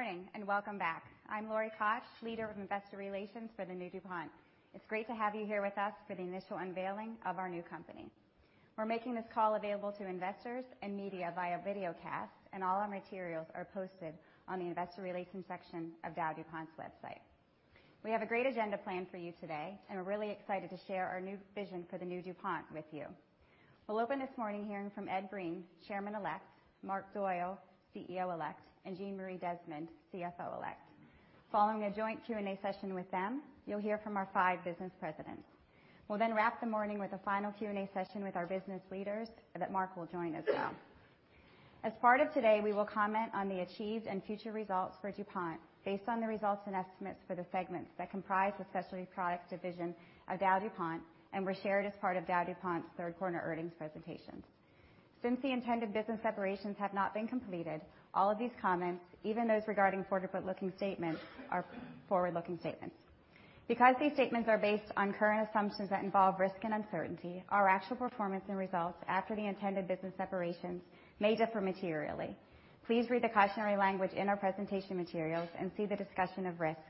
Good morning, welcome back. I'm Lori Koch, leader of investor relations for the new DuPont. It's great to have you here with us for the initial unveiling of our new company. We're making this call available to investors and media via videocast. All our materials are posted on the investor relations section of DowDuPont's website. We have a great agenda planned for you today. We're really excited to share our new vision for the new DuPont with you. We'll open this morning hearing from Ed Breen, chairman-elect, Marc Doyle, CEO-elect, and Jeanmarie Desmond, CFO-elect. Following a joint Q&A session with them, you'll hear from our five business presidents. We'll wrap the morning with a final Q&A session with our business leaders that Marc will join as well. As part of today, we will comment on the achieved and future results for DuPont based on the results and estimates for the segments that comprise the Specialty Products division of DowDuPont and were shared as part of DowDuPont's third quarter earnings presentations. Since the intended business separations have not been completed, all of these comments, even those regarding forward-looking statements, are forward-looking statements. Because these statements are based on current assumptions that involve risk and uncertainty, our actual performance and results after the intended business separations may differ materially. Please read the cautionary language in our presentation materials and see the discussion of risk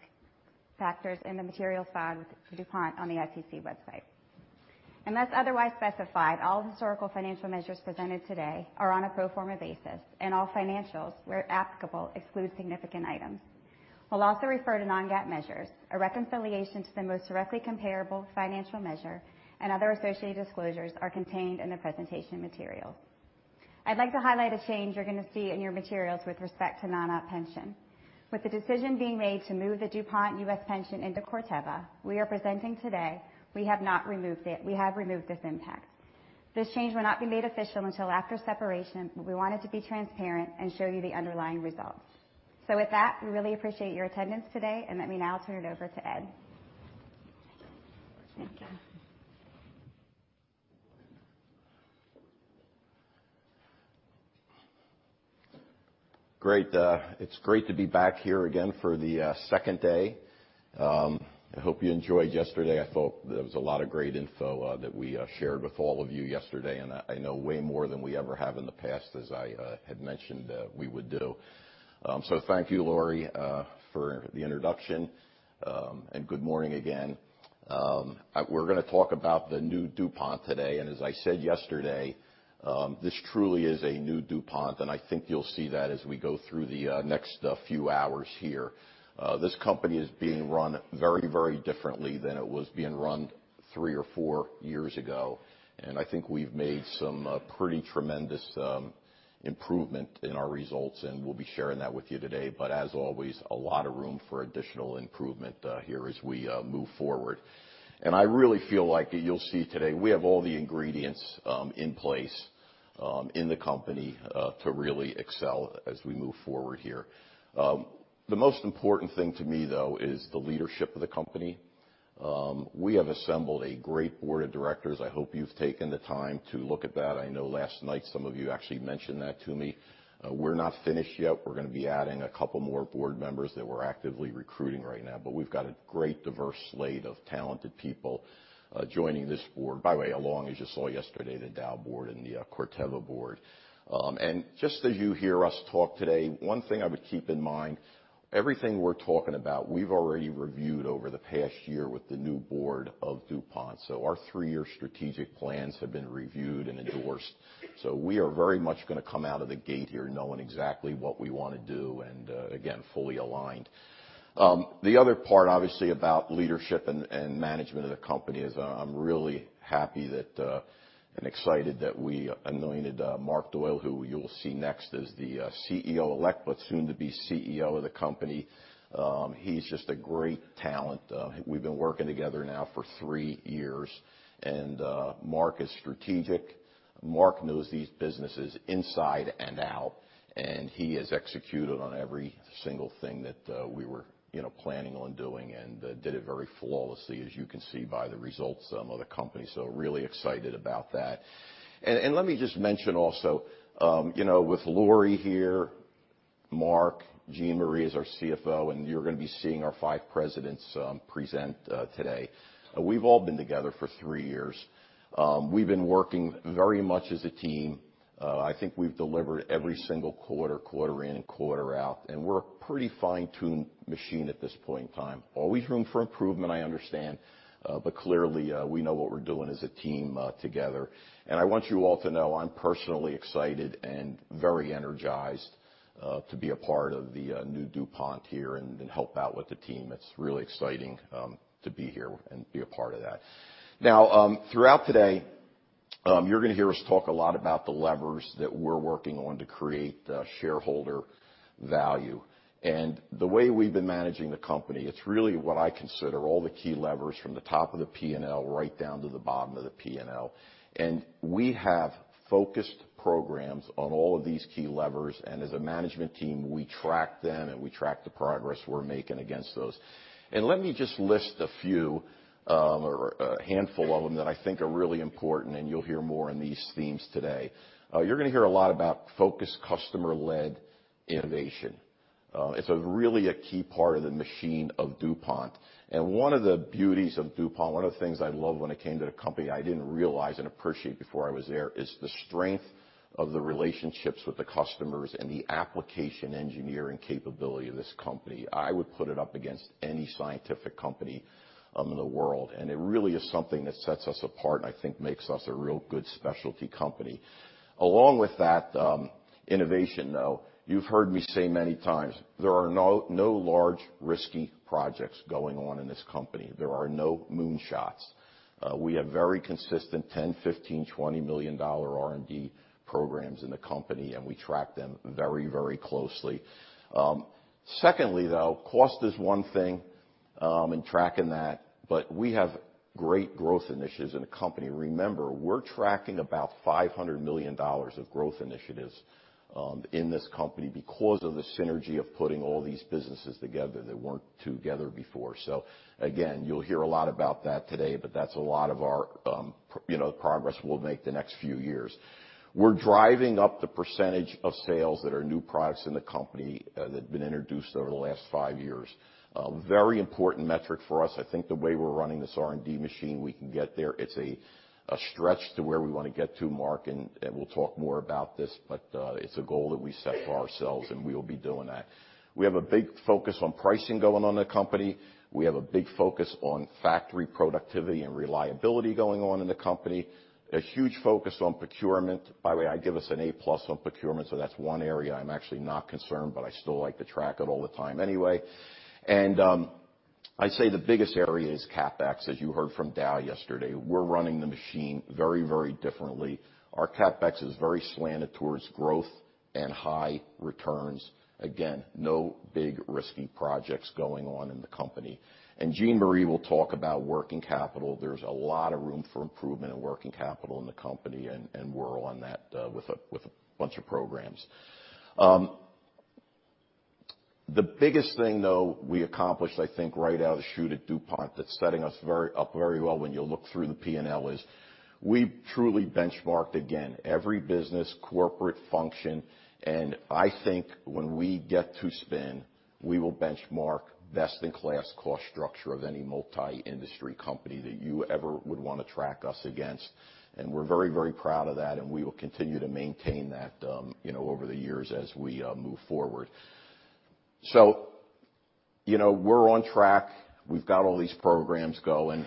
factors in the materials filed with DuPont on the SEC website. Unless otherwise specified, all historical financial measures presented today are on a pro forma basis. All financials, where applicable, exclude significant items. We'll also refer to non-GAAP measures. A reconciliation to the most directly comparable financial measure and other associated disclosures are contained in the presentation material. I'd like to highlight a change you're going to see in your materials with respect to non-op pension. With the decision being made to move the DuPont U.S. pension into Corteva, we have removed this impact. This change will not be made official until after separation. We wanted to be transparent and show you the underlying results. With that, we really appreciate your attendance today. Let me now turn it over to Ed. Thank you. Great. It's great to be back here again for the second day. I hope you enjoyed yesterday. I thought there was a lot of great info that we shared with all of you yesterday. I know way more than we ever have in the past, as I had mentioned we would do. Thank you, Lori, for the introduction. Good morning again. We're going to talk about the new DuPont today. As I said yesterday, this truly is a new DuPont. I think you'll see that as we go through the next few hours here. This company is being run very differently than it was being run three or four years ago. I think we've made some pretty tremendous improvement in our results. We'll be sharing that with you today. As always, a lot of room for additional improvement here as we move forward. I really feel like you'll see today, we have all the ingredients in place in the company to really excel as we move forward here. The most important thing to me, though, is the leadership of the company. We have assembled a great board of directors. I hope you've taken the time to look at that. I know last night, some of you actually mentioned that to me. We're not finished yet. We're going to be adding a couple more board members that we're actively recruiting right now. We've got a great diverse slate of talented people joining this board, by the way, along, as you saw yesterday, the Dow board and the Corteva board. Just as you hear us talk today, one thing I would keep in mind, everything we're talking about, we've already reviewed over the past year with the new board of DuPont. Our three-year strategic plans have been reviewed and endorsed. We are very much going to come out of the gate here knowing exactly what we want to do, and again, fully aligned. The other part, obviously, about leadership and management of the company is I'm really happy and excited that we anointed Marc Doyle, who you will see next, as the CEO-Elect, soon to be CEO of the company. He's just a great talent. We've been working together now for three years. Marc is strategic. Marc knows these businesses inside and out. He has executed on every single thing that we were planning on doing and did it very flawlessly, as you can see by the results of the company. Really excited about that. Let me just mention also with Lori here, Marc, Jeanmarie is our CFO, and you're going to be seeing our five presidents present today. We've all been together for three years. We've been working very much as a team. I think we've delivered every single quarter in and quarter out. We're a pretty fine-tuned machine at this point in time. Always room for improvement, I understand. Clearly, we know what we're doing as a team together. I want you all to know I'm personally excited and very energized to be a part of the new DuPont here and help out with the team. It's really exciting to be here and be a part of that. Now, throughout today, you're going to hear us talk a lot about the levers that we're working on to create shareholder value. The way we've been managing the company, it's really what I consider all the key levers from the top of the P&L right down to the bottom of the P&L. We have focused programs on all of these key levers, and as a management team, we track them, and we track the progress we're making against those. Let me just list a few or a handful of them that I think are really important. You'll hear more on these themes today. You're going to hear a lot about focused customer-led innovation. It's a really a key part of the machine of DuPont. One of the beauties of DuPont, one of the things I loved when it came to the company, I didn't realize and appreciate before I was there, is the strength of the relationships with the customers and the application engineering capability of this company. I would put it up against any scientific company in the world, and it really is something that sets us apart and I think makes us a real good specialty company. Along with that innovation, though, you've heard me say many times, there are no large, risky projects going on in this company. There are no moonshots. We have very consistent $10 million, $15 million, $20 million R&D programs in the company, and we track them very closely. Secondly, though, cost is one thing and tracking that, but we have great growth initiatives in the company. Remember, we're tracking about $500 million of growth initiatives in this company because of the synergy of putting all these businesses together that weren't together before. Again, you'll hear a lot about that today, but that's a lot of our progress we'll make the next few years. We're driving up the percentage of sales that are new products in the company that have been introduced over the last five years. Very important metric for us. I think the way we're running this R&D machine, we can get there. It's a stretch to where we want to get to, Marc, and we'll talk more about this, but it's a goal that we set for ourselves, and we will be doing that. We have a big focus on pricing going on in the company. We have a big focus on factory productivity and reliability going on in the company. A huge focus on procurement. By the way, I give us an A+ on procurement, so that's one area I'm actually not concerned, but I still like to track it all the time anyway. I'd say the biggest area is CapEx, as you heard from Dal yesterday. We're running the machine very differently. Our CapEx is very slanted towards growth and high returns. Again, no big risky projects going on in the company. Jeanmarie will talk about working capital. There's a lot of room for improvement in working capital in the company, and we're on that with a bunch of programs. The biggest thing, though, we accomplished, I think, right out of the chute at DuPont that's setting us up very well when you look through the P&L is we truly benchmarked, again, every business corporate function. I think when we get to spin, we will benchmark best-in-class cost structure of any multi-industry company that you ever would want to track us against. We're very proud of that, and we will continue to maintain that over the years as we move forward. We're on track. We've got all these programs going.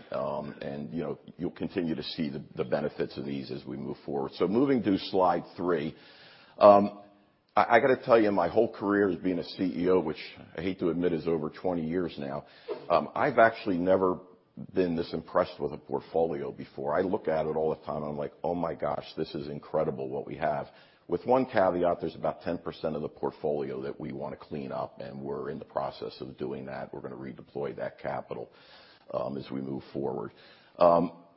You'll continue to see the benefits of these as we move forward. Moving to slide three. I got to tell you, my whole career as being a CEO, which I hate to admit is over 20 years now, I've actually never been this impressed with a portfolio before. I look at it all the time and I'm like, "Oh my gosh, this is incredible what we have." With one caveat, there's about 10% of the portfolio that we want to clean up, and we're in the process of doing that. We're going to redeploy that capital as we move forward.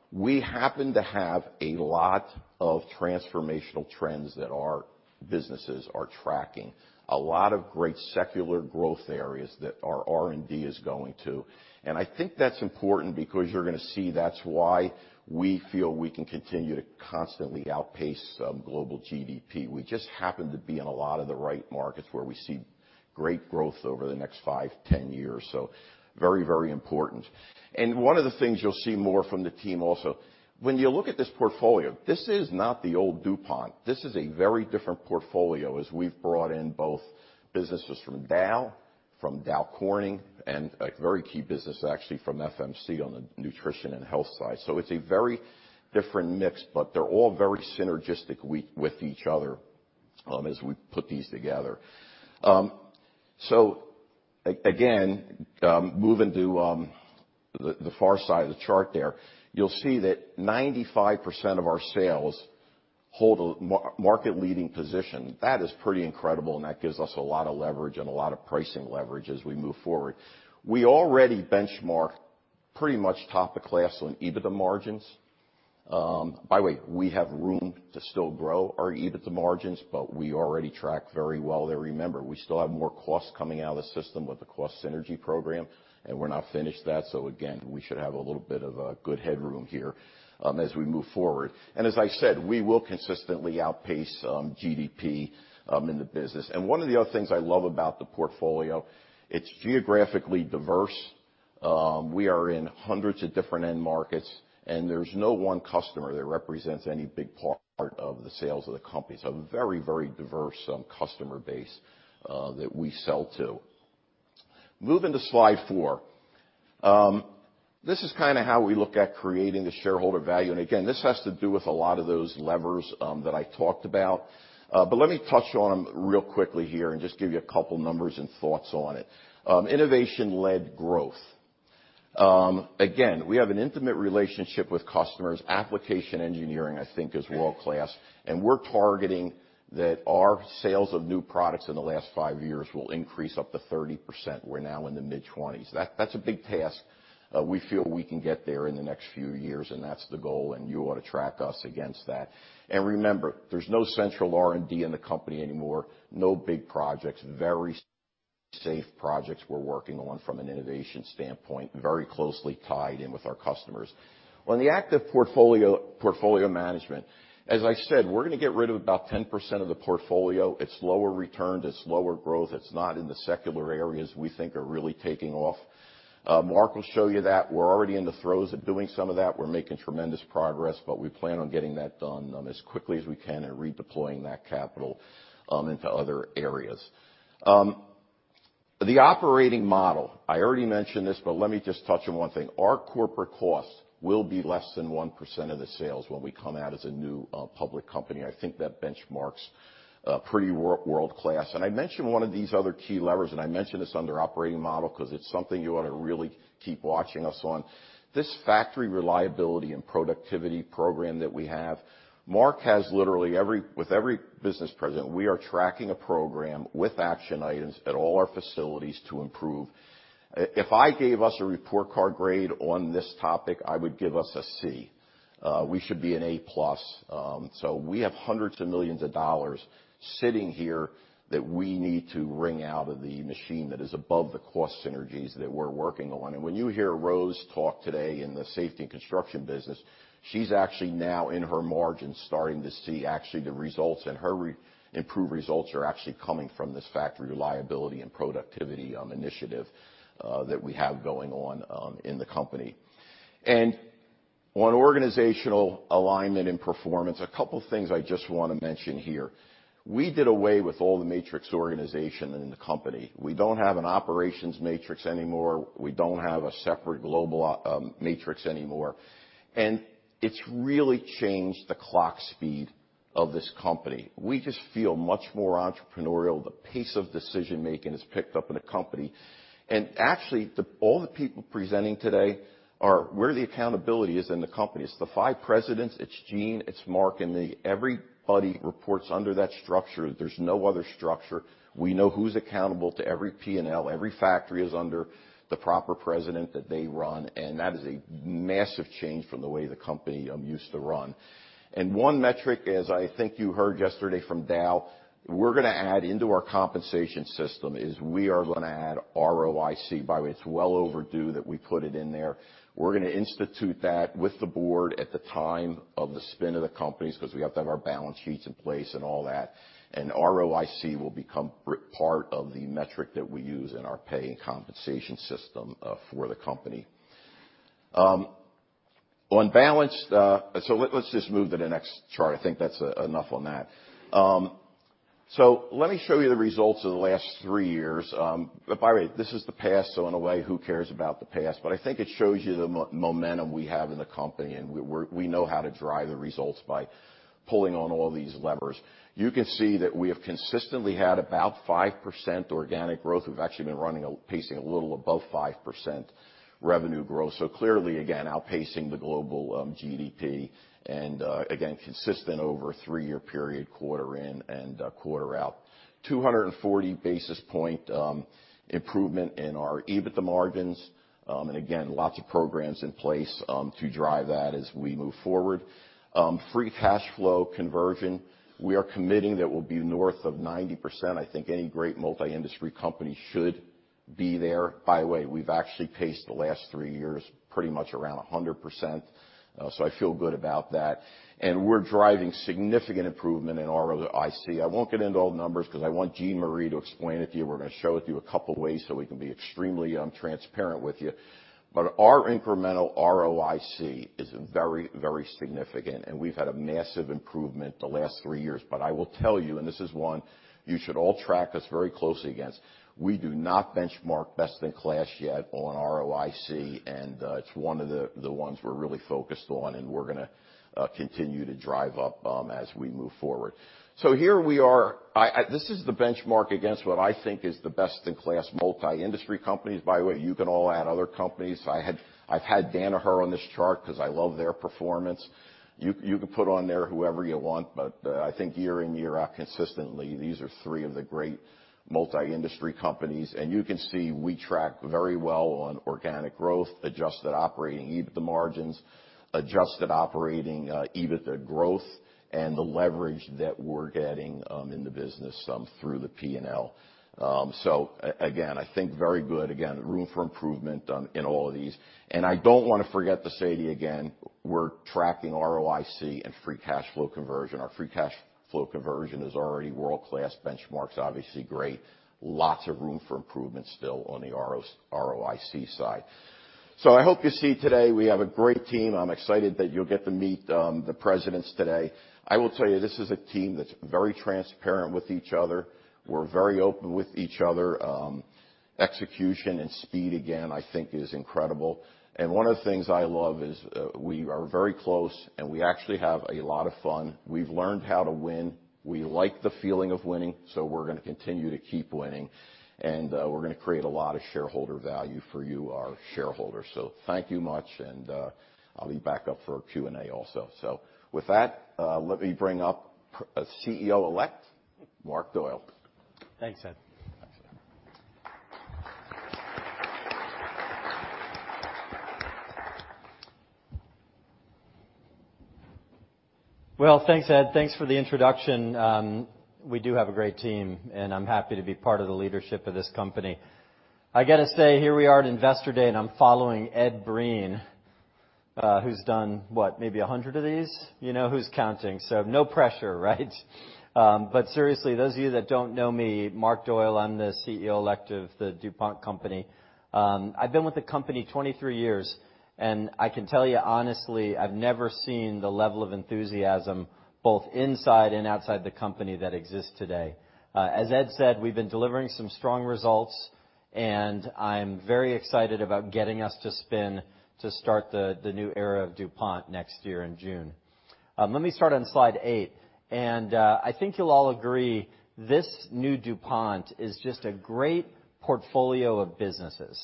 We happen to have a lot of transformational trends that our businesses are tracking. A lot of great secular growth areas that our R&D is going to. I think that's important because you're gonna see that's why we feel we can continue to constantly outpace global GDP. We just happen to be in a lot of the right markets where we see great growth over the next five, 10 years. Very important. One of the things you'll see more from the team also, when you look at this portfolio, this is not the old DuPont. This is a very different portfolio as we've brought in both businesses from Dow, from Dow Corning, and a very key business actually from FMC on the Nutrition & Health side. It's a very different mix, but they're all very synergistic with each other as we put these together. Again, moving to the far side of the chart there, you'll see that 95% of our sales hold a market-leading position. That is pretty incredible, and that gives us a lot of leverage and a lot of pricing leverage as we move forward. We already benchmark pretty much top of class on EBITDA margins. By the way, we have room to still grow our EBITDA margins, but we already track very well there. Remember, we still have more costs coming out of the system with the cost synergy program, and we're not finished that. Again, we should have a little bit of a good headroom here as we move forward. As I said, we will consistently outpace GDP in the business. One of the other things I love about the portfolio, it's geographically diverse. We are in hundreds of different end markets, and there's no one customer that represents any big part of the sales of the company. A very diverse customer base that we sell to. Moving to slide four. This is how we look at creating the shareholder value. Again, this has to do with a lot of those levers that I talked about. Let me touch on them real quickly here and just give you a couple numbers and thoughts on it. Innovation-led growth. Again, we have an intimate relationship with customers. Application engineering, I think, is world-class, and we're targeting that our sales of new products in the last five years will increase up to 30%. We're now in the mid-20s. That's a big task. We feel we can get there in the next few years, and that's the goal, you ought to track us against that. Remember, there's no central R&D in the company anymore, no big projects. Very Safe projects we're working on from an innovation standpoint, very closely tied in with our customers. On the active portfolio management, as I said, we're going to get rid of about 10% of the portfolio. It's lower return, it's lower growth, it's not in the secular areas we think are really taking off. Marc will show you that. We're already in the throes of doing some of that. We're making tremendous progress, we plan on getting that done as quickly as we can and redeploying that capital into other areas. The operating model, I already mentioned this, let me just touch on one thing. Our corporate cost will be less than 1% of the sales when we come out as a new public company. I think that benchmark is pretty world-class. I mentioned one of these other key levers, I mentioned this under operating model because it is something you want to really keep watching us on. This factory reliability and productivity program that we have, Marc has literally with every business president, we are tracking a program with action items at all our facilities to improve. If I gave us a report card grade on this topic, I would give us a C. We should be an A+. We have hundreds of millions of dollars sitting here that we need to wring out of the machine that is above the cost synergies that we are working on. When you hear Rose talk today in the Safety & Construction business, she is actually now in her margins starting to see actually the results, her improved results are actually coming from this factory reliability and productivity initiative that we have going on in the company. On organizational alignment and performance, a couple things I just want to mention here. We did away with all the matrix organization in the company. We do not have an operations matrix anymore. We do not have a separate global matrix anymore. It is really changed the clock speed of this company. We just feel much more entrepreneurial. The pace of decision-making has picked up in the company. Actually, all the people presenting today are where the accountability is in the company. It is the five presidents, it is Jeanmarie, it is Marc, everybody reports under that structure. There is no other structure. We know who is accountable to every P&L. Every factory is under the proper president that they run, that is a massive change from the way the company used to run. One metric, as I think you heard yesterday from Dal, we are going to add into our compensation system, is we are going to add ROIC. By the way, it is well overdue that we put it in there. We are going to institute that with the board at the time of the spin of the companies because we have to have our balance sheets in place and all that. ROIC will become part of the metric that we use in our pay and compensation system for the company. Let us just move to the next chart. I think that is enough on that. Let me show you the results of the last three years. By the way, this is the past, in a way, who cares about the past? I think it shows you the momentum we have in the company, we know how to drive the results by pulling on all these levers. You can see that we have consistently had about 5% organic growth. We have actually been pacing a little above 5% revenue growth. Clearly, again, outpacing the global GDP, again, consistent over a three-year period, quarter in and quarter out. 240 basis point improvement in our EBITDA margins. Again, lots of programs in place to drive that as we move forward. Free cash flow conversion, we are committing that we will be north of 90%. I think any great multi-industry company should be there. By the way, we have actually paced the last three years pretty much around 100%, I feel good about that. We're driving significant improvement in ROIC. I won't get into all the numbers because I want Jeanmarie to explain it to you. We're going to show it to you a couple ways so we can be extremely transparent with you. Our incremental ROIC is very significant and we've had a massive improvement the last three years. I will tell you, and this is one you should all track us very closely against, we do not benchmark best in class yet on ROIC, and it's one of the ones we're really focused on, and we're going to continue to drive up as we move forward. Here we are. This is the benchmark against what I think is the best in class multi-industry companies. By the way, you can all add other companies. I've had Danaher on this chart because I love their performance. You can put on there whoever you want, I think year in, year out, consistently, these are three of the great multi-industry companies. You can see we track very well on organic growth, adjusted operating EBITDA margins, adjusted operating EBITDA growth, and the leverage that we're getting in the business through the P&L. Again, I think very good. Again, room for improvement in all of these. I don't want to forget to say to you again, we're tracking ROIC and free cash flow conversion. Our free cash flow conversion is already world-class benchmarks, obviously great. Lots of room for improvement still on the ROIC side. I hope you see today we have a great team. I'm excited that you'll get to meet the presidents today. I will tell you, this is a team that's very transparent with each other. We're very open with each other. Execution and speed, again, I think is incredible. One of the things I love is we are very close, and we actually have a lot of fun. We've learned how to win. We like the feeling of winning, we're going to continue to keep winning. We're going to create a lot of shareholder value for you, our shareholders. Thank you much, and I'll be back up for Q&A also. With that, let me bring up CEO-Elect, Marc Doyle. Thanks, Ed. Thanks, Marc. Well, thanks, Ed. Thanks for the introduction. We do have a great team. I'm happy to be part of the leadership of this company. I got to say, here we are at Investor Day. I'm following Ed Breen, who's done, what, maybe 100 of these? Who's counting? No pressure, right? Seriously, those of you that don't know me, Marc Doyle, I'm the CEO-Elect of DuPont. I've been with the company 23 years. I can tell you honestly, I've never seen the level of enthusiasm, both inside and outside the company, that exists today. As Ed said, we've been delivering some strong results. I'm very excited about getting us to spin to start the new era of DuPont next year in June. Let me start on slide eight. I think you'll all agree, this new DuPont is just a great portfolio of businesses.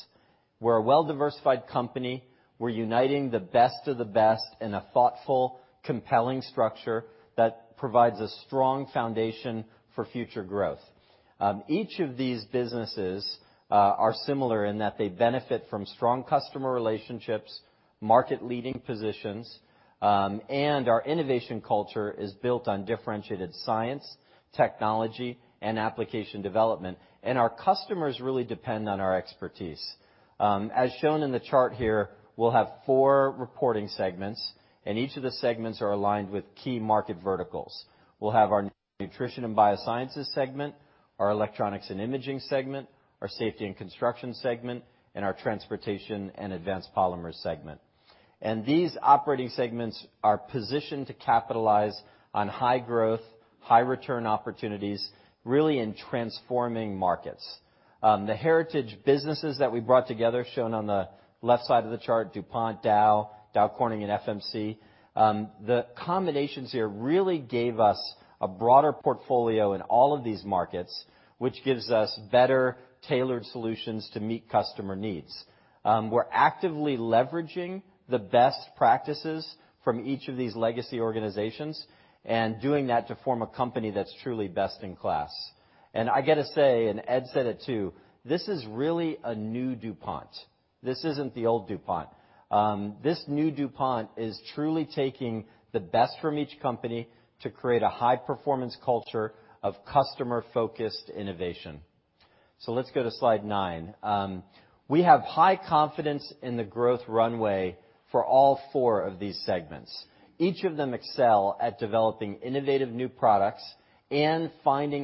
We're a well-diversified company. We're uniting the best of the best in a thoughtful, compelling structure that provides a strong foundation for future growth. Each of these businesses are similar in that they benefit from strong customer relationships, market leading positions, and our innovation culture is built on differentiated science, technology, and application development, and our customers really depend on our expertise. As shown in the chart here, we'll have four reporting segments. Each of the segments are aligned with key market verticals. We'll have our Nutrition & Biosciences segment, our Electronics & Imaging segment, our Safety & Construction segment, and our Transportation & Advanced Polymers segment. These operating segments are positioned to capitalize on high growth, high return opportunities, really in transforming markets. The heritage businesses that we brought together, shown on the left side of the chart, DuPont, Dow Corning, and FMC. The combinations here really gave us a broader portfolio in all of these markets, which gives us better tailored solutions to meet customer needs. We're actively leveraging the best practices from each of these legacy organizations and doing that to form a company that's truly best in class. I got to say, and Ed said it too, this is really a new DuPont. This isn't the old DuPont. This new DuPont is truly taking the best from each company to create a high performance culture of customer focused innovation. Let's go to slide nine. We have high confidence in the growth runway for all four of these segments. Each of them excel at developing innovative new products and finding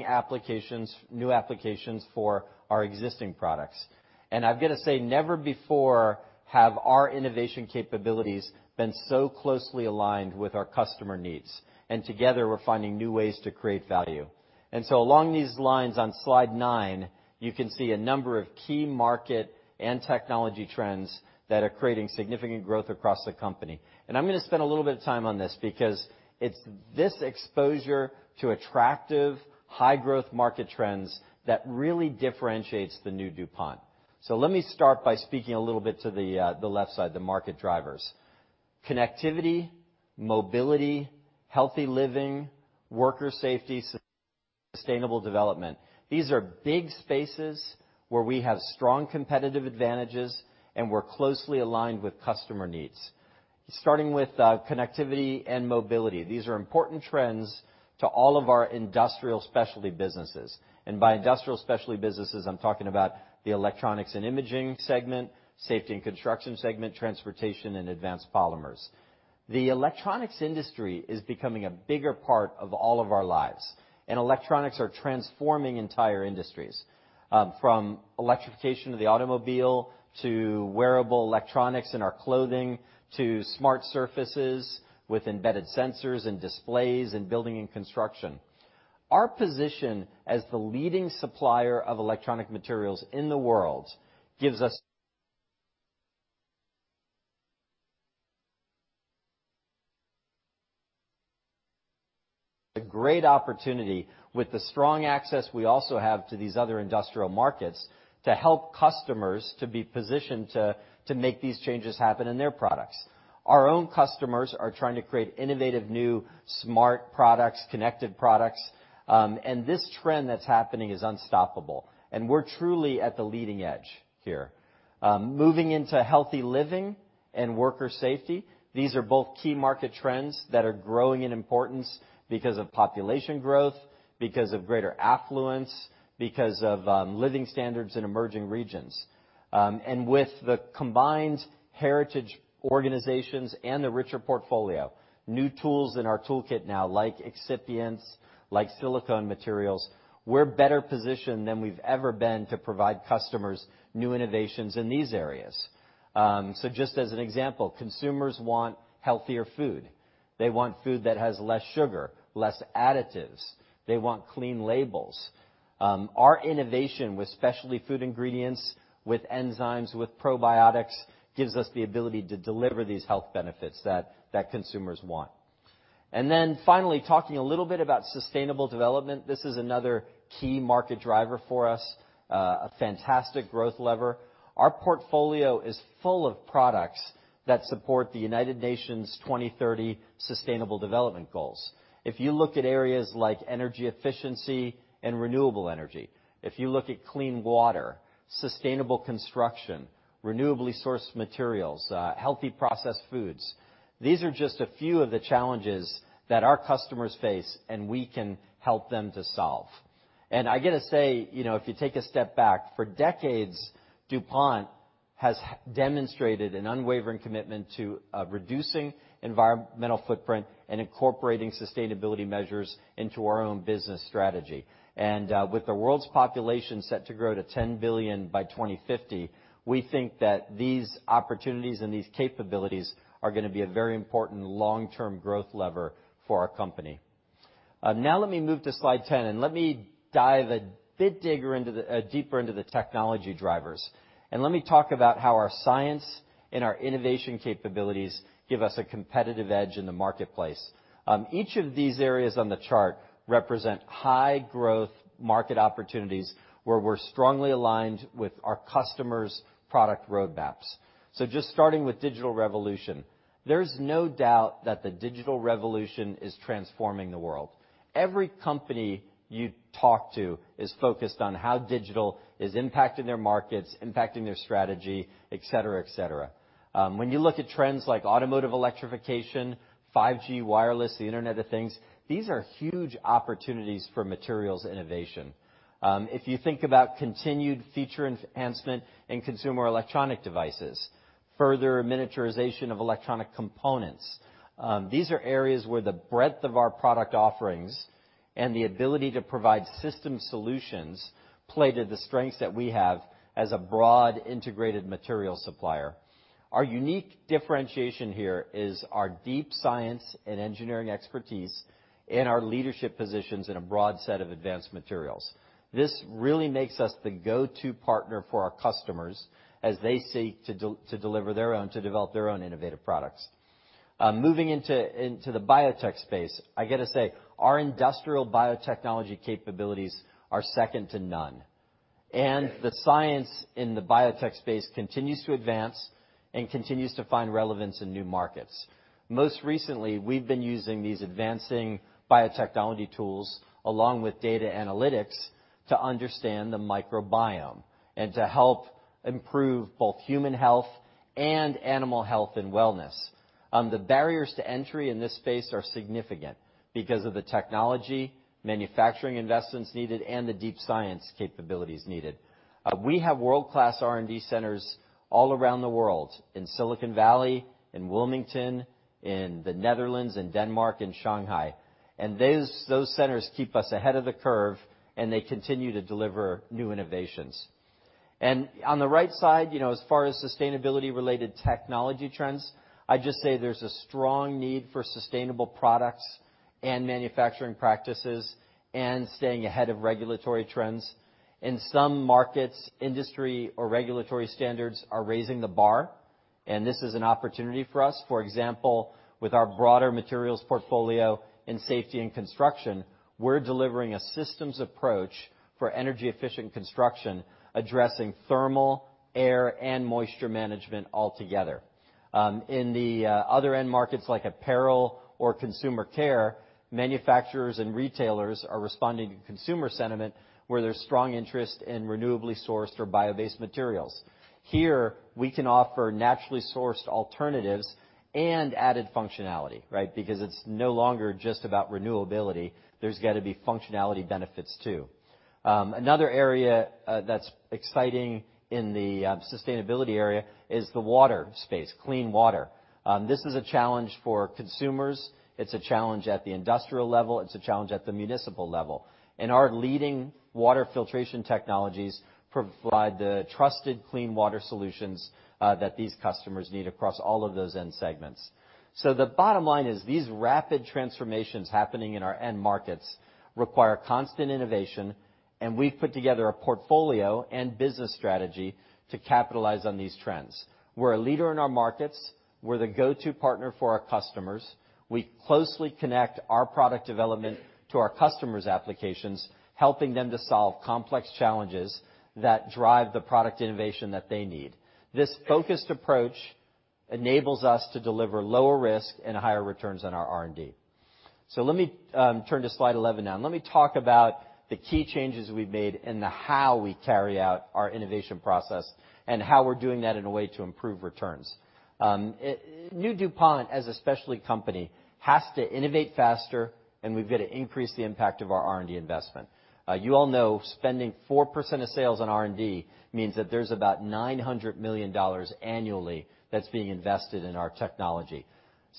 new applications for our existing products. I've got to say, never before have our innovation capabilities been so closely aligned with our customer needs. Together, we're finding new ways to create value. Along these lines, on slide nine, you can see a number of key market and technology trends that are creating significant growth across the company. I'm going to spend a little bit of time on this because it's this exposure to attractive high growth market trends that really differentiates the new DuPont. Let me start by speaking a little bit to the left side, the market drivers. Connectivity, Mobility, Healthy Living, Worker Safety, Sustainable Development. These are big spaces where we have strong competitive advantages, and we're closely aligned with customer needs. Starting with Connectivity and Mobility. These are important trends to all of our industrial specialty businesses. By industrial specialty businesses, I'm talking about the Electronics & Imaging segment, Safety & Construction segment, Transportation & Advanced Polymers. The electronics industry is becoming a bigger part of all of our lives. Electronics are transforming entire industries, from electrification of the automobile to wearable electronics in our clothing to smart surfaces with embedded sensors and displays in building and construction. Our position as the leading supplier of electronic materials in the world gives us a great opportunity with the strong access we also have to these other industrial markets to help customers to be positioned to make these changes happen in their products. Our own customers are trying to create innovative new smart products, connected products, and this trend that's happening is unstoppable, and we're truly at the leading edge here. Moving into Healthy Living and Worker Safety. These are both key market trends that are growing in importance because of population growth, because of greater affluence, because of living standards in emerging regions. With the combined heritage organizations and the richer portfolio, new tools in our toolkit now, like excipients, like silicone materials, we're better positioned than we've ever been to provide customers new innovations in these areas. Just as an example, consumers want healthier food. They want food that has less sugar, less additives. They want clean labels. Our innovation with specialty food ingredients, with enzymes, with probiotics, gives us the ability to deliver these health benefits that consumers want. Then finally, talking a little bit about Sustainable Development. This is another key market driver for us, a fantastic growth lever. Our portfolio is full of products that support the United Nations 2030 Sustainable Development Goals. If you look at areas like energy efficiency and renewable energy, if you look at clean water, sustainable construction, renewably sourced materials, healthy processed foods, these are just a few of the challenges that our customers face, and we can help them to solve. I got to say, if you take a step back, for decades, DuPont has demonstrated an unwavering commitment to reducing environmental footprint and incorporating sustainability measures into our own business strategy. With the world's population set to grow to 10 billion by 2050, we think that these opportunities and these capabilities are going to be a very important long-term growth lever for our company. Let me move to slide 10. Let me dive a bit deeper into the technology drivers. Let me talk about how our science and our innovation capabilities give us a competitive edge in the marketplace. Each of these areas on the chart represent high growth market opportunities where we're strongly aligned with our customers' product roadmaps. Just starting with digital revolution, there is no doubt that the digital revolution is transforming the world. Every company you talk to is focused on how digital is impacting their markets, impacting their strategy, et cetera. When you look at trends like automotive electrification, 5G wireless, the Internet of Things, these are huge opportunities for materials innovation. If you think about continued feature enhancement in consumer electronic devices, further miniaturization of electronic components, these are areas where the breadth of our product offerings and the ability to provide system solutions play to the strengths that we have as a broad integrated material supplier. Our unique differentiation here is our deep science and engineering expertise and our leadership positions in a broad set of advanced materials. This really makes us the go-to partner for our customers as they seek to develop their own innovative products. Moving into the biotech space, I got to say, our industrial biotechnology capabilities are second to none. The science in the biotech space continues to advance and continues to find relevance in new markets. Most recently, we've been using these advancing biotechnology tools along with data analytics to understand the microbiome and to help improve both human health and animal health and wellness. The barriers to entry in this space are significant because of the technology, manufacturing investments needed, and the deep science capabilities needed. We have world-class R&D centers all around the world, in Silicon Valley, in Wilmington, in the Netherlands, in Denmark, and Shanghai. Those centers keep us ahead of the curve. They continue to deliver new innovations. On the right side, as far as sustainability related technology trends, I'd just say there's a strong need for sustainable products and manufacturing practices and staying ahead of regulatory trends. In some markets, industry or regulatory standards are raising the bar. This is an opportunity for us. For example, with our broader materials portfolio in Safety & Construction, we're delivering a systems approach for energy efficient construction, addressing thermal, air, and moisture management altogether. In the other end markets like apparel or consumer care, manufacturers and retailers are responding to consumer sentiment where there's strong interest in renewably sourced or bio-based materials. Here, we can offer naturally sourced alternatives and added functionality, because it's no longer just about renewability. There's got to be functionality benefits, too. Another area that's exciting in the sustainability area is the water space, clean water. This is a challenge for consumers, it's a challenge at the industrial level, it's a challenge at the municipal level. Our leading water filtration technologies provide the trusted clean water solutions that these customers need across all of those end segments. The bottom line is, these rapid transformations happening in our end markets require constant innovation, and we've put together a portfolio and business strategy to capitalize on these trends. We're a leader in our markets. We're the go-to partner for our customers. We closely connect our product development to our customers' applications, helping them to solve complex challenges that drive the product innovation that they need. This focused approach enables us to deliver lower risk and higher returns on our R&D. Let me turn to slide 11 now, and let me talk about the key changes we've made in the how we carry out our innovation process and how we're doing that in a way to improve returns. New DuPont, as a specialty company, has to innovate faster, and we've got to increase the impact of our R&D investment. You all know, spending 4% of sales on R&D means that there's about $900 million annually that's being invested in our technology.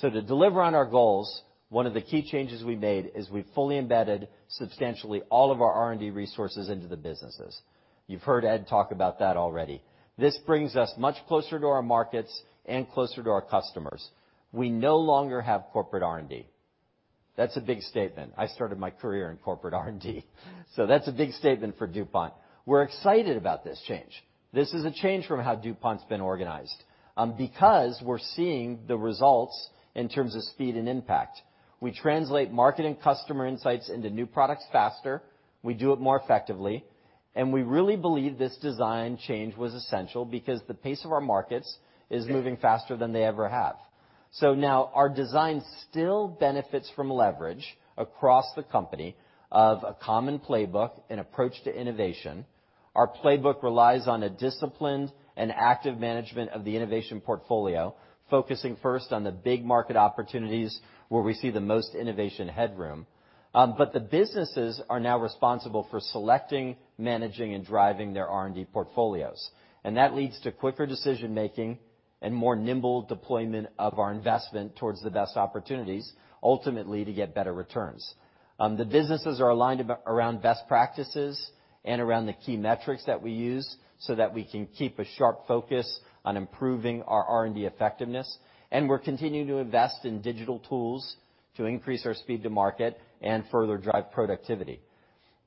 To deliver on our goals, one of the key changes we made is we've fully embedded substantially all of our R&D resources into the businesses. You've heard Ed talk about that already. This brings us much closer to our markets and closer to our customers. We no longer have corporate R&D. That's a big statement. I started my career in corporate R&D. That's a big statement for DuPont. We're excited about this change. This is a change from how DuPont's been organized. We're seeing the results in terms of speed and impact. We translate market and customer insights into new products faster. We do it more effectively. We really believe this design change was essential because the pace of our markets is moving faster than they ever have. Now our design still benefits from leverage across the company of a common playbook and approach to innovation. Our playbook relies on a disciplined and active management of the innovation portfolio, focusing first on the big market opportunities where we see the most innovation headroom. The businesses are now responsible for selecting, managing, and driving their R&D portfolios. That leads to quicker decision-making and more nimble deployment of our investment towards the best opportunities, ultimately to get better returns. The businesses are aligned around best practices and around the key metrics that we use so that we can keep a sharp focus on improving our R&D effectiveness. We're continuing to invest in digital tools to increase our speed to market and further drive productivity.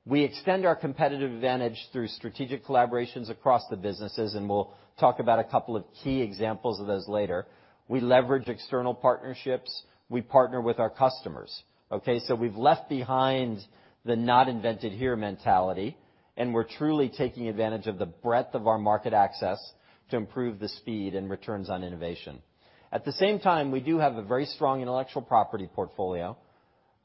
We extend our competitive advantage through strategic collaborations across the businesses. We'll talk about a couple of key examples of those later. We leverage external partnerships. We partner with our customers, okay? We've left behind the not invented here mentality, and we're truly taking advantage of the breadth of our market access to improve the speed and returns on innovation. At the same time, we do have a very strong intellectual property portfolio,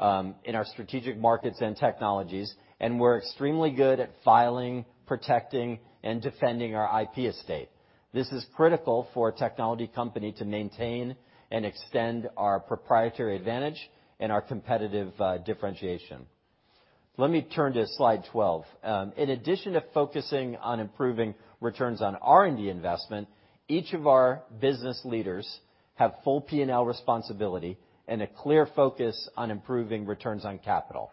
in our strategic markets and technologies, and we're extremely good at filing, protecting, and defending our IP estate. This is critical for a technology company to maintain and extend our proprietary advantage and our competitive differentiation. Let me turn to slide 12. In addition to focusing on improving returns on R&D investment, each of our business leaders have full P&L responsibility and a clear focus on improving returns on capital.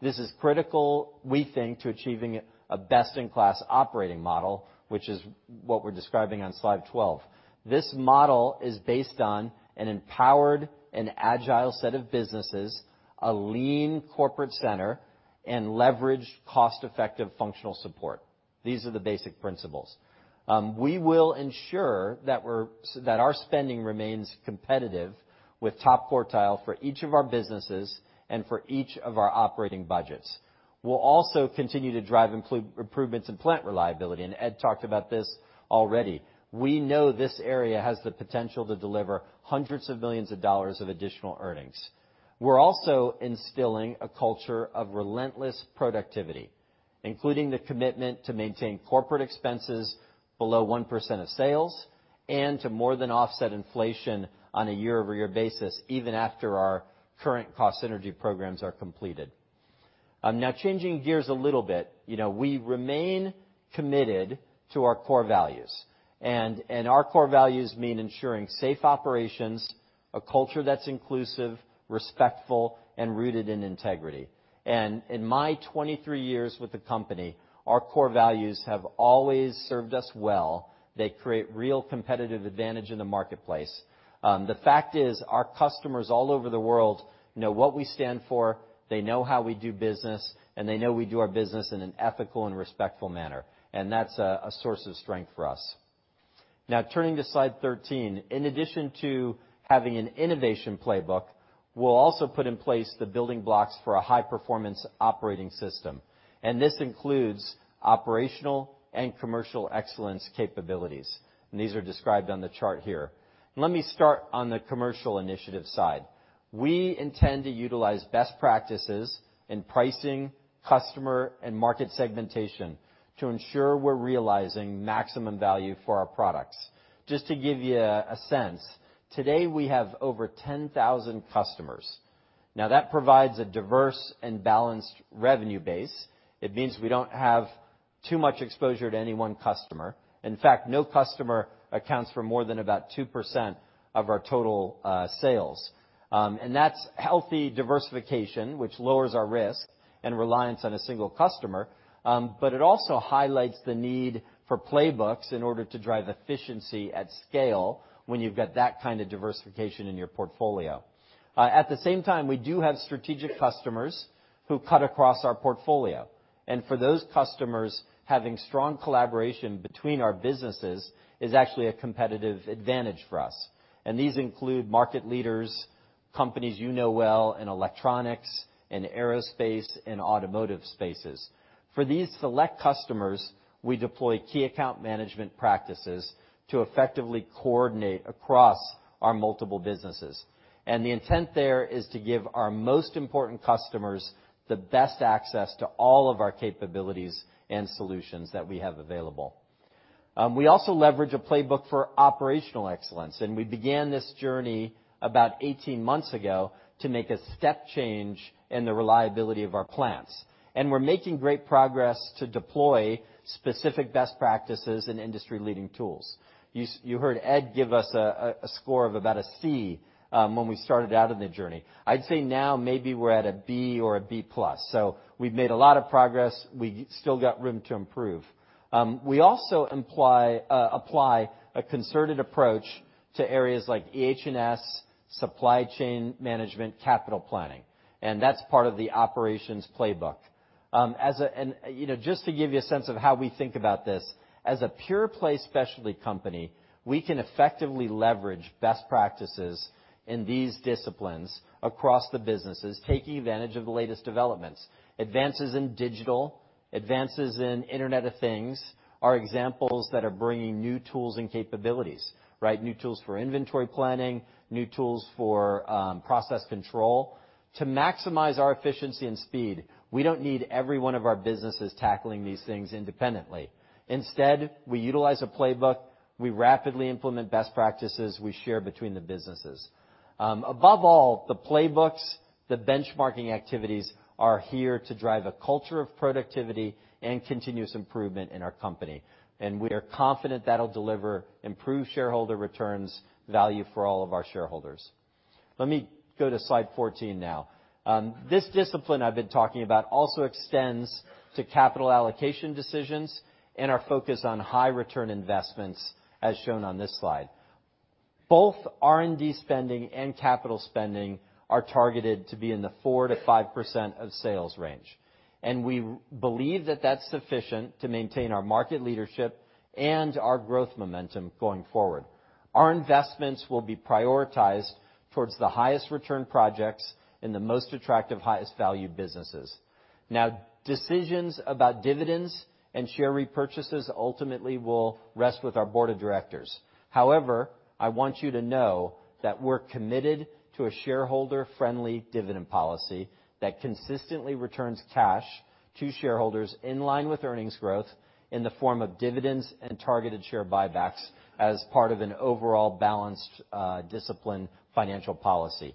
This is critical, we think, to achieving a best-in-class operating model, which is what we're describing on slide 12. This model is based on an empowered and agile set of businesses, a lean corporate center, and leverage cost-effective functional support. These are the basic principles. We will ensure that our spending remains competitive with top quartile for each of our businesses and for each of our operating budgets. We'll also continue to drive improvements in plant reliability, and Ed talked about this already. We know this area has the potential to deliver hundreds of millions of dollars additional earnings. We're also instilling a culture of relentless productivity, including the commitment to maintain corporate expenses below 1% of sales and to more than offset inflation on a year-over-year basis, even after our current cost synergy programs are completed. Changing gears a little bit. We remain committed to our core values, our core values mean ensuring safe operations, a culture that's inclusive, respectful, and rooted in integrity. In my 23 years with the company, our core values have always served us well. They create real competitive advantage in the marketplace. The fact is, our customers all over the world know what we stand for, they know how we do business, and they know we do our business in an ethical and respectful manner, that's a source of strength for us. Turning to slide 13. In addition to having an innovation playbook, we'll also put in place the building blocks for a high-performance operating system. This includes operational and commercial excellence capabilities, these are described on the chart here. Let me start on the commercial initiative side. We intend to utilize best practices in pricing, customer, and market segmentation to ensure we're realizing maximum value for our products. Just to give you a sense, today we have over 10,000 customers. That provides a diverse and balanced revenue base. It means we don't have too much exposure to any one customer. In fact, no customer accounts for more than about 2% of our total sales. That's healthy diversification, which lowers our risk and reliance on a single customer. It also highlights the need for playbooks in order to drive efficiency at scale when you've got that kind of diversification in your portfolio. At the same time, we do have strategic customers who cut across our portfolio. For those customers, having strong collaboration between our businesses is actually a competitive advantage for us. These include market leaders, companies you know well, in electronics, in aerospace, in automotive spaces. For these select customers, we deploy key account management practices to effectively coordinate across our multiple businesses. The intent there is to give our most important customers the best access to all of our capabilities and solutions that we have available. We also leverage a playbook for operational excellence, and we began this journey about 18 months ago to make a step change in the reliability of our plants. We're making great progress to deploy specific best practices and industry-leading tools. You heard Ed give us a score of about a C when we started out on the journey. I'd say now maybe we're at a B or a B+. We've made a lot of progress. We still got room to improve. We also apply a concerted approach to areas like EH&S, supply chain management, capital planning, and that's part of the operations playbook. Just to give you a sense of how we think about this, as a pure play specialty company, we can effectively leverage best practices in these disciplines across the businesses, taking advantage of the latest developments. Advances in digital, advances in Internet of Things are examples that are bringing new tools and capabilities, right? New tools for inventory planning, new tools for process control. To maximize our efficiency and speed, we don't need every one of our businesses tackling these things independently. Instead, we utilize a playbook. We rapidly implement best practices we share between the businesses. Above all, the playbooks, the benchmarking activities are here to drive a culture of productivity and continuous improvement in our company. We are confident that'll deliver improved shareholder returns value for all of our shareholders. Let me go to slide 14 now. This discipline I've been talking about also extends to capital allocation decisions and our focus on high return investments, as shown on this slide. Both R&D spending and capital spending are targeted to be in the 4%-5% of sales range. We believe that that's sufficient to maintain our market leadership and our growth momentum going forward. Our investments will be prioritized towards the highest return projects in the most attractive, highest value businesses. Now, decisions about dividends and share repurchases ultimately will rest with our board of directors. However, I want you to know that we're committed to a shareholder-friendly dividend policy that consistently returns cash to shareholders in line with earnings growth in the form of dividends and targeted share buybacks as part of an overall balanced, disciplined financial policy.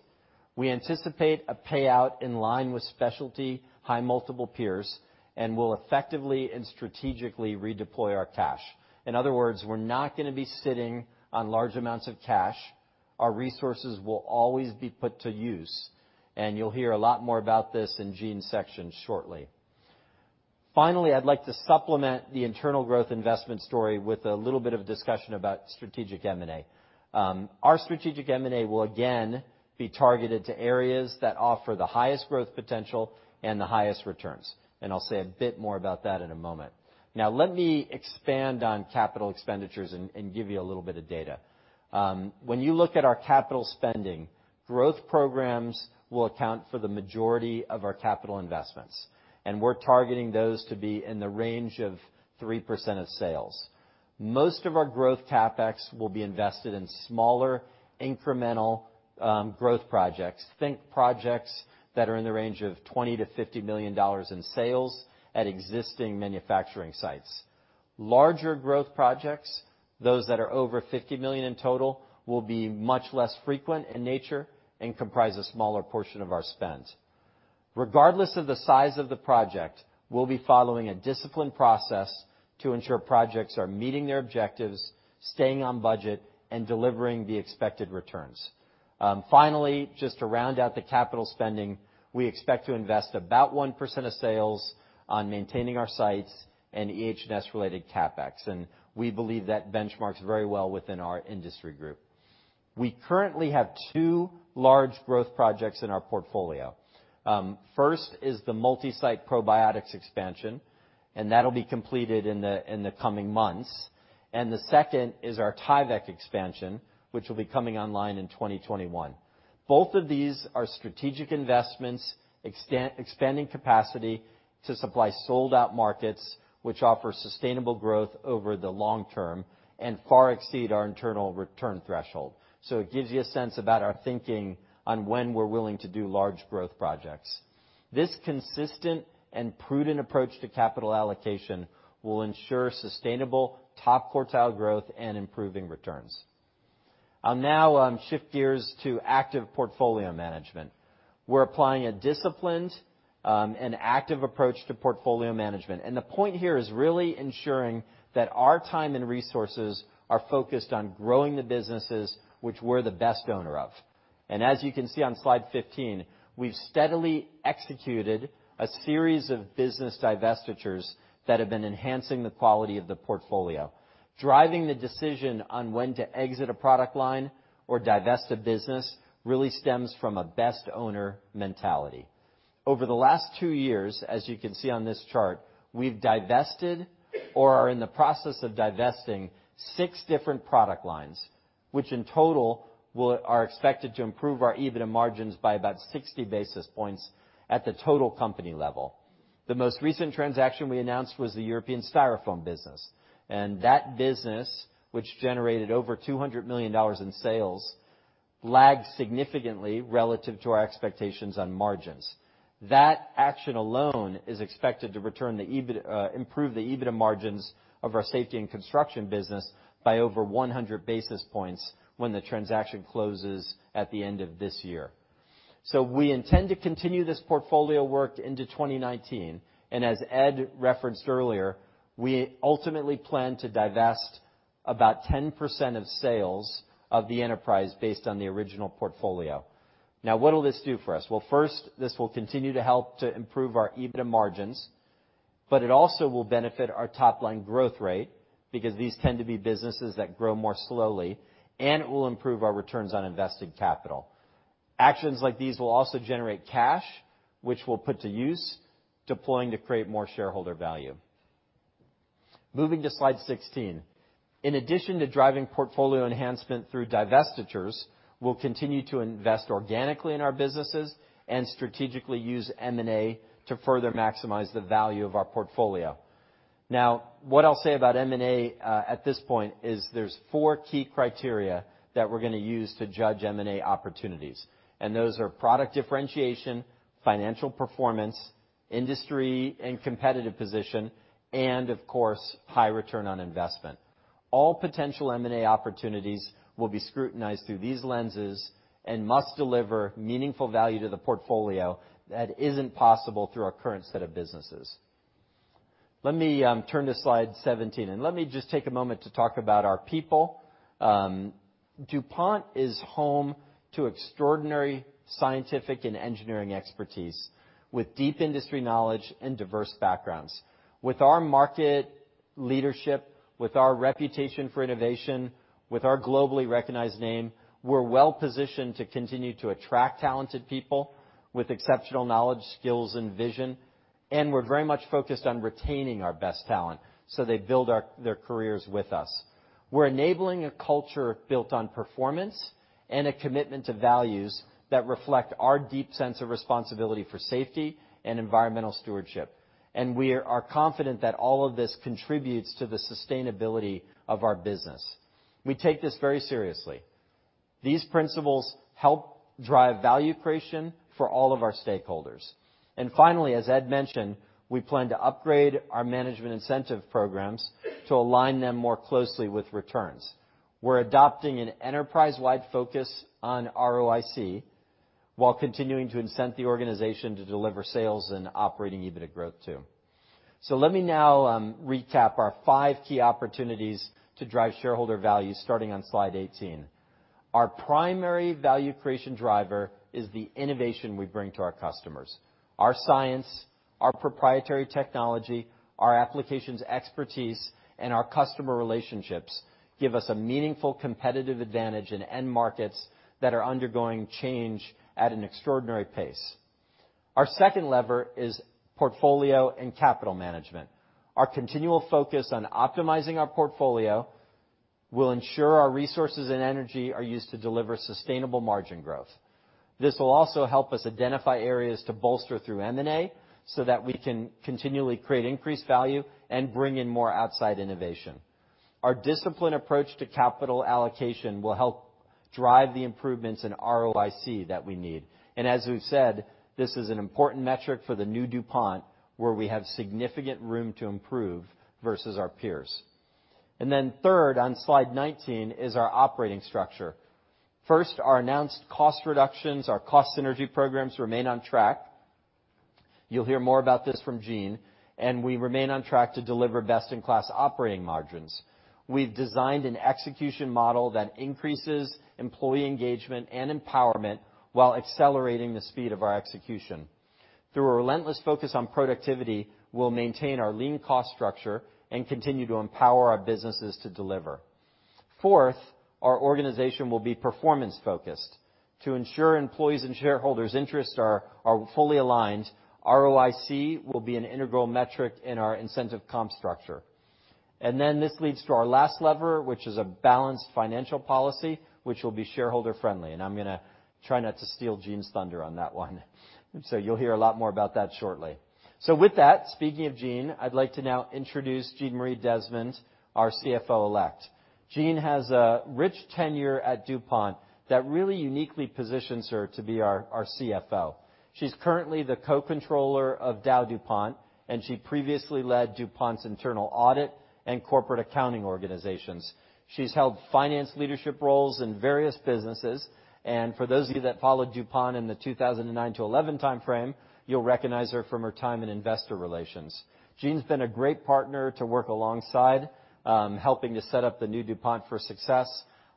We anticipate a payout in line with specialty high multiple peers and will effectively and strategically redeploy our cash. In other words, we're not gonna be sitting on large amounts of cash. Our resources will always be put to use. You'll hear a lot more about this in Jeanmaarie section shortly. Finally, I'd like to supplement the internal growth investment story with a little bit of a discussion about strategic M&A. Our strategic M&A will again be targeted to areas that offer the highest growth potential and the highest returns. I'll say a bit more about that in a moment. Now let me expand on capital expenditures and give you a little bit of data. When you look at our capital spending, growth programs will account for the majority of our capital investments, and we're targeting those to be in the range of 3% of sales. Most of our growth CapEx will be invested in smaller, incremental growth projects. Think projects that are in the range of $20 million-$50 million in sales at existing manufacturing sites. Larger growth projects, those that are over $50 million in total, will be much less frequent in nature and comprise a smaller portion of our spend. Regardless of the size of the project, we'll be following a disciplined process to ensure projects are meeting their objectives, staying on budget, and delivering the expected returns. Finally, just to round out the capital spending, we expect to invest about 1% of sales on maintaining our sites and EH&S related CapEx. We believe that benchmarks very well within our industry group. We currently have two large growth projects in our portfolio. First is the multi-site probiotics expansion, and that'll be completed in the coming months. The second is our Tyvek expansion, which will be coming online in 2021. Both of these are strategic investments, expanding capacity to supply sold-out markets, which offer sustainable growth over the long term and far exceed our internal return threshold. It gives you a sense about our thinking on when we're willing to do large growth projects. This consistent and prudent approach to capital allocation will ensure sustainable top quartile growth and improving returns. I'll now shift gears to active portfolio management. We're applying a disciplined and active approach to portfolio management, and the point here is really ensuring that our time and resources are focused on growing the businesses which we're the best owner of. As you can see on Slide 15, we've steadily executed a series of business divestitures that have been enhancing the quality of the portfolio. Driving the decision on when to exit a product line or divest a business really stems from a best owner mentality. Over the last two years, as you can see on this chart, we've divested or are in the process of divesting six different product lines, which in total are expected to improve our EBITDA margins by about 60 basis points at the total company level. The most recent transaction we announced was the European Styrofoam business. That business, which generated over $200 million in sales, lagged significantly relative to our expectations on margins. That action alone is expected to improve the EBITDA margins of our Safety & Construction business by over 100 basis points when the transaction closes at the end of this year. We intend to continue this portfolio work into 2019, and as Ed referenced earlier, we ultimately plan to divest about 10% of sales of the enterprise based on the original portfolio. Now, what'll this do for us? First, this will continue to help to improve our EBITDA margins. It also will benefit our top-line growth rate because these tend to be businesses that grow more slowly, and it will improve our returns on invested capital. Actions like these will also generate cash, which we'll put to use deploying to create more shareholder value. Moving to Slide 16. In addition to driving portfolio enhancement through divestitures, we'll continue to invest organically in our businesses and strategically use M&A to further maximize the value of our portfolio. Now, what I'll say about M&A at this point is there's four key criteria that we're going to use to judge M&A opportunities, and those are product differentiation, financial performance, industry and competitive position, and of course, high return on investment. All potential M&A opportunities will be scrutinized through these lenses and must deliver meaningful value to the portfolio that isn't possible through our current set of businesses. Let me turn to Slide 17, and let me just take a moment to talk about our people. DuPont is home to extraordinary scientific and engineering expertise with deep industry knowledge and diverse backgrounds. With our market leadership, with our reputation for innovation, with our globally recognized name, we're well positioned to continue to attract talented people with exceptional knowledge, skills, and vision. We're very much focused on retaining our best talent so they build their careers with us. We're enabling a culture built on performance and a commitment to values that reflect our deep sense of responsibility for safety and environmental stewardship. We are confident that all of this contributes to the sustainability of our business. We take this very seriously. These principles help drive value creation for all of our stakeholders. Finally, as Ed mentioned, we plan to upgrade our management incentive programs to align them more closely with returns. We're adopting an enterprise-wide focus on ROIC while continuing to incent the organization to deliver sales and operating EBITDA growth too. Let me now recap our five key opportunities to drive shareholder value starting on slide 18. Our primary value creation driver is the innovation we bring to our customers. Our science, our proprietary technology, our applications expertise, and our customer relationships give us a meaningful competitive advantage in end markets that are undergoing change at an extraordinary pace. Our second lever is portfolio and capital management. Our continual focus on optimizing our portfolio will ensure our resources and energy are used to deliver sustainable margin growth. This will also help us identify areas to bolster through M&A so that we can continually create increased value and bring in more outside innovation. Our disciplined approach to capital allocation will help drive the improvements in ROIC that we need. As we've said, this is an important metric for the new DuPont, where we have significant room to improve versus our peers. Third, on slide 19, is our operating structure. First, our announced cost reductions, our cost synergy programs remain on track. You'll hear more about this from Jean, we remain on track to deliver best-in-class operating margins. We've designed an execution model that increases employee engagement and empowerment while accelerating the speed of our execution. Through a relentless focus on productivity, we'll maintain our lean cost structure and continue to empower our businesses to deliver. Fourth, our organization will be performance focused. To ensure employees' and shareholders' interests are fully aligned, ROIC will be an integral metric in our incentive comp structure. This leads to our last lever, which is a balanced financial policy, which will be shareholder friendly. I'm going to try not to steal Jean's thunder on that one. You'll hear a lot more about that shortly. With that, speaking of Jean, I'd like to now introduce Jeanmarie Desmond, our CFO-Elect. Jean has a rich tenure at DuPont that really uniquely positions her to be our CFO. She's currently the co-controller of DowDuPont, she previously led DuPont's internal audit and corporate accounting organizations. She's held finance leadership roles in various businesses. For those of you that followed DuPont in the 2009 to 2011 timeframe, you'll recognize her from her time in investor relations. Jean's been a great partner to work alongside, helping to set up the new DuPont for success.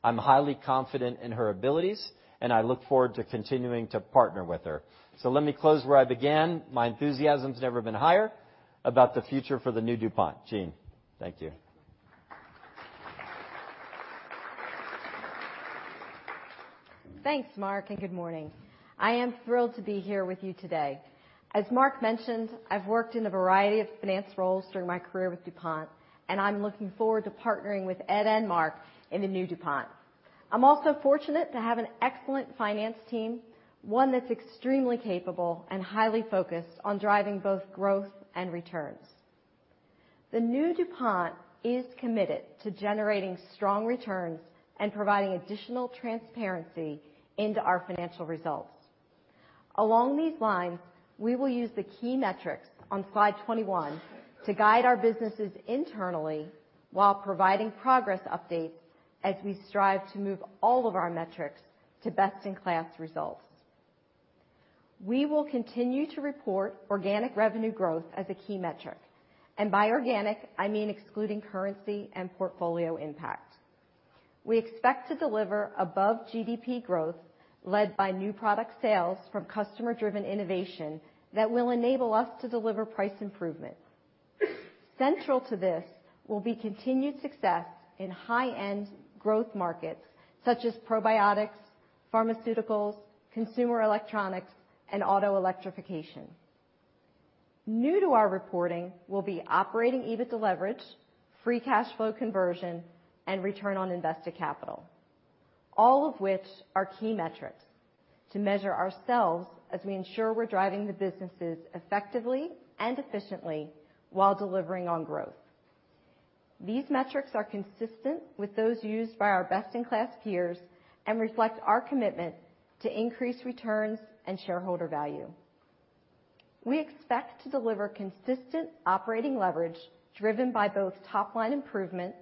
I'm highly confident in her abilities, I look forward to continuing to partner with her. Let me close where I began. My enthusiasm's never been higher about the future for the new DuPont. Jean, thank you. Thanks, Mark, good morning. I am thrilled to be here with you today. As Mark mentioned, I've worked in a variety of finance roles during my career with DuPont, I'm looking forward to partnering with Ed and Mark in the new DuPont. I'm also fortunate to have an excellent finance team, one that's extremely capable and highly focused on driving both growth and returns. The new DuPont is committed to generating strong returns and providing additional transparency into our financial results. Along these lines, we will use the key metrics on slide 21 to guide our businesses internally while providing progress updates as we strive to move all of our metrics to best-in-class results. We will continue to report organic revenue growth as a key metric. By organic, I mean excluding currency and portfolio impact. We expect to deliver above GDP growth led by new product sales from customer-driven innovation that will enable us to deliver price improvement. Central to this will be continued success in high-end growth markets such as probiotics, pharmaceuticals, consumer electronics, and auto electrification. New to our reporting will be operating EBITDA leverage, free cash flow conversion, and return on invested capital, all of which are key metrics to measure ourselves as we ensure we're driving the businesses effectively and efficiently while delivering on growth. These metrics are consistent with those used by our best-in-class peers and reflect our commitment to increase returns and shareholder value. We expect to deliver consistent operating leverage driven by both top-line improvement,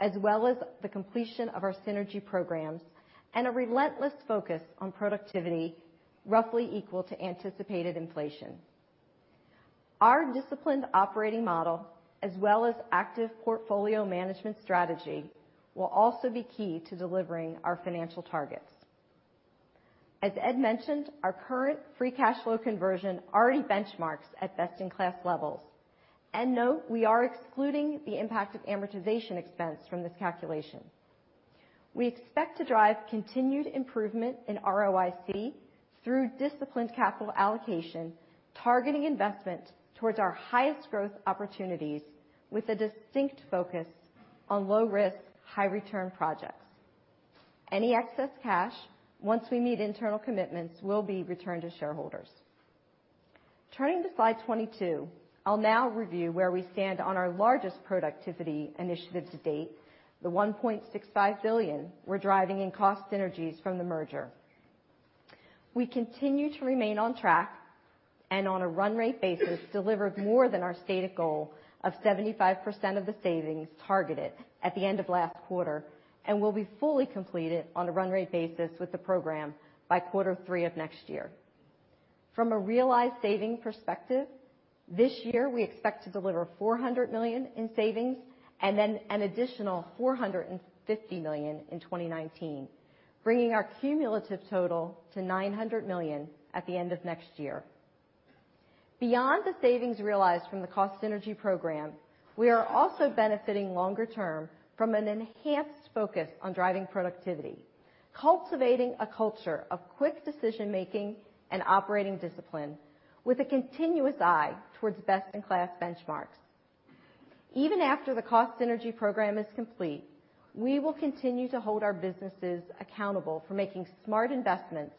as well as the completion of our synergy programs and a relentless focus on productivity roughly equal to anticipated inflation. Our disciplined operating model, as well as active portfolio management strategy, will also be key to delivering our financial targets. As Ed mentioned, our current free cash flow conversion already benchmarks at best-in-class levels. Note, we are excluding the impact of amortization expense from this calculation. We expect to drive continued improvement in ROIC through disciplined capital allocation, targeting investment towards our highest growth opportunities with a distinct focus on low risk, high return projects. Any excess cash, once we meet internal commitments, will be returned to shareholders. Turning to slide 22, I'll now review where we stand on our largest productivity initiative to date, the $1.65 billion we're driving in cost synergies from the merger. We continue to remain on track, and on a run rate basis, delivered more than our stated goal of 75% of the savings targeted at the end of last quarter, and will be fully completed on a run rate basis with the program by quarter three of next year. From a realized saving perspective, this year, we expect to deliver $400 million in savings and then an additional $450 million in 2019, bringing our cumulative total to $900 million at the end of next year. Beyond the savings realized from the cost synergy program, we are also benefiting longer term from an enhanced focus on driving productivity, cultivating a culture of quick decision-making and operating discipline with a continuous eye towards best-in-class benchmarks. Even after the cost synergy program is complete, we will continue to hold our businesses accountable for making smart investments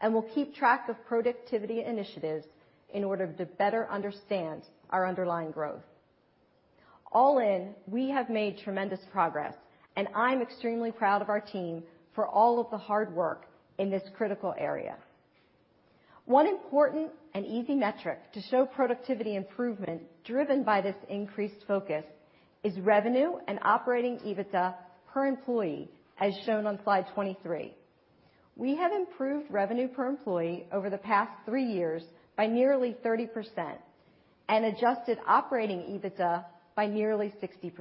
and will keep track of productivity initiatives in order to better understand our underlying growth. All in, we have made tremendous progress, and I'm extremely proud of our team for all of the hard work in this critical area. One important and easy metric to show productivity improvement driven by this increased focus is revenue and operating EBITDA per employee, as shown on slide 23. We have improved revenue per employee over the past three years by nearly 30% and adjusted operating EBITDA by nearly 60%.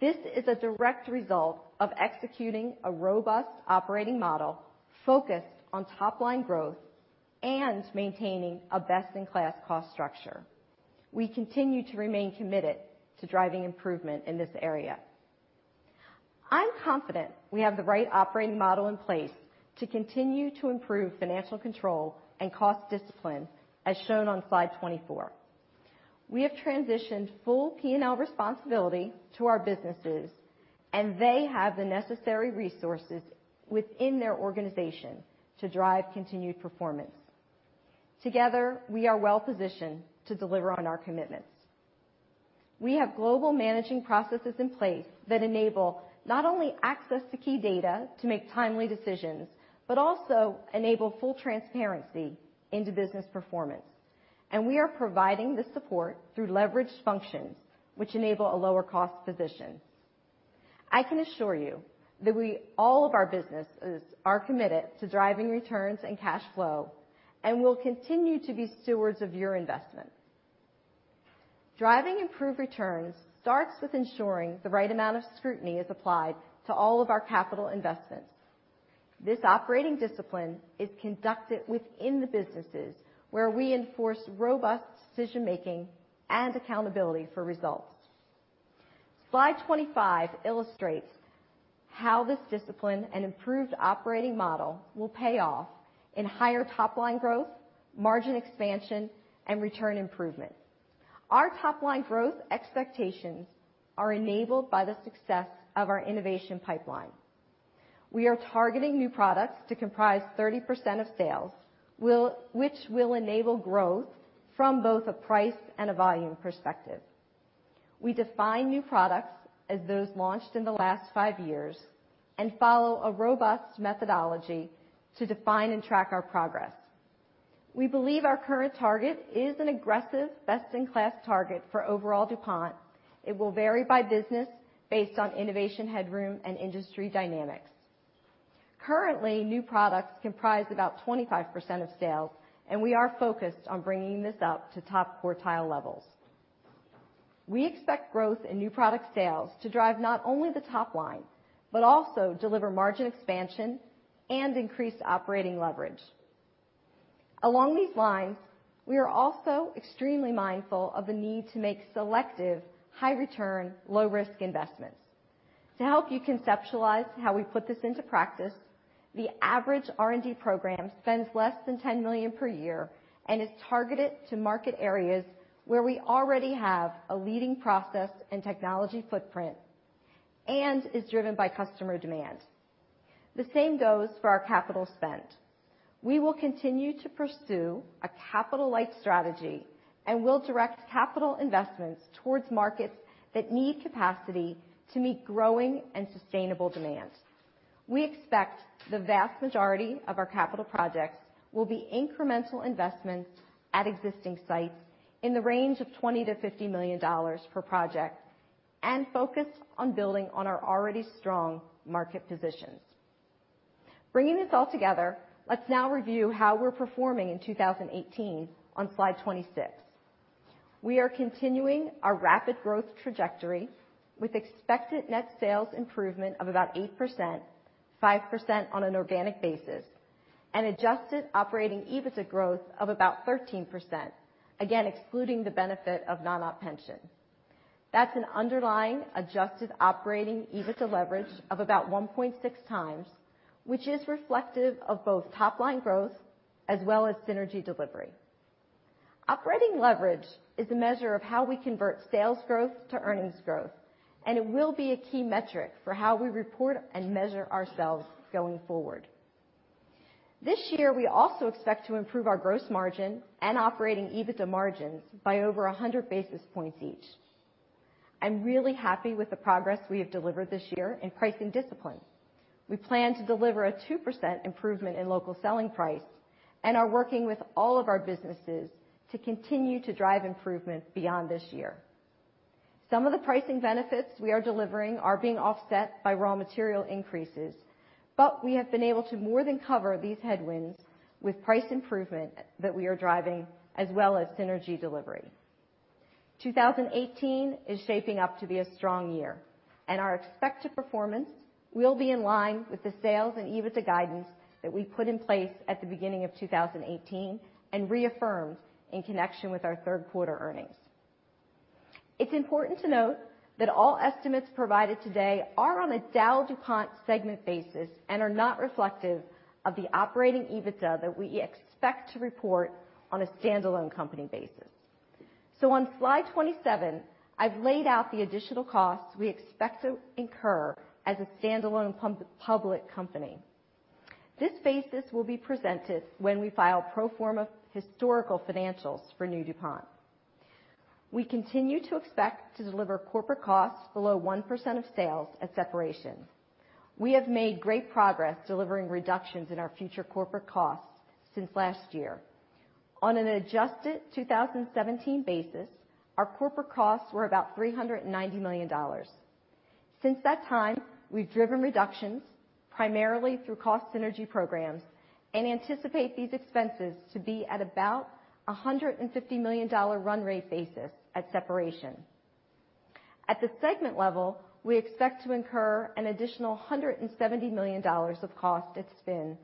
This is a direct result of executing a robust operating model focused on top-line growth and maintaining a best-in-class cost structure. We continue to remain committed to driving improvement in this area. I'm confident we have the right operating model in place to continue to improve financial control and cost discipline, as shown on slide 24. We have transitioned full P&L responsibility to our businesses, and they have the necessary resources within their organization to drive continued performance. Together, we are well positioned to deliver on our commitments. We have global managing processes in place that enable not only access to key data to make timely decisions, but also enable full transparency into business performance. We are providing the support through leveraged functions, which enable a lower cost position. I can assure you that all of our businesses are committed to driving returns and cash flow and will continue to be stewards of your investment. Driving improved returns starts with ensuring the right amount of scrutiny is applied to all of our capital investments. This operating discipline is conducted within the businesses where we enforce robust decision-making and accountability for results. Slide 25 illustrates how this discipline and improved operating model will pay off in higher top-line growth, margin expansion, and return improvement. Our top-line growth expectations are enabled by the success of our innovation pipeline. We are targeting new products to comprise 30% of sales, which will enable growth from both a price and a volume perspective. We define new products as those launched in the last five years and follow a robust methodology to define and track our progress. We believe our current target is an aggressive best-in-class target for overall DuPont. It will vary by business based on innovation headroom and industry dynamics. Currently, new products comprise about 25% of sales, and we are focused on bringing this up to top quartile levels. We expect growth in new product sales to drive not only the top line, but also deliver margin expansion and increase operating leverage. Along these lines, we are also extremely mindful of the need to make selective high return, low risk investments. To help you conceptualize how we put this into practice, the average R&D program spends less than $10 million per year and is targeted to market areas where we already have a leading process and technology footprint and is driven by customer demand. The same goes for our capital spend. We will continue to pursue a capital-light strategy, and we will direct capital investments towards markets that need capacity to meet growing and sustainable demand. We expect the vast majority of our capital projects will be incremental investments at existing sites in the range of $20 million-$50 million per project and focused on building on our already strong market positions. Bringing this all together, let us now review how we are performing in 2018 on slide 26. We are continuing our rapid growth trajectory with expected net sales improvement of about 8%, 5% on an organic basis, and adjusted operating EBITDA growth of about 13%, again, excluding the benefit of non-op pension. That is an underlying adjusted operating EBITDA leverage of about 1.6 times, which is reflective of both top line growth as well as synergy delivery. Operating leverage is a measure of how we convert sales growth to earnings growth, and it will be a key metric for how we report and measure ourselves going forward. This year, we also expect to improve our gross margin and operating EBITDA margins by over 100 basis points each. I am really happy with the progress we have delivered this year in pricing discipline. We plan to deliver a 2% improvement in local selling price and are working with all of our businesses to continue to drive improvement beyond this year. We have been able to more than cover these headwinds with price improvement that we are driving, as well as synergy delivery. 2018 is shaping up to be a strong year, our expected performance will be in line with the sales and EBITDA guidance that we put in place at the beginning of 2018 and reaffirmed in connection with our third quarter earnings. It is important to note that all estimates provided today are on a DowDuPont segment basis and are not reflective of the operating EBITDA that we expect to report on a standalone company basis. On slide 27, I have laid out the additional costs we expect to incur as a standalone public company. This basis will be presented when we file pro forma historical financials for new DuPont. We continue to expect to deliver corporate costs below 1% of sales at separation. We have made great progress delivering reductions in our future corporate costs since last year. On an adjusted 2017 basis, our corporate costs were about $390 million. Since that time, we have driven reductions primarily through cost synergy programs and anticipate these expenses to be at about $150 million run rate basis at separation. At the segment level, we expect to incur an additional $170 million of cost at spin,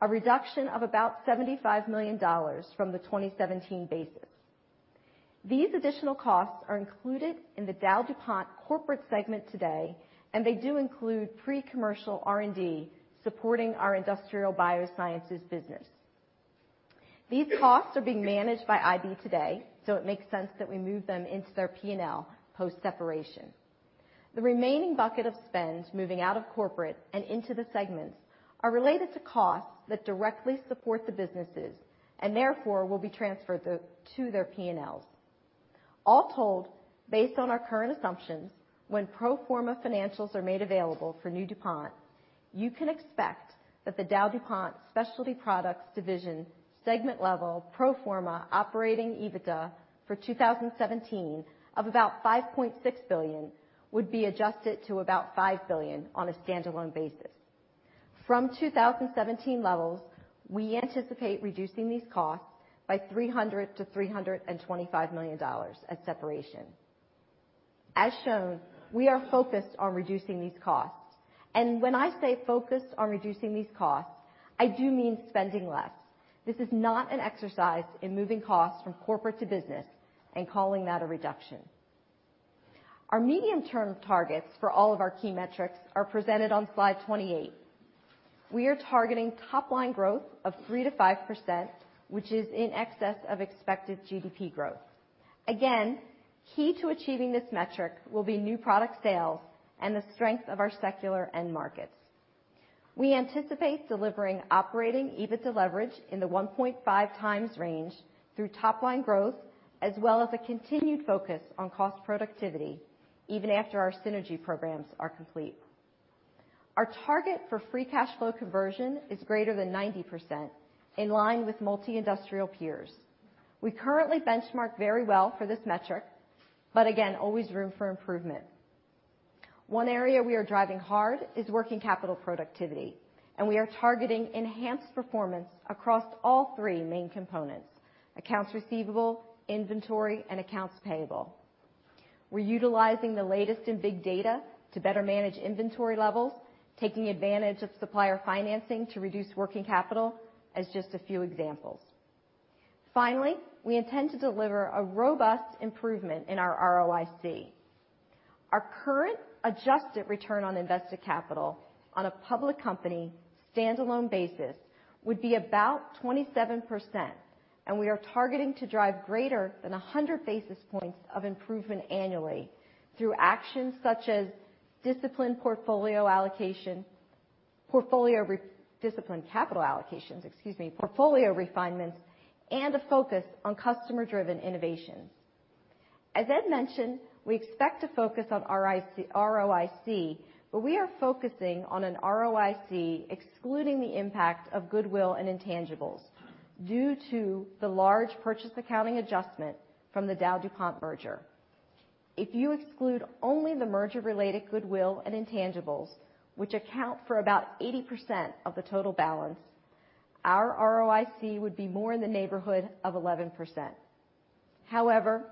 a reduction of about $75 million from the 2017 basis. These additional costs are included in the DowDuPont corporate segment today. They do include pre-commercial R&D supporting our Industrial Biosciences business. These costs are being managed by IB today, so it makes sense that we move them into their P&L post-separation. The remaining bucket of spends moving out of corporate and into the segments are related to costs that directly support the businesses and therefore will be transferred to their P&Ls. All told, based on our current assumptions, when pro forma financials are made available for new DuPont, you can expect that the DowDuPont Specialty Products division segment level pro forma operating EBITDA for 2017 of about $5.6 billion would be adjusted to about $5 billion on a standalone basis. From 2017 levels, we anticipate reducing these costs by $300 million-$325 million at separation. As shown, we are focused on reducing these costs. When I say focused on reducing these costs, I do mean spending less. This is not an exercise in moving costs from corporate to business and calling that a reduction. Our medium-term targets for all of our key metrics are presented on slide 28. We are targeting top line growth of 3%-5%, which is in excess of expected GDP growth. Again, key to achieving this metric will be new product sales and the strength of our secular end markets. We anticipate delivering operating EBITDA leverage in the 1.5 times range through top line growth, as well as a continued focus on cost productivity even after our synergy programs are complete. Our target for free cash flow conversion is greater than 90%, in line with multi-industrial peers. We currently benchmark very well for this metric. Again, always room for improvement. One area we are driving hard is working capital productivity, and we are targeting enhanced performance across all three main components: accounts receivable, inventory, and accounts payable. We're utilizing the latest in big data to better manage inventory levels, taking advantage of supplier financing to reduce working capital, as just a few examples. Finally, we intend to deliver a robust improvement in our ROIC. Our current adjusted return on invested capital on a public company standalone basis would be about 27%. We are targeting to drive greater than 100 basis points of improvement annually through actions such as discipline portfolio allocation, disciplined capital allocations, excuse me, portfolio refinements, and a focus on customer-driven innovations. As Ed mentioned, we expect to focus on ROIC. We are focusing on an ROIC excluding the impact of goodwill and intangibles due to the large purchase accounting adjustment from the DowDuPont merger. If you exclude only the merger-related goodwill and intangibles, which account for about 80% of the total balance, our ROIC would be more in the neighborhood of 11%. However,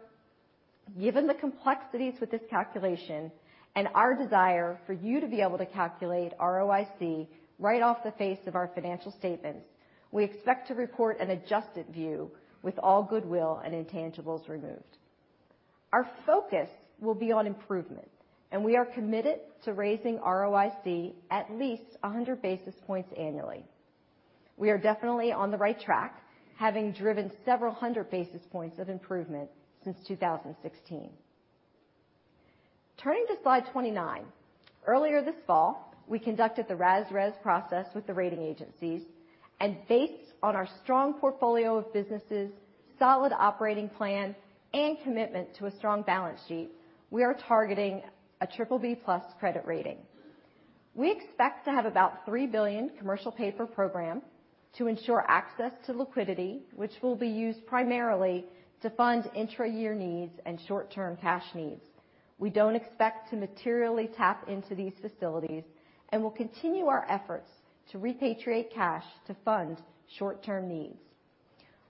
given the complexities with this calculation and our desire for you to be able to calculate ROIC right off the face of our financial statements, we expect to report an adjusted view with all goodwill and intangibles removed. Our focus will be on improvement. We are committed to raising ROIC at least 100 basis points annually. We are definitely on the right track, having driven several hundred basis points of improvement since 2016. Turning to slide 29. Earlier this fall, we conducted the RAS-RES process with the rating agencies. Based on our strong portfolio of businesses, solid operating plan, and commitment to a strong balance sheet, we are targeting a BBB+ credit rating. We expect to have about $3 billion commercial paper program to ensure access to liquidity, which will be used primarily to fund intra-year needs and short-term cash needs. We don't expect to materially tap into these facilities and will continue our efforts to repatriate cash to fund short-term needs.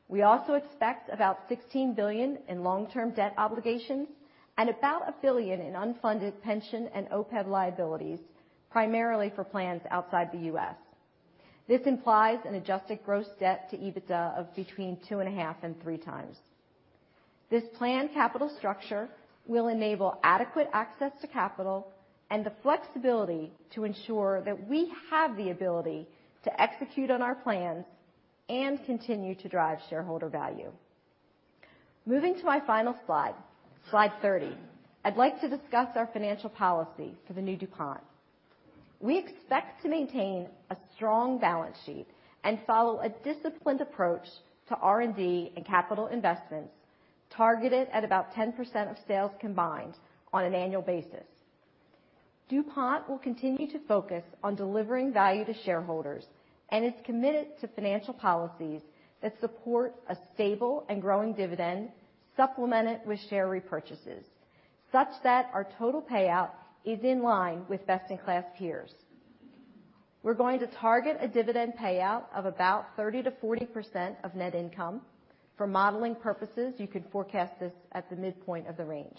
We also expect about $16 billion in long-term debt obligations and about $1 billion in unfunded pension and OPEB liabilities, primarily for plans outside the U.S. This implies an adjusted gross debt to EBITDA of between 2.5 and 3 times. This planned capital structure will enable adequate access to capital and the flexibility to ensure that we have the ability to execute on our plans and continue to drive shareholder value. Moving to my final slide 30, I'd like to discuss our financial policy for the new DuPont. We expect to maintain a strong balance sheet and follow a disciplined approach to R&D and capital investments targeted at about 10% of sales combined on an annual basis. DuPont will continue to focus on delivering value to shareholders and is committed to financial policies that support a stable and growing dividend supplemented with share repurchases, such that our total payout is in line with best-in-class peers. We're going to target a dividend payout of about 30%-40% of net income. For modeling purposes, you can forecast this at the midpoint of the range.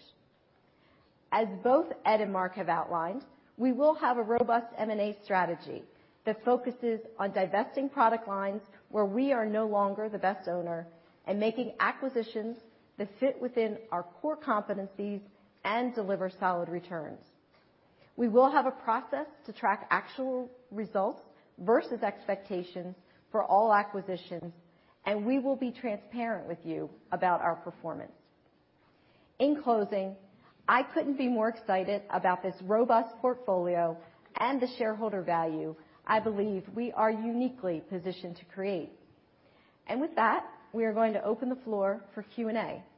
As both Ed and Mark have outlined, we will have a robust M&A strategy that focuses on divesting product lines where we are no longer the best owner and making acquisitions that fit within our core competencies and deliver solid returns. We will have a process to track actual results versus expectations for all acquisitions, and we will be transparent with you about our performance. In closing, I couldn't be more excited about this robust portfolio and the shareholder value I believe we are uniquely positioned to create. With that, we are going to open the floor for Q&A. Thanks. Thank you.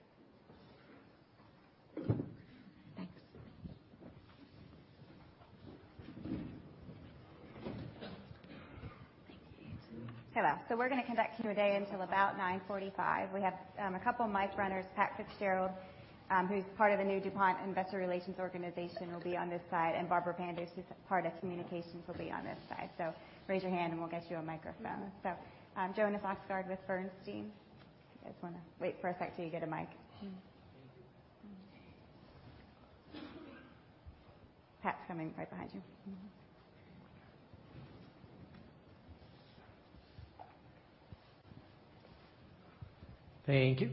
Hello. We're going to conduct Q&A until about 9:45. We have a couple of mic runners, Pat Fitzgerald, who's part of the new DuPont Investor Relations organization will be on this side, and Barbara Pandis, who's part of communications, will be on this side. Raise your hand and we'll get you a microphone. Jonas Oxgaard with Bernstein. You guys want to wait for a sec till you get a mic. Pat's coming right behind you. Thank you. Jonas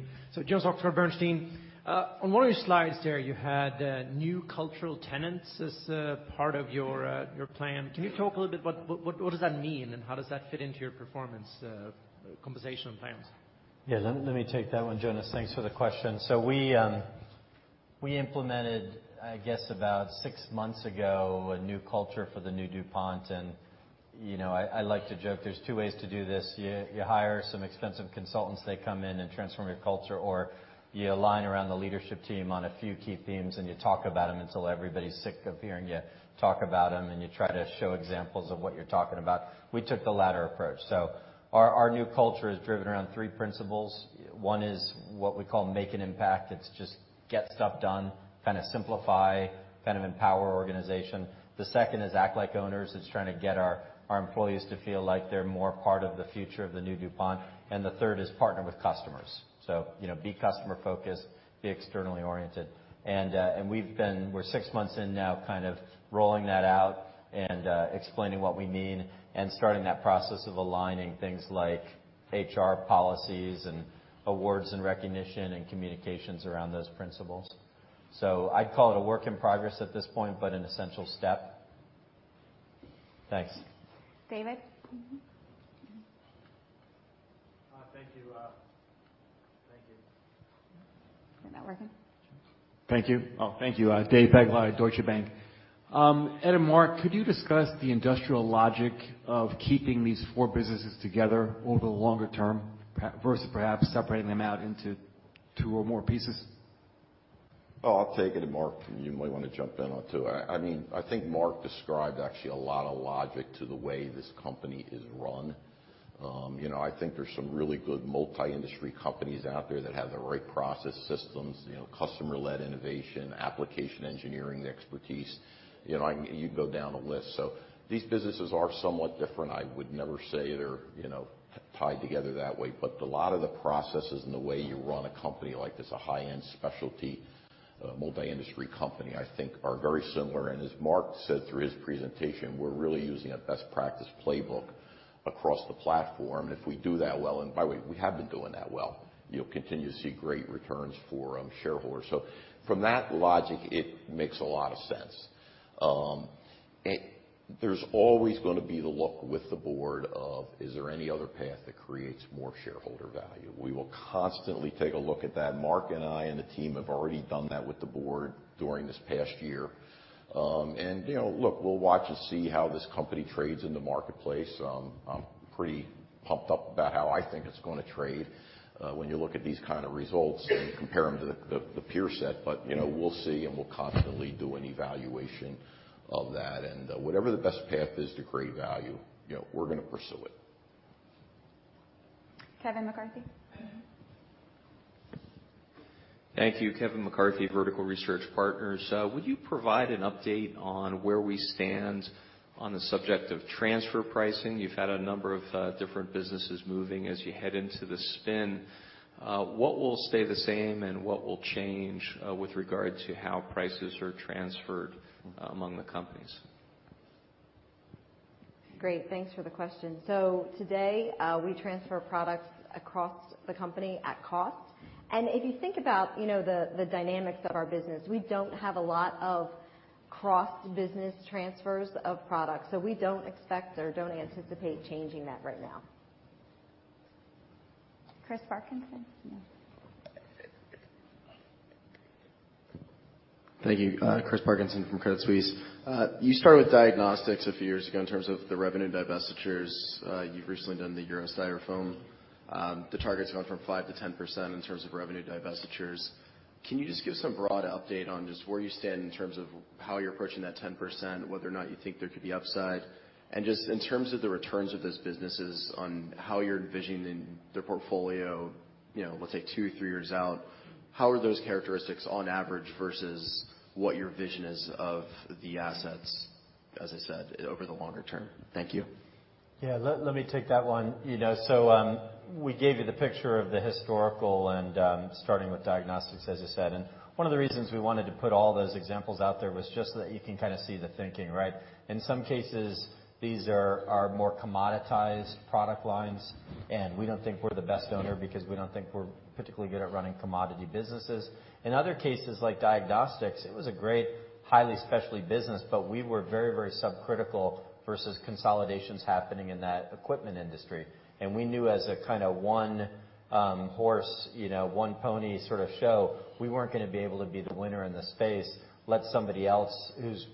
Oxgaard with Bernstein. On one of your slides there, you had new cultural tenets as a part of your plan. Can you talk a little bit? What does that mean, and how does that fit into your performance compensation plans? Yeah, let me take that one, Jonas. Thanks for the question. We implemented, I guess, about six months ago, a new culture for the new DuPont. I like to joke. There's two ways to do this. You hire some expensive consultants, they come in and transform your culture, or you align around the leadership team on a few key themes, and you talk about them until everybody's sick of hearing you talk about them, and you try to show examples of what you're talking about. We took the latter approach. Our new culture is driven around three principles. One is what we call make an impact. It's just get stuff done, kind of simplify, kind of empower organization. The second is act like owners. It's trying to get our employees to feel like they're more part of the future of the new DuPont. The third is partner with customers. Be customer focused, be externally oriented. We're six months in now, kind of rolling that out and explaining what we mean, and starting that process of aligning things like HR policies and awards and recognition and communications around those principles. I'd call it a work in progress at this point, but an essential step. Thanks. David? Mm-hmm. Thank you. Is it not working? Thank you. David Begleiter, Deutsche Bank. Ed and Mark, could you discuss the industrial logic of keeping these four businesses together over the longer term versus perhaps separating them out into two or more pieces? I'll take it, Mark, you might want to jump in on it too. I think Mark described actually a lot of logic to the way this company is run. I think there's some really good multi-industry companies out there that have the right process systems, customer led innovation, application engineering expertise. You go down a list. These businesses are somewhat different. I would never say they're tied together that way. A lot of the processes and the way you run a company like this, a high-end specialty, multi-industry company, I think are very similar. As Mark said through his presentation, we're really using a best practice playbook across the platform. If we do that well, and by the way, we have been doing that well, you'll continue to see great returns for shareholders. From that logic, it makes a lot of sense. There's always going to be the look with the board of, is there any other path that creates more shareholder value? We will constantly take a look at that. Marc and I and the team have already done that with the board during this past year. Look, we'll watch and see how this company trades in the marketplace. I'm pretty pumped up about how I think it's going to trade when you look at these kind of results and compare them to the peer set. We'll see, and we'll constantly do an evaluation of that. Whatever the best path is to create value, we're going to pursue it. Kevin McCarthy. Thank you. Kevin McCarthy, Vertical Research Partners. Would you provide an update on where we stand on the subject of transfer pricing? You've had a number of different businesses moving as you head into the spin. What will stay the same and what will change with regard to how prices are transferred among the companies? Great. Thanks for the question. Today, we transfer products across the company at cost. If you think about the dynamics of our business, we don't have a lot of cross-business transfers of products. We don't expect or don't anticipate changing that right now. Christopher Parkinson. Thank you. Christopher Parkinson from Credit Suisse. You started with diagnostics a few years ago in terms of the revenue divestitures. You've recently done the European Styrofoam. The target's gone from 5%-10% in terms of revenue divestitures. Can you just give some broad update on just where you stand in terms of how you're approaching that 10%, whether or not you think there could be upside? And just in terms of the returns of those businesses on how you're envisioning their portfolio, let's say two, three years out, how are those characteristics on average versus what your vision is of the assets, as I said, over the longer term? Thank you. Yeah. Let me take that one. We gave you the picture of the historical and starting with diagnostics, as you said. One of the reasons we wanted to put all those examples out there was just so that you can kind of see the thinking, right? In some cases, these are more commoditized product lines. We don't think we're the best owner because we don't think we're particularly good at running commodity businesses. In other cases, like diagnostics, it was a great, highly specialty business, but we were very subcritical versus consolidations happening in that equipment industry. We knew as a kind of one horse, one pony sort of show, we weren't going to be able to be the winner in the space. Let somebody else who's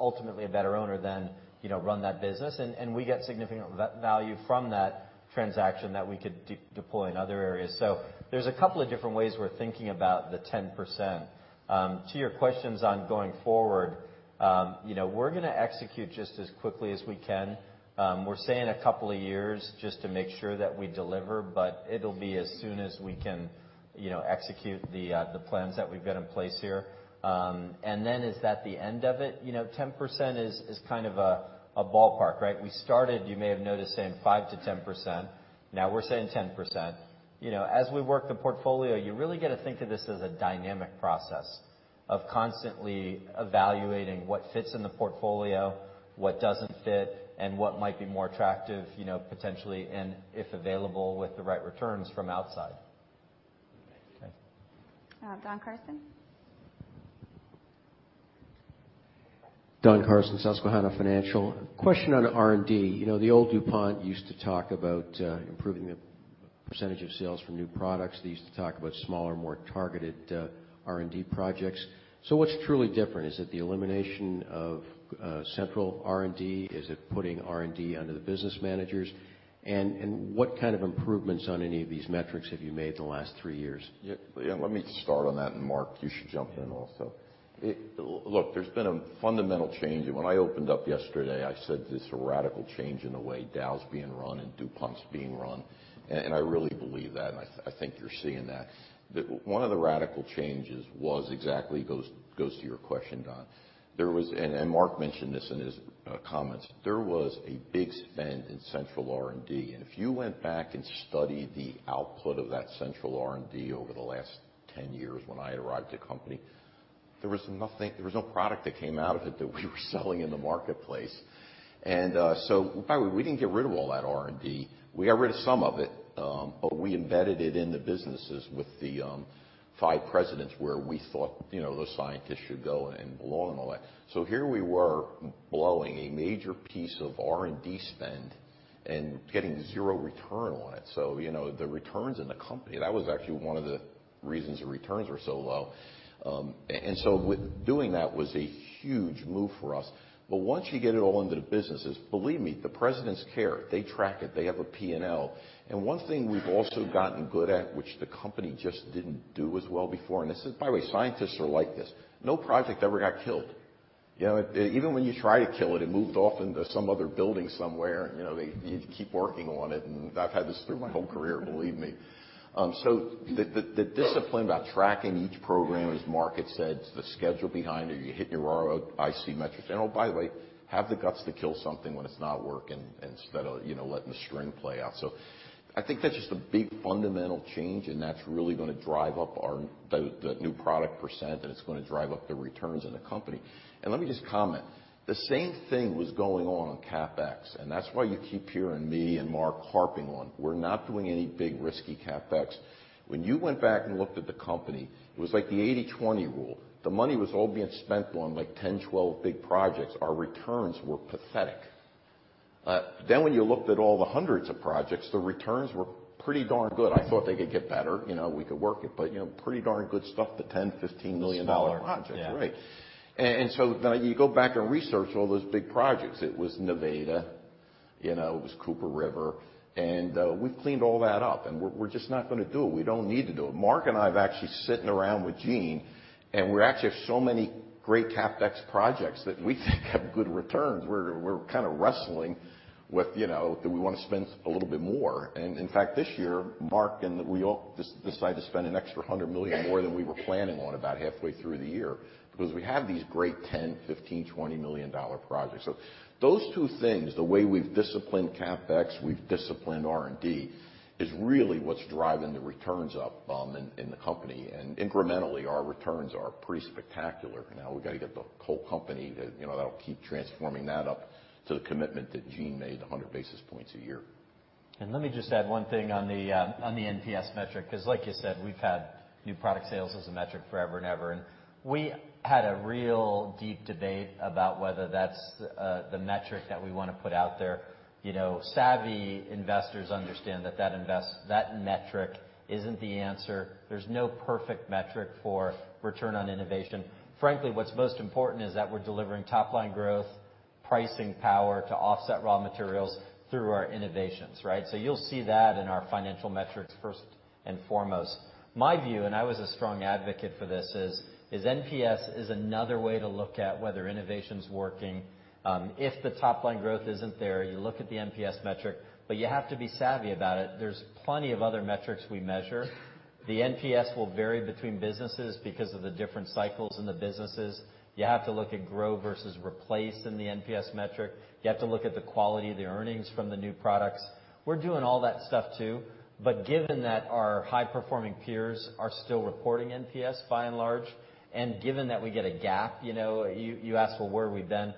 ultimately a better owner than, run that business. We get significant value from that transaction that we could deploy in other areas. There's a couple of different ways we're thinking about the 10%. To your questions on going forward, we're going to execute just as quickly as we can. We're saying a couple of years just to make sure that we deliver, but it'll be as soon as we can execute the plans that we've got in place here. Is that the end of it? 10% is kind of a ballpark, right? We started, you may have noticed, saying 5%-10%. Now we're saying 10%. As we work the portfolio, you really got to think of this as a dynamic process of constantly evaluating what fits in the portfolio, what doesn't fit, and what might be more attractive potentially and if available with the right returns from outside. Okay. Don Carson. Don Carson, Susquehanna Financial. Question on R&D. The old DuPont used to talk about improving the Percentage of sales from new products. They used to talk about smaller, more targeted R&D projects. What's truly different? Is it the elimination of central R&D? Is it putting R&D under the business managers? What kind of improvements on any of these metrics have you made in the last three years? Yeah, let me start on that, and Mark, you should jump in also. Look, there's been a fundamental change, and when I opened up yesterday, I said this is a radical change in the way Dow's being run and DuPont's being run. I really believe that, and I think you're seeing that. One of the radical changes was exactly, goes to your question, Don. Mark mentioned this in his comments. There was a big spend in central R&D, and if you went back and studied the output of that central R&D over the last 10 years, when I arrived at the company, there was no product that came out of it that we were selling in the marketplace. By the way, we didn't get rid of all that R&D. We got rid of some of it. We embedded it in the businesses with the five presidents, where we thought those scientists should go and belong and all that. Here we were, blowing a major piece of R&D spend and getting zero return on it. The returns in the company, that was actually one of the reasons the returns were so low. Doing that was a huge move for us. Once you get it all into the businesses, believe me, the presidents care. They track it. They have a P&L. One thing we've also gotten good at, which the company just didn't do as well before, and this is, by the way, scientists are like this. No project ever got killed. Even when you try to kill it moved off into some other building somewhere, and they keep working on it, and I've had this through my whole career, believe me. The discipline about tracking each program, as Marc had said, the schedule behind it, you hit your ROIC metrics. Oh, by the way, have the guts to kill something when it's not working instead of letting the string play out. I think that's just a big fundamental change and that's really going to drive up the new product %, and it's going to drive up the returns in the company. Let me just comment. The same thing was going on on CapEx, and that's why you keep hearing me and Marc harping on we're not doing any big risky CapEx. When you went back and looked at the company, it was like the 80/20 rule. The money was all being spent on 10, 12 big projects. Our returns were pathetic. When you looked at all the hundreds of projects, the returns were pretty darn good. I thought they could get better. We could work it, but pretty darn good stuff, the $10 million, $15 million projects. Dollar, yeah. Right. Then you go back and research all those big projects. It was Nevada. It was Cooper River. We've cleaned all that up, and we're just not going to do it. We don't need to do it. Mark and I have actually sitting around with Jeanmarie, and we actually have so many great CapEx projects that we think have good returns. We're kind of wrestling with do we want to spend a little bit more? In fact, this year, Mark and we all decided to spend an extra $100 million more than we were planning on about halfway through the year because we have these great $10 million, $15 million, $20 million projects. Those two things, the way we've disciplined CapEx, we've disciplined R&D is really what's driving the returns up in the company. Incrementally, our returns are pretty spectacular. Now we've got to get the whole company to, that'll keep transforming that up to the commitment that Jeanmarie made, 100 basis points a year. Let me just add one thing on the NPS metric, because like you said, we've had new product sales as a metric forever and ever. We had a real deep debate about whether that's the metric that we want to put out there. Savvy investors understand that metric isn't the answer. There's no perfect metric for return on innovation. Frankly, what's most important is that we're delivering top-line growth, pricing power to offset raw materials through our innovations, right? You'll see that in our financial metrics first and foremost. My view, and I was a strong advocate for this, is NPS is another way to look at whether innovation's working. If the top-line growth isn't there, you look at the NPS metric, but you have to be savvy about it. There's plenty of other metrics we measure. The NPS will vary between businesses because of the different cycles in the businesses. You have to look at grow versus replace in the NPS metric. You have to look at the quality of the earnings from the new products. We're doing all that stuff, too. Given that our high-performing peers are still reporting NPS by and large, and given that we get a gap, you asked, well, where are we then?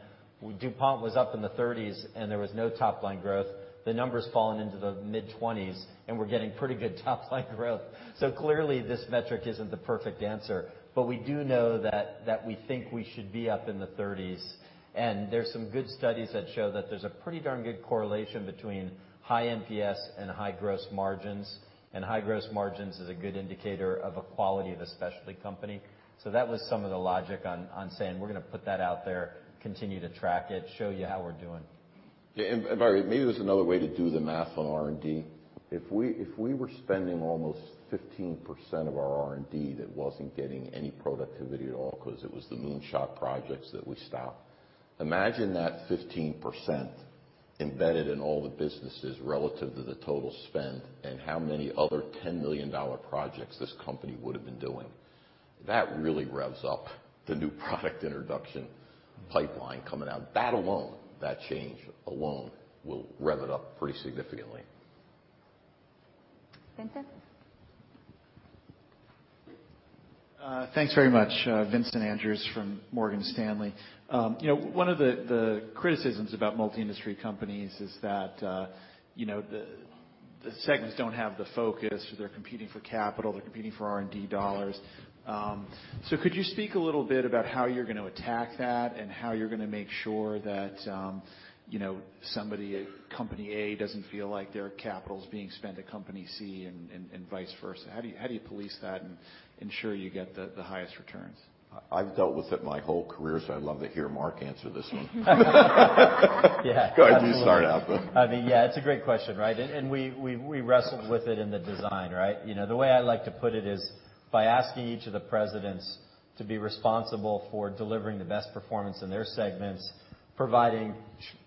DuPont was up in the 30s, and there was no top-line growth. The number's fallen into the mid-20s, and we're getting pretty good top-line growth. Clearly, this metric isn't the perfect answer, but we do know that we think we should be up in the 30s. There's some good studies that show that there's a pretty darn good correlation between high NPS and high gross margins. High gross margins is a good indicator of a quality of a specialty company. That was some of the logic on saying we're going to put that out there, continue to track it, show you how we're doing. By the way, maybe there's another way to do the math on R&D. If we were spending almost 15% of our R&D that wasn't getting any productivity at all because it was the moonshot projects that we stopped, imagine that 15% embedded in all the businesses relative to the total spend and how many other $10 million projects this company would have been doing. That really revs up the new product introduction pipeline coming out. That alone, that change alone, will rev it up pretty significantly. Vincent? Thanks very much. Vincent Andrews from Morgan Stanley. One of the criticisms about multi-industry companies is that the segments don't have the focus. They're competing for capital. They're competing for R&D dollars. Could you speak a little bit about how you're going to attack that and how you're going to make sure that Company A doesn't feel like their capital is being spent at Company C and vice versa? How do you police that and ensure you get the highest returns? I've dealt with it my whole career, I'd love to hear Marc answer this one. Yeah. Go ahead, you start out. It's a great question, right? We wrestled with it in the design, right? The way I like to put it is by asking each of the presidents to be responsible for delivering the best performance in their segments, providing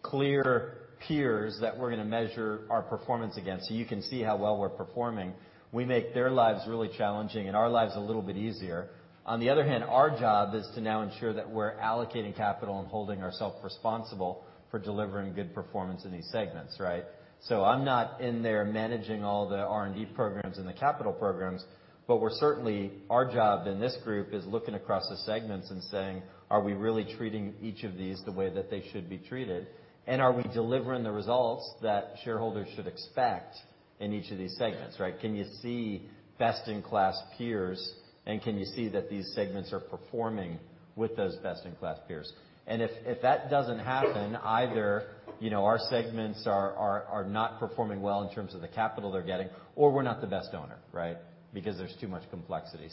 clear peers that we're going to measure our performance against so you can see how well we're performing. We make their lives really challenging and our lives a little bit easier. The other hand, our job is to now ensure that we're allocating capital and holding ourselves responsible for delivering good performance in these segments. Right? I'm not in there managing all the R&D programs and the capital programs, but we're certainly, our job in this group is looking across the segments and saying, are we really treating each of these the way that they should be treated? Are we delivering the results that shareholders should expect in each of these segments, right? Can you see best-in-class peers, Can you see that these segments are performing with those best-in-class peers? If that doesn't happen, either our segments are not performing well in terms of the capital they're getting, or we're not the best owner, right? Because there's too much complexity.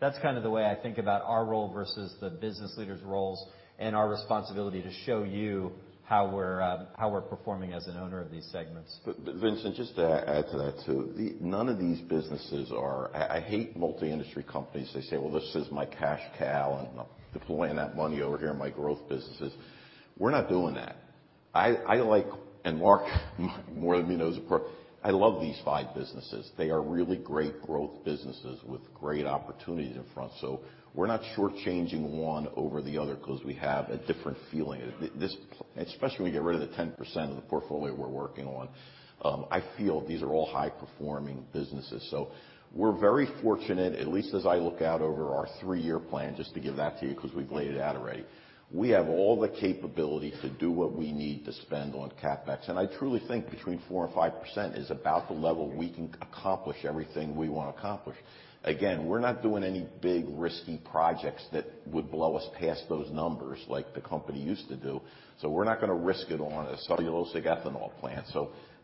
That's kind of the way I think about our role versus the business leaders' roles and our responsibility to show you how we're performing as an owner of these segments. Vincent, just to add to that, too. None of these businesses are. I hate multi-industry companies. They say, "Well, this is my cash cow, and I'm deploying that money over here in my growth businesses." We're not doing that. I like, Mark more than me knows, of course, I love these five businesses. They are really great growth businesses with great opportunities in front. We're not short-changing one over the other because we have a different feeling. Especially when we get rid of the 10% of the portfolio we're working on. I feel these are all high-performing businesses. We're very fortunate, at least as I look out over our three-year plan, just to give that to you because we've laid it out already. We have all the capability to do what we need to spend on CapEx. I truly think between 4% and 5% is about the level we can accomplish everything we want to accomplish. Again, we're not doing any big risky projects that would blow us past those numbers like the company used to do. We're not going to risk it on a cellulosic ethanol plant.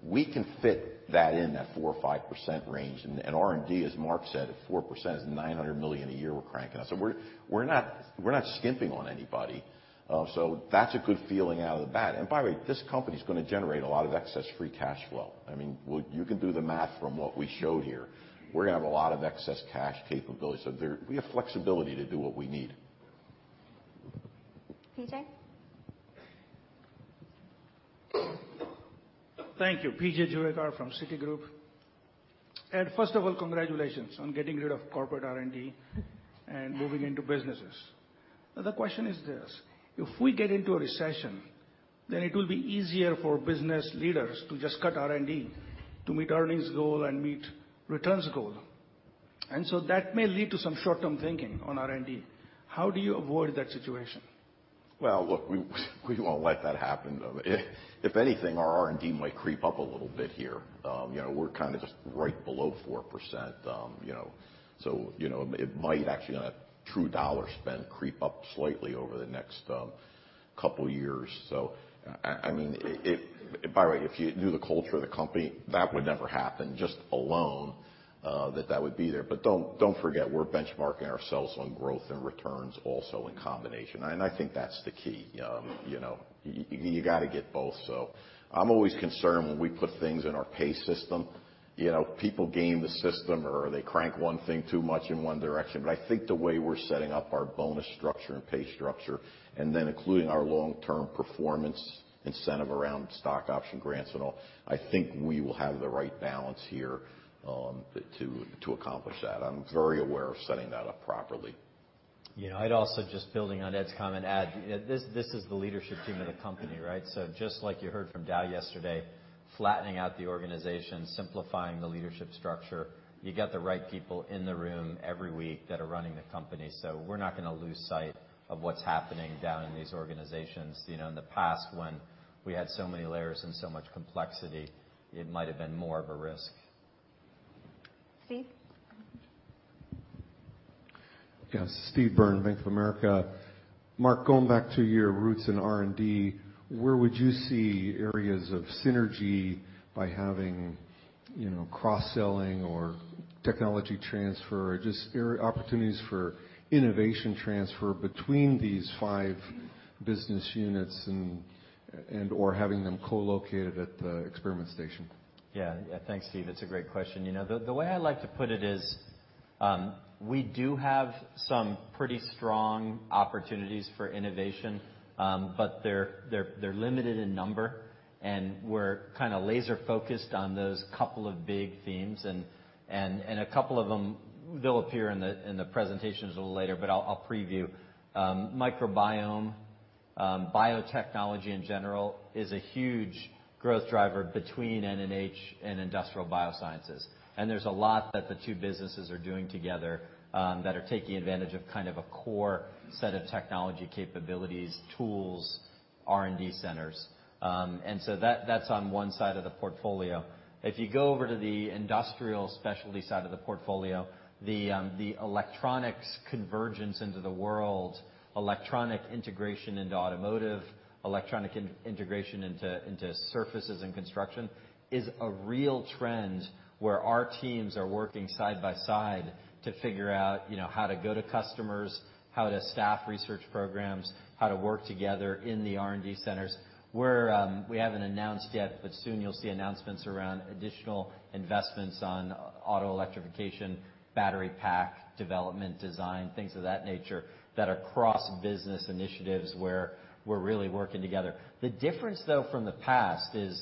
We can fit that in that 4% or 5% range. R&D, as Mark said, if 4% is $900 million a year, we're cranking. We're not skimping on anybody. That's a good feeling out of the gate. By the way, this company's going to generate a lot of excess free cash flow. You can do the math from what we showed here. We're going to have a lot of excess cash capability. We have flexibility to do what we need. PJ? Thank you. P.J. Juvekar from Citigroup. Ed, first of all, congratulations on getting rid of corporate R&D and moving into businesses. The question is this: If we get into a recession, then it will be easier for business leaders to just cut R&D to meet earnings goal and meet returns goal. That may lead to some short-term thinking on R&D. How do you avoid that situation? Well, look, we won't let that happen. If anything, our R&D might creep up a little bit here. We're kind of just right below 4%. It might actually, on a true dollar spend, creep up slightly over the next couple of years. By the way, if you knew the culture of the company, that would never happen, just alone, that that would be there. Don't forget, we're benchmarking ourselves on growth and returns also in combination. I think that's the key. You got to get both. I'm always concerned when we put things in our pay system. People game the system, or they crank one thing too much in one direction. I think the way we're setting up our bonus structure and pay structure, and then including our long-term performance incentive around stock option grants and all, I think we will have the right balance here to accomplish that. I'm very aware of setting that up properly. Yeah. I'd also, just building on Ed's comment, add, this is the leadership team of the company, right? Just like you heard from Dow yesterday, flattening out the organization, simplifying the leadership structure. You got the right people in the room every week that are running the company. We're not going to lose sight of what's happening down in these organizations. In the past, when we had so many layers and so much complexity, it might have been more of a risk. Steve? Yes. Steve Byrne, Bank of America. Mark, going back to your roots in R&D, where would you see areas of synergy by having cross-selling or technology transfer or just opportunities for innovation transfer between these five business units and/or having them co-located at the experiment station? Yeah. Thanks, Steve. It's a great question. The way I like to put it is, we do have some pretty strong opportunities for innovation, but they're limited in number, and we're kind of laser-focused on those couple of big themes. A couple of them will appear in the presentations a little later, but I'll preview. Microbiome biotechnology in general is a huge growth driver between N&H and Industrial Biosciences. There's a lot that the two businesses are doing together that are taking advantage of a core set of technology capabilities, tools, R&D centers. That's on one side of the portfolio. If you go over to the industrial specialty side of the portfolio, the electronics convergence into the world, electronic integration into automotive, electronic integration into surfaces and construction, is a real trend where our teams are working side by side to figure out how to go to customers, how to staff research programs, how to work together in the R&D centers, where we haven't announced yet, but soon you'll see announcements around additional investments on auto electrification, battery pack development, design, things of that nature, that are cross-business initiatives where we're really working together. The difference, though, from the past is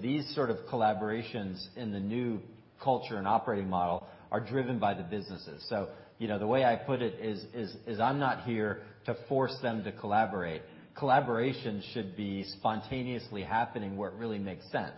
these sort of collaborations in the new culture and operating model are driven by the businesses. The way I put it is, I'm not here to force them to collaborate. Collaboration should be spontaneously happening where it really makes sense,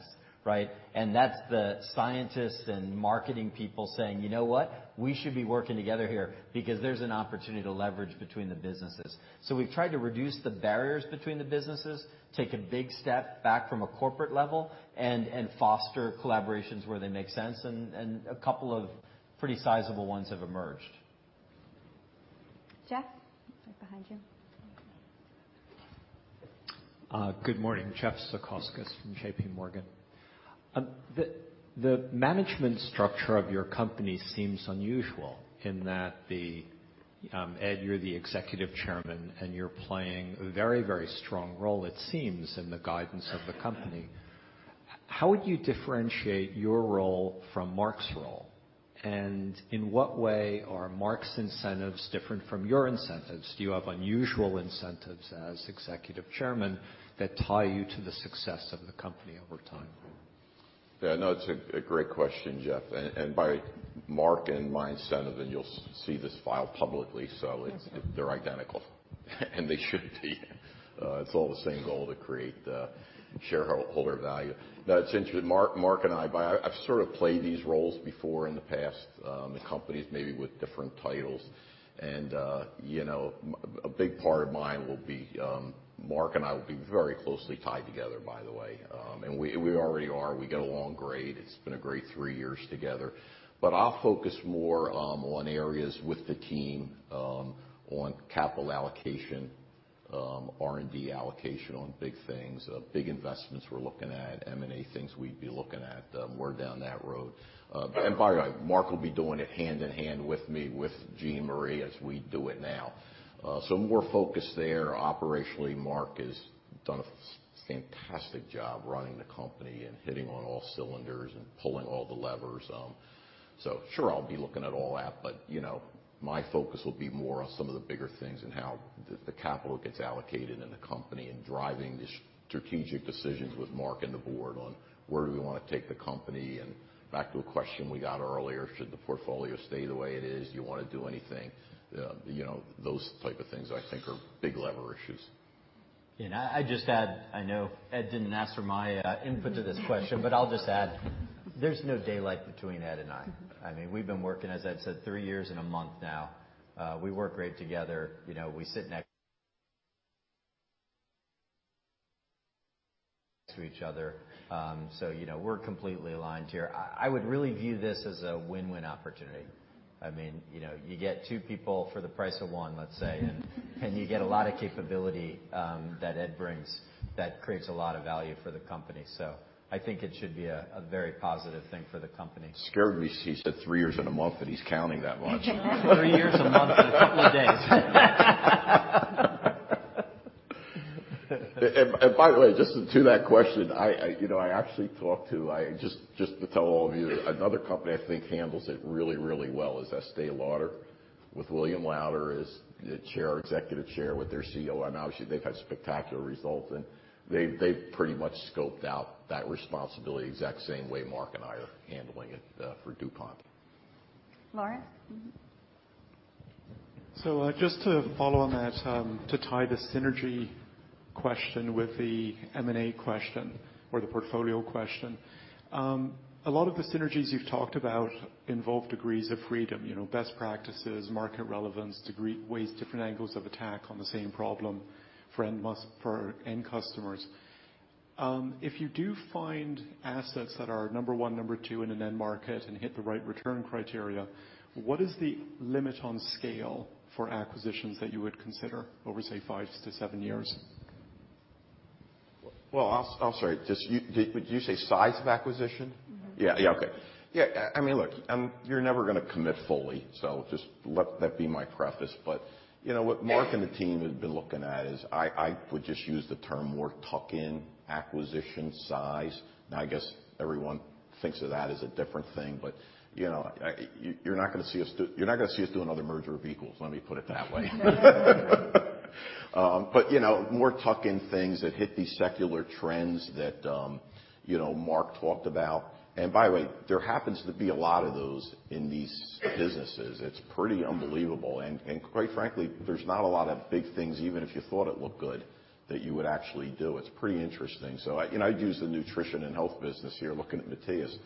right? That's the scientists and marketing people saying, "You know what? We should be working together here, because there's an opportunity to leverage between the businesses." We've tried to reduce the barriers between the businesses, take a big step back from a corporate level, and foster collaborations where they make sense. A couple of pretty sizable ones have emerged. Jeff. Right behind you. Good morning. Jeff Zekauskas from JPMorgan. The management structure of your company seems unusual in that, Ed, you're the Executive Chairman, and you're playing a very strong role it seems, in the guidance of the company. How would you differentiate your role from Marc role? In what way are Marc incentives different from your incentives? Do you have unusual incentives as Executive Chairman that tie you to the success of the company over time? Yeah, no, it's a great question, Jeff. By Marc and my incentive, you'll see this filed publicly. They're identical. They should be. It's all the same goal, to create shareholder value. It's interesting, Marc and I've sort of played these roles before in the past in companies maybe with different titles. A big part of mine will be Marc and I will be very closely tied together, by the way. We already are. We get along great. It's been a great three years together. I'll focus more on areas with the team on capital allocation, R&D allocation on big things, big investments we're looking at, M&A things we'd be looking at, more down that road. By the way, Marc will be doing it hand in hand with me, with Jeanmarie as we do it now. More focus there. Operationally, Marc has done a fantastic job running the company and hitting on all cylinders and pulling all the levers. Sure, I'll be looking at all that, but my focus will be more on some of the bigger things and how the capital gets allocated in the company and driving the strategic decisions with Marc and the board on where do we want to take the company, and back to a question we got earlier, should the portfolio stay the way it is? Do you want to do anything? Those type of things I think are big lever issues. Can I just add, I know Ed didn't ask for my input to this question, but I'll just add, there's no daylight between Ed and I. We've been working, as Ed said, three years and a month now. We work great together. We sit next to each other. We're completely aligned here. I would really view this as a win-win opportunity. You get two people for the price of one, let's say. You get a lot of capability that Ed brings that creates a lot of value for the company. I think it should be a very positive thing for the company. It scared me he said three years and a month, that he's counting that much. Three years, a month, and a couple of days. By the way, just to that question, I actually talked to, just to tell all of you, another company I think handles it really well is Estée Lauder with William Lauder as the Executive Chairman with their CEO. I mean, obviously, they've had spectacular results, and they've pretty much scoped out that responsibility exact same way Marc and I are handling it for DuPont. Lawrence. Mm-hmm. Just to follow on that, to tie the synergy question with the M&A question or the portfolio question. A lot of the synergies you've talked about involve degrees of freedom, best practices, market relevance, different angles of attack on the same problem for end customers. If you do find assets that are number 1, number 2 in an end market and hit the right return criteria, what is the limit on scale for acquisitions that you would consider over, say, five to seven years? Well, I'll start. Did you say size of acquisition? Yeah. Okay. I mean, look, you're never going to commit fully, just let that be my preface. What Marc and the team have been looking at is I would just use the term more tuck-in acquisition size. I guess everyone thinks of that as a different thing, you're not going to see us do another merger of equals, let me put it that way. More tuck-in things that hit these secular trends that Marc talked about. By the way, there happens to be a lot of those in these businesses. It's pretty unbelievable. Quite frankly, there's not a lot of big things, even if you thought it looked good, that you would actually do. It's pretty interesting. I use the Nutrition & Health business here, looking at Matthias.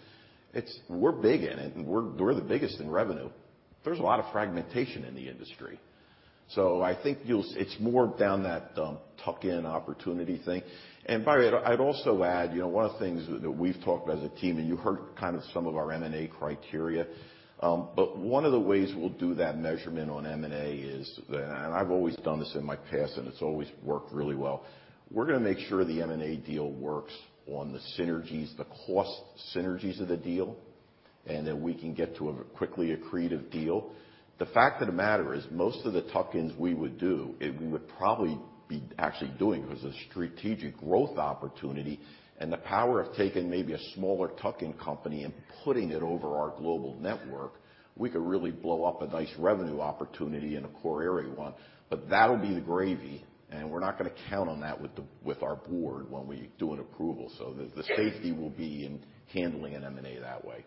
We're big in it, and we're the biggest in revenue. There's a lot of fragmentation in the industry. I think it's more down that tuck-in opportunity thing. By the way, I'd also add, one of the things that we've talked about as a team, and you heard some of our M&A criteria, but one of the ways we'll do that measurement on M&A is, and I've always done this in my past, and it's always worked really well. We're going to make sure the M&A deal works on the synergies, the cost synergies of the deal, and that we can get to a quickly accretive deal. The fact of the matter is, most of the tuck-ins we would do, we would probably be actually doing as a strategic growth opportunity, and the power of taking maybe a smaller tuck-in company and putting it over our global network, we could really blow up a nice revenue opportunity in a core area one. That'll be the gravy, and we're not going to count on that with our board when we do an approval. The safety will be in handling an M&A that way.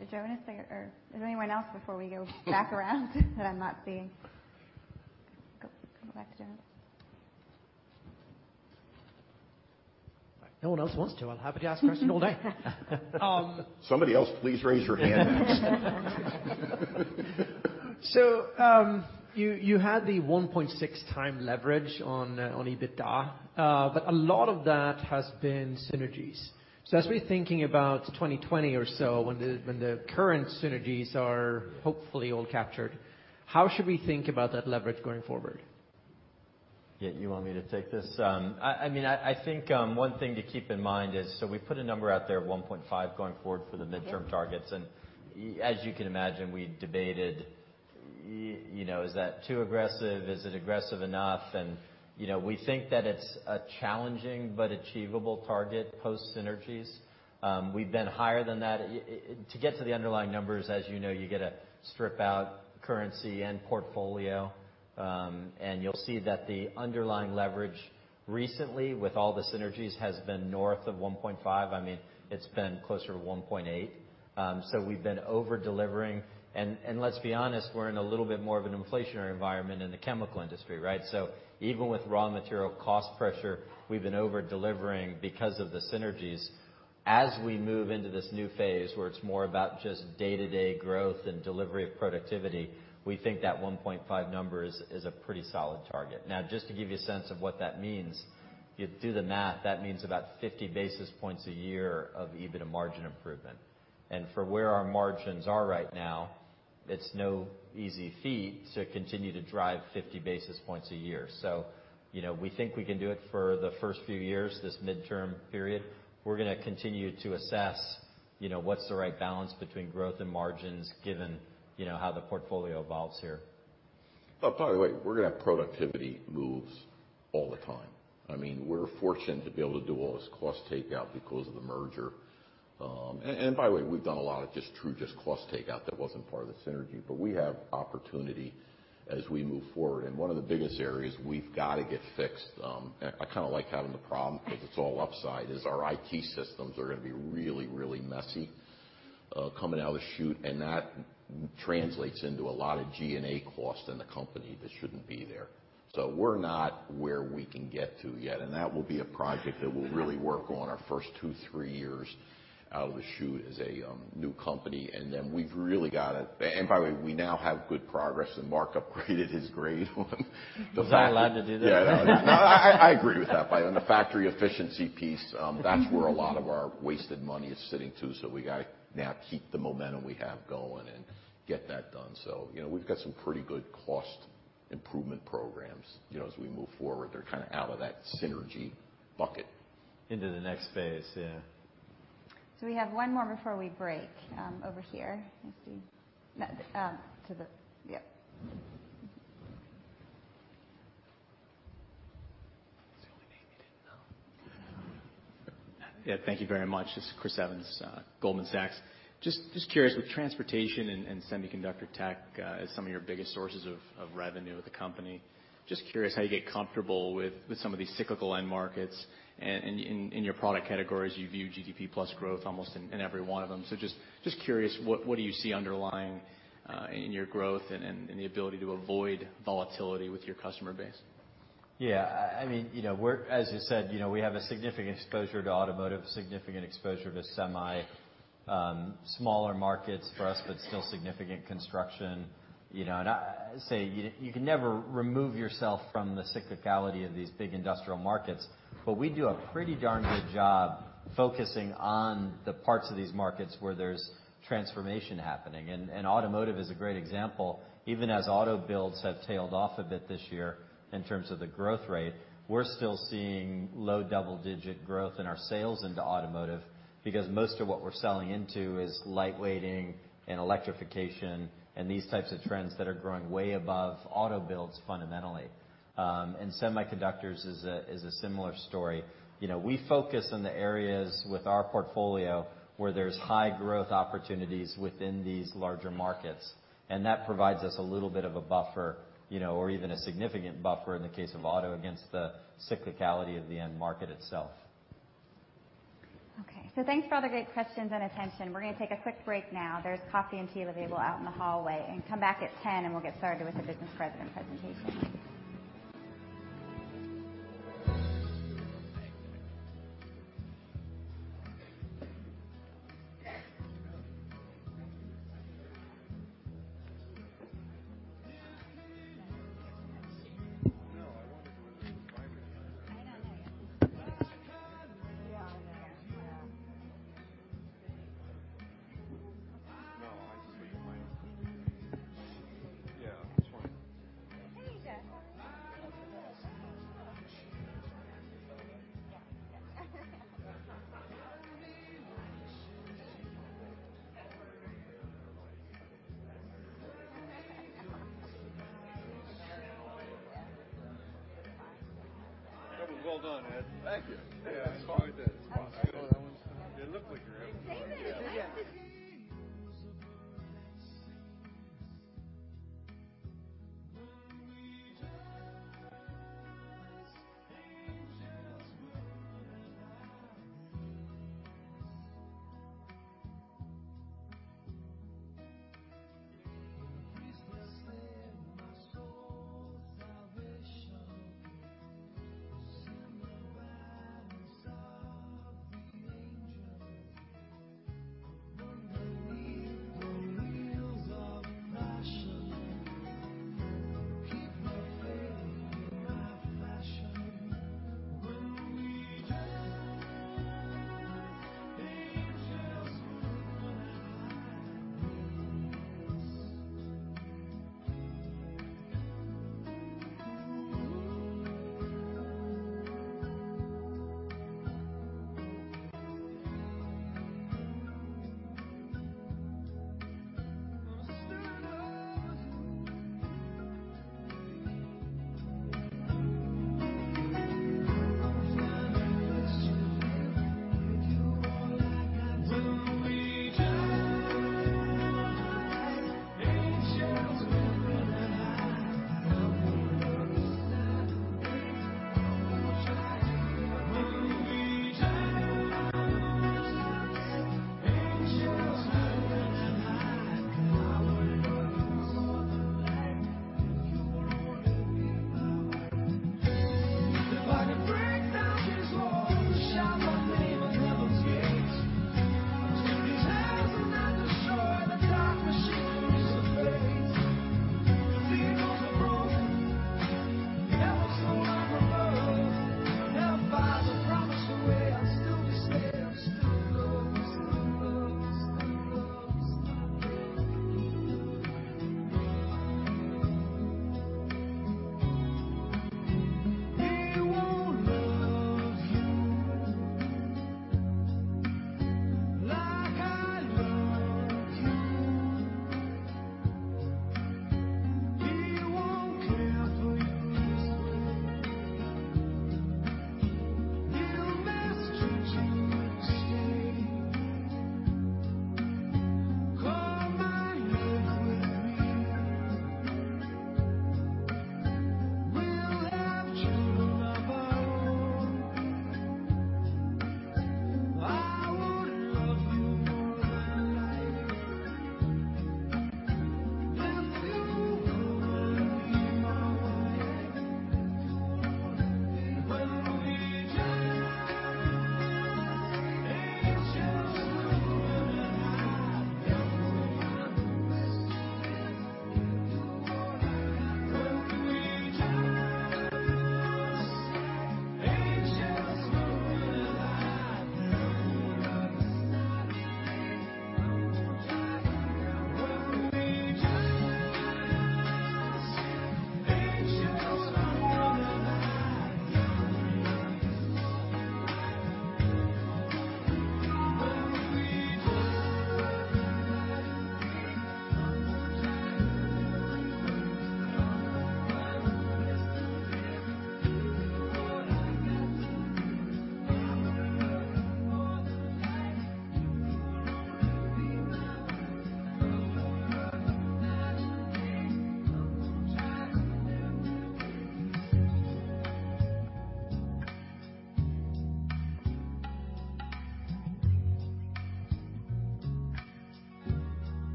Good. Jonas, or is there anyone else before we go back around that I'm not seeing? Go back to Jonas. If no one else wants to, I'm happy to ask a question all day. Somebody else please raise your hand next. You had the 1.6 times leverage on EBITDA, but a lot of that has been synergies. As we're thinking about 2020 or so, when the current synergies are hopefully all captured, how should we think about that leverage going forward? Yeah, you want me to take this? I think one thing to keep in mind is, we put a number out there of 1.5 going forward for the midterm targets. As you can imagine, we debated, is that too aggressive? Is it aggressive enough? We think that it's a challenging but achievable target post synergies. We've been higher than that. To get to the underlying numbers, as you know, you get to strip out currency and portfolio, and you'll see that the underlying leverage recently with all the synergies has been north of 1.5. It's been closer to 1.8. We've been over-delivering, and let's be honest, we're in a little bit more of an inflationary environment in the chemical industry, right? Even with raw material cost pressure, we've been over-delivering because of the synergies. As we move into this new phase where it's more about just day-to-day growth and delivery of productivity, we think that 1.5 number is a pretty solid target. Now, just to give you a sense of what that means, you do the math, that means about 50 basis points a year of EBITDA margin improvement. For where our margins are right now, it's no easy feat to continue to drive 50 basis points a year. We think we can do it for the first few years, this midterm period. We're going to continue to assess what's the right balance between growth and margins, given how the portfolio evolves here. Oh, by the way, we're going to have productivity moves all the time. We're fortunate to be able to do all this cost takeout because of the merger. By the way, we've done a lot of just true just cost takeout that wasn't part of the synergy, but we have opportunity as we move forward. One of the biggest areas we've got to get fixed, I kind of like having the problem because it's all upside, is our IT systems are going to be really messy coming out of the chute, and that translates into a lot of G&A cost in the company that shouldn't be there. We're not where we can get to yet, and that will be a project that we'll really work on our first two, three years out of the chute as a new company. By the way, we now have good progress, and Marc upgraded his grade on the factory. Was I allowed to do that? Yeah. No, I agree with that. On the factory efficiency piece, that's where a lot of our wasted money is sitting, too. We got to now keep the momentum we have going and get that done. We've got some pretty good cost improvement programs as we move forward. They're kind of out of that synergy bucket. Into the next phase, yeah. We have one more before we break. Over here. Let's see. To the, yep. That's the only name you didn't know. Yeah. Thank you very much. This is Chris Evans, Goldman Sachs. Just curious, with transportation and semiconductor tech as some of your biggest sources of revenue at the company, just curious how you get comfortable with some of these cyclical end markets. In your product categories, you view GDP plus growth almost in every one of them. Just curious, what do you see underlying in your growth and the ability to avoid volatility with your customer base? Yeah. As you said, we have a significant exposure to automotive, significant exposure to semi, smaller markets for us, but still significant construction. You can never remove yourself from the cyclicality of these big industrial markets, but we do a pretty darn good job focusing on the parts of these markets where there's transformation happening. Automotive is a great example. Even as auto builds have tailed off a bit this year in terms of the growth rate, we're still seeing low double-digit growth in our sales into automotive because most of what we're selling into is lightweighting and electrification and these types of trends that are growing way above auto builds fundamentally. Semiconductors is a similar story. We focus on the areas with our portfolio where there's high growth opportunities within these larger markets, and that provides us a little bit of a buffer, or even a significant buffer in the case of auto, against the cyclicality of the end market itself. Thanks for all the great questions and attention. We're going to take a quick break now. There's coffee and tea available out in the hallway, and come back at 10:00, and we'll get started with the business president presentation.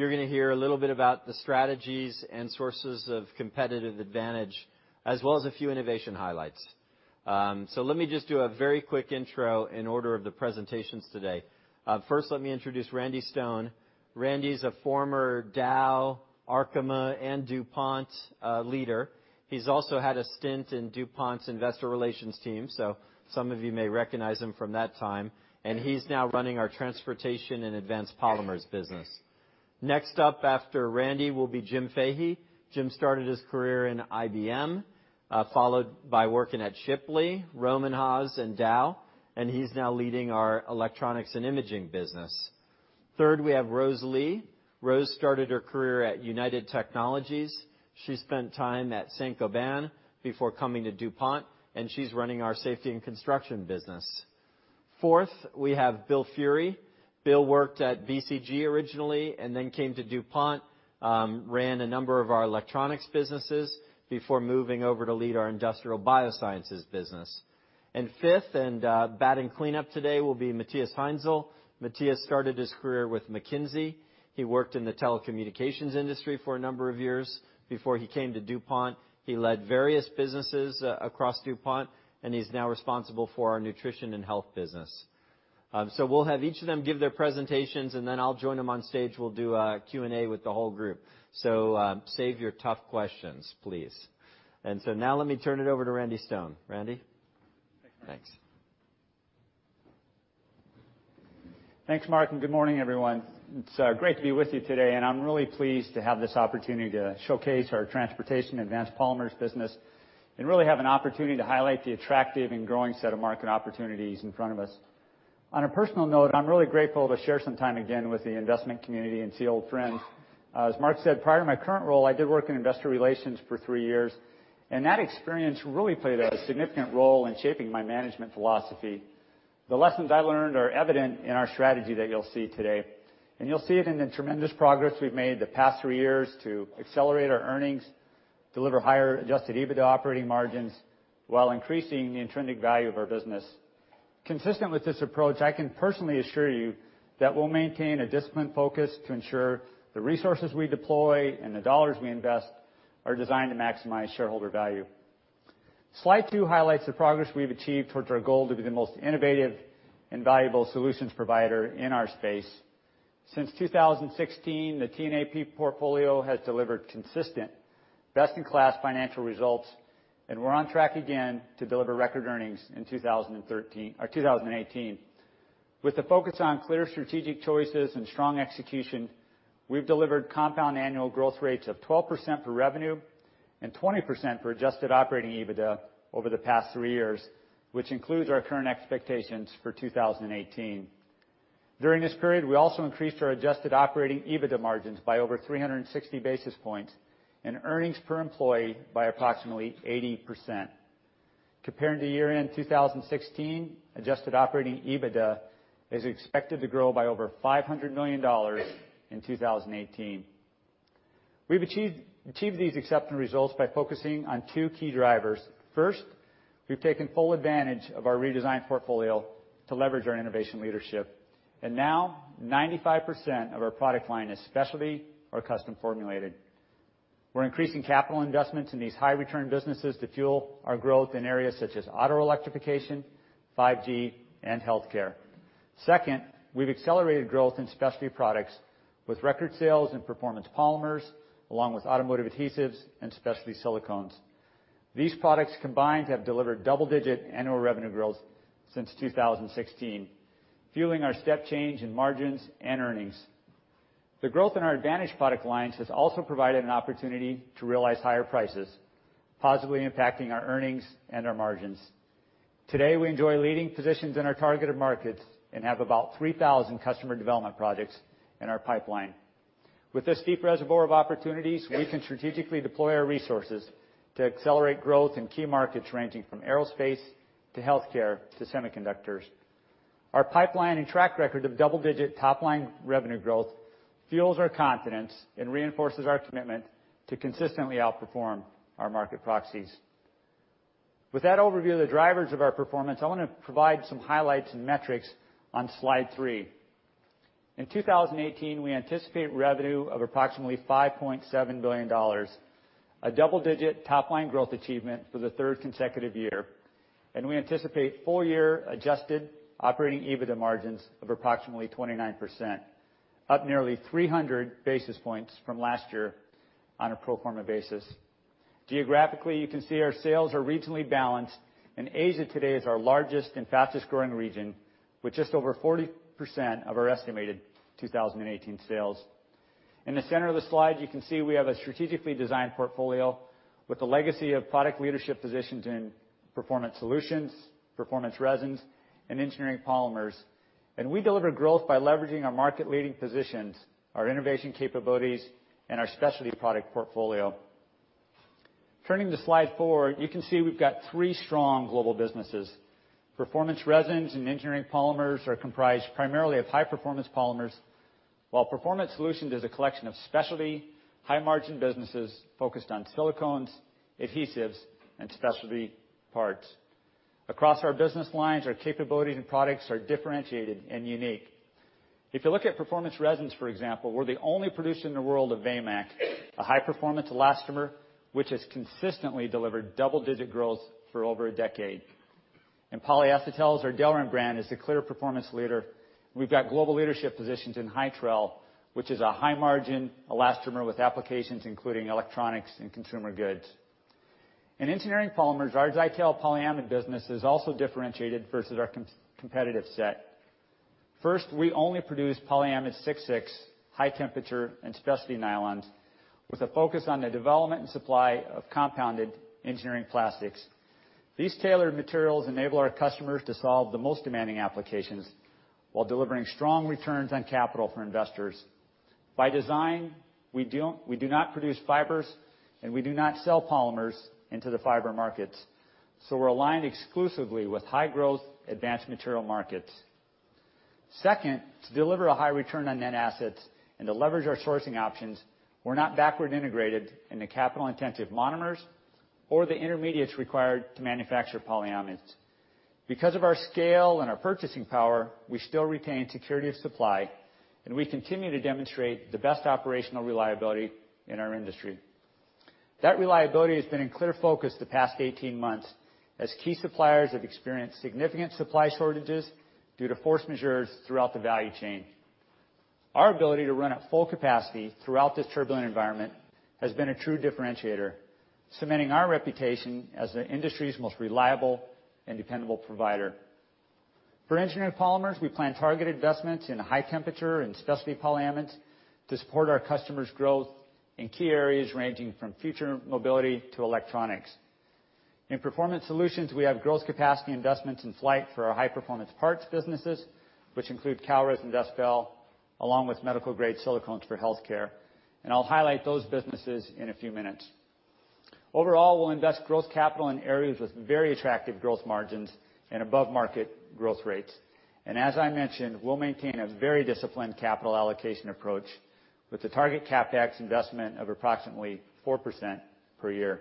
you're going to hear a little bit about the strategies and sources of competitive advantage, as well as a few innovation highlights. Let me just do a very quick intro in order of the presentations today. First, let me introduce Randy Stone. Randy is a former Dow, Arkema, and DuPont leader. He's also had a stint in DuPont's Investor Relations team, so some of you may recognize him from that time, and he's now running our Transportation & Advanced Polymers business. Next up after Randy will be Jim Fahey. Jim started his career in IBM, followed by working at Shipley, Rohm and Haas, and Dow, and he's now leading our Electronics & Imaging business. Third, we have Rose Lee. Rose started her career at United Technologies. She spent time at Saint-Gobain before coming to DuPont, and she's running our Safety & Construction business. Fourth, we have Bill Feehery. Bill worked at BCG originally and then came to DuPont, ran a number of our electronics businesses before moving over to lead our Industrial Biosciences business. Fifth and batting cleanup today will be Matthias Heinzel. Matthias started his career with McKinsey. He worked in the telecommunications industry for a number of years before he came to DuPont. He led various businesses across DuPont, and he's now responsible for our Nutrition & Health business. We'll have each of them give their presentations, and then I'll join them on stage. We'll do a Q&A with the whole group. Save your tough questions, please. Now let me turn it over to Randy Stone. Randy? Thanks. Thanks. Thanks, Marc. Good morning, everyone. It's great to be with you today, and I'm really pleased to have this opportunity to showcase our Transportation & Advanced Polymers business and really have an opportunity to highlight the attractive and growing set of market opportunities in front of us. On a personal note, I'm really grateful to share some time again with the investment community and see old friends. As Marc said, prior to my current role, I did work in investor relations for three years, and that experience really played a significant role in shaping my management philosophy. The lessons I learned are evident in our strategy that you'll see today, and you'll see it in the tremendous progress we've made the past three years to accelerate our earnings, deliver higher adjusted EBITDA operating margins while increasing the intrinsic value of our business. Consistent with this approach, I can personally assure you that we'll maintain a disciplined focus to ensure the resources we deploy and the dollars we invest are designed to maximize shareholder value. Slide two highlights the progress we've achieved towards our goal to be the most innovative and valuable solutions provider in our space. Since 2016, the TNAP portfolio has delivered consistent best-in-class financial results, and we're on track again to deliver record earnings in 2018. With the focus on clear strategic choices and strong execution, we've delivered compound annual growth rates of 12% for revenue and 20% for adjusted operating EBITDA over the past three years, which includes our current expectations for 2018. During this period, we also increased our adjusted operating EBITDA margins by over 360 basis points and earnings per employee by approximately 80%. Comparing to year-end 2016, adjusted operating EBITDA is expected to grow by over $500 million in 2018. We've achieved these exceptional results by focusing on two key drivers. First, we've taken full advantage of our redesigned portfolio to leverage our innovation leadership, and now 95% of our product line is specialty or custom formulated. We're increasing capital investments in these high-return businesses to fuel our growth in areas such as auto electrification, 5G, and healthcare. Second, we've accelerated growth in specialty products with record sales in performance polymers, along with automotive adhesives and specialty silicones. These products combined have delivered double-digit annual revenue growth since 2016, fueling our step change in margins and earnings. The growth in our advantage product lines has also provided an opportunity to realize higher prices, positively impacting our earnings and our margins. Today, we enjoy leading positions in our targeted markets and have about 3,000 customer development projects in our pipeline. With this deep reservoir of opportunities, we can strategically deploy our resources to accelerate growth in key markets, ranging from aerospace to healthcare to semiconductors. Our pipeline and track record of double-digit top-line revenue growth fuels our confidence and reinforces our commitment to consistently outperform our market proxies. With that overview of the drivers of our performance, I want to provide some highlights and metrics on slide three. In 2018, we anticipate revenue of approximately $5.7 billion, a double-digit top-line growth achievement for the third consecutive year, and we anticipate full-year adjusted operating EBITDA margins of approximately 29%, up nearly 300 basis points from last year on a pro forma basis. Geographically, you can see our sales are regionally balanced. Asia today is our largest and fastest-growing region, with just over 40% of our estimated 2018 sales. In the center of the slide, you can see we have a strategically designed portfolio with a legacy of product leadership positions in Performance Solutions, Performance Resins, and Engineering Polymers. We deliver growth by leveraging our market-leading positions, our innovation capabilities, and our specialty product portfolio. Turning to slide four, you can see we've got three strong global businesses. Performance Resins and Engineering Polymers are comprised primarily of high-performance polymers, while Performance Solutions is a collection of specialty, high-margin businesses focused on silicones, adhesives, and specialty parts. Across our business lines, our capabilities and products are differentiated and unique. If you look at Performance Resins, for example, we're the only producer in the world of Vamac, a high-performance elastomer, which has consistently delivered double-digit growth for over a decade. In polyacetals, our Delrin brand is the clear performance leader. We've got global leadership positions in Hytrel, which is a high-margin elastomer with applications including electronics and consumer goods. In Engineering Polymers, our Zytel polyamide business is also differentiated versus our competitive set. First, we only produce polyamide 6,6, high temperature and specialty nylons with a focus on the development and supply of compounded engineering plastics. These tailored materials enable our customers to solve the most demanding applications while delivering strong returns on capital for investors. By design, we do not produce fibers, and we do not sell polymers into the fiber markets, so we're aligned exclusively with high-growth, advanced material markets. Second, to deliver a high return on net assets and to leverage our sourcing options, we're not backward-integrated in the capital-intensive monomers or the intermediates required to manufacture polyamides. Because of our scale and our purchasing power, we still retain security of supply. We continue to demonstrate the best operational reliability in our industry. That reliability has been in clear focus the past 18 months as key suppliers have experienced significant supply shortages due to force majeures throughout the value chain. Our ability to run at full capacity throughout this turbulent environment has been a true differentiator, cementing our reputation as the industry's most reliable and dependable provider. For Engineering Polymers, we plan target investments in high temperature and specialty polyamides to support our customers' growth in key areas ranging from future mobility to electronics. In Performance Solutions, we have growth capacity investments in flight for our high-performance parts businesses, which include Kalrez and Destexbel, along with medical-grade silicones for healthcare. I'll highlight those businesses in a few minutes. Overall, we'll invest growth capital in areas with very attractive growth margins and above-market growth rates. As I mentioned, we'll maintain a very disciplined capital allocation approach with a target CapEx investment of approximately 4% per year.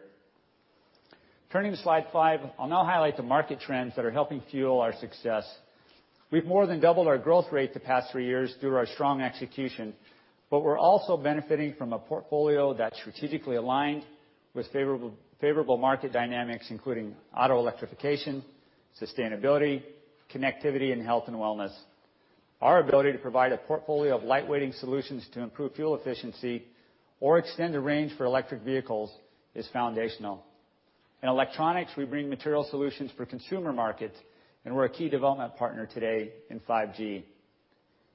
Turning to slide five, I'll now highlight the market trends that are helping fuel our success. We've more than doubled our growth rate the past three years through our strong execution, but we're also benefiting from a portfolio that strategically aligned with favorable market dynamics, including auto electrification, sustainability, connectivity, and health and wellness. Our ability to provide a portfolio of lightweighting solutions to improve fuel efficiency or extend the range for electric vehicles is foundational. In electronics, we bring material solutions for consumer markets, and we're a key development partner today in 5G.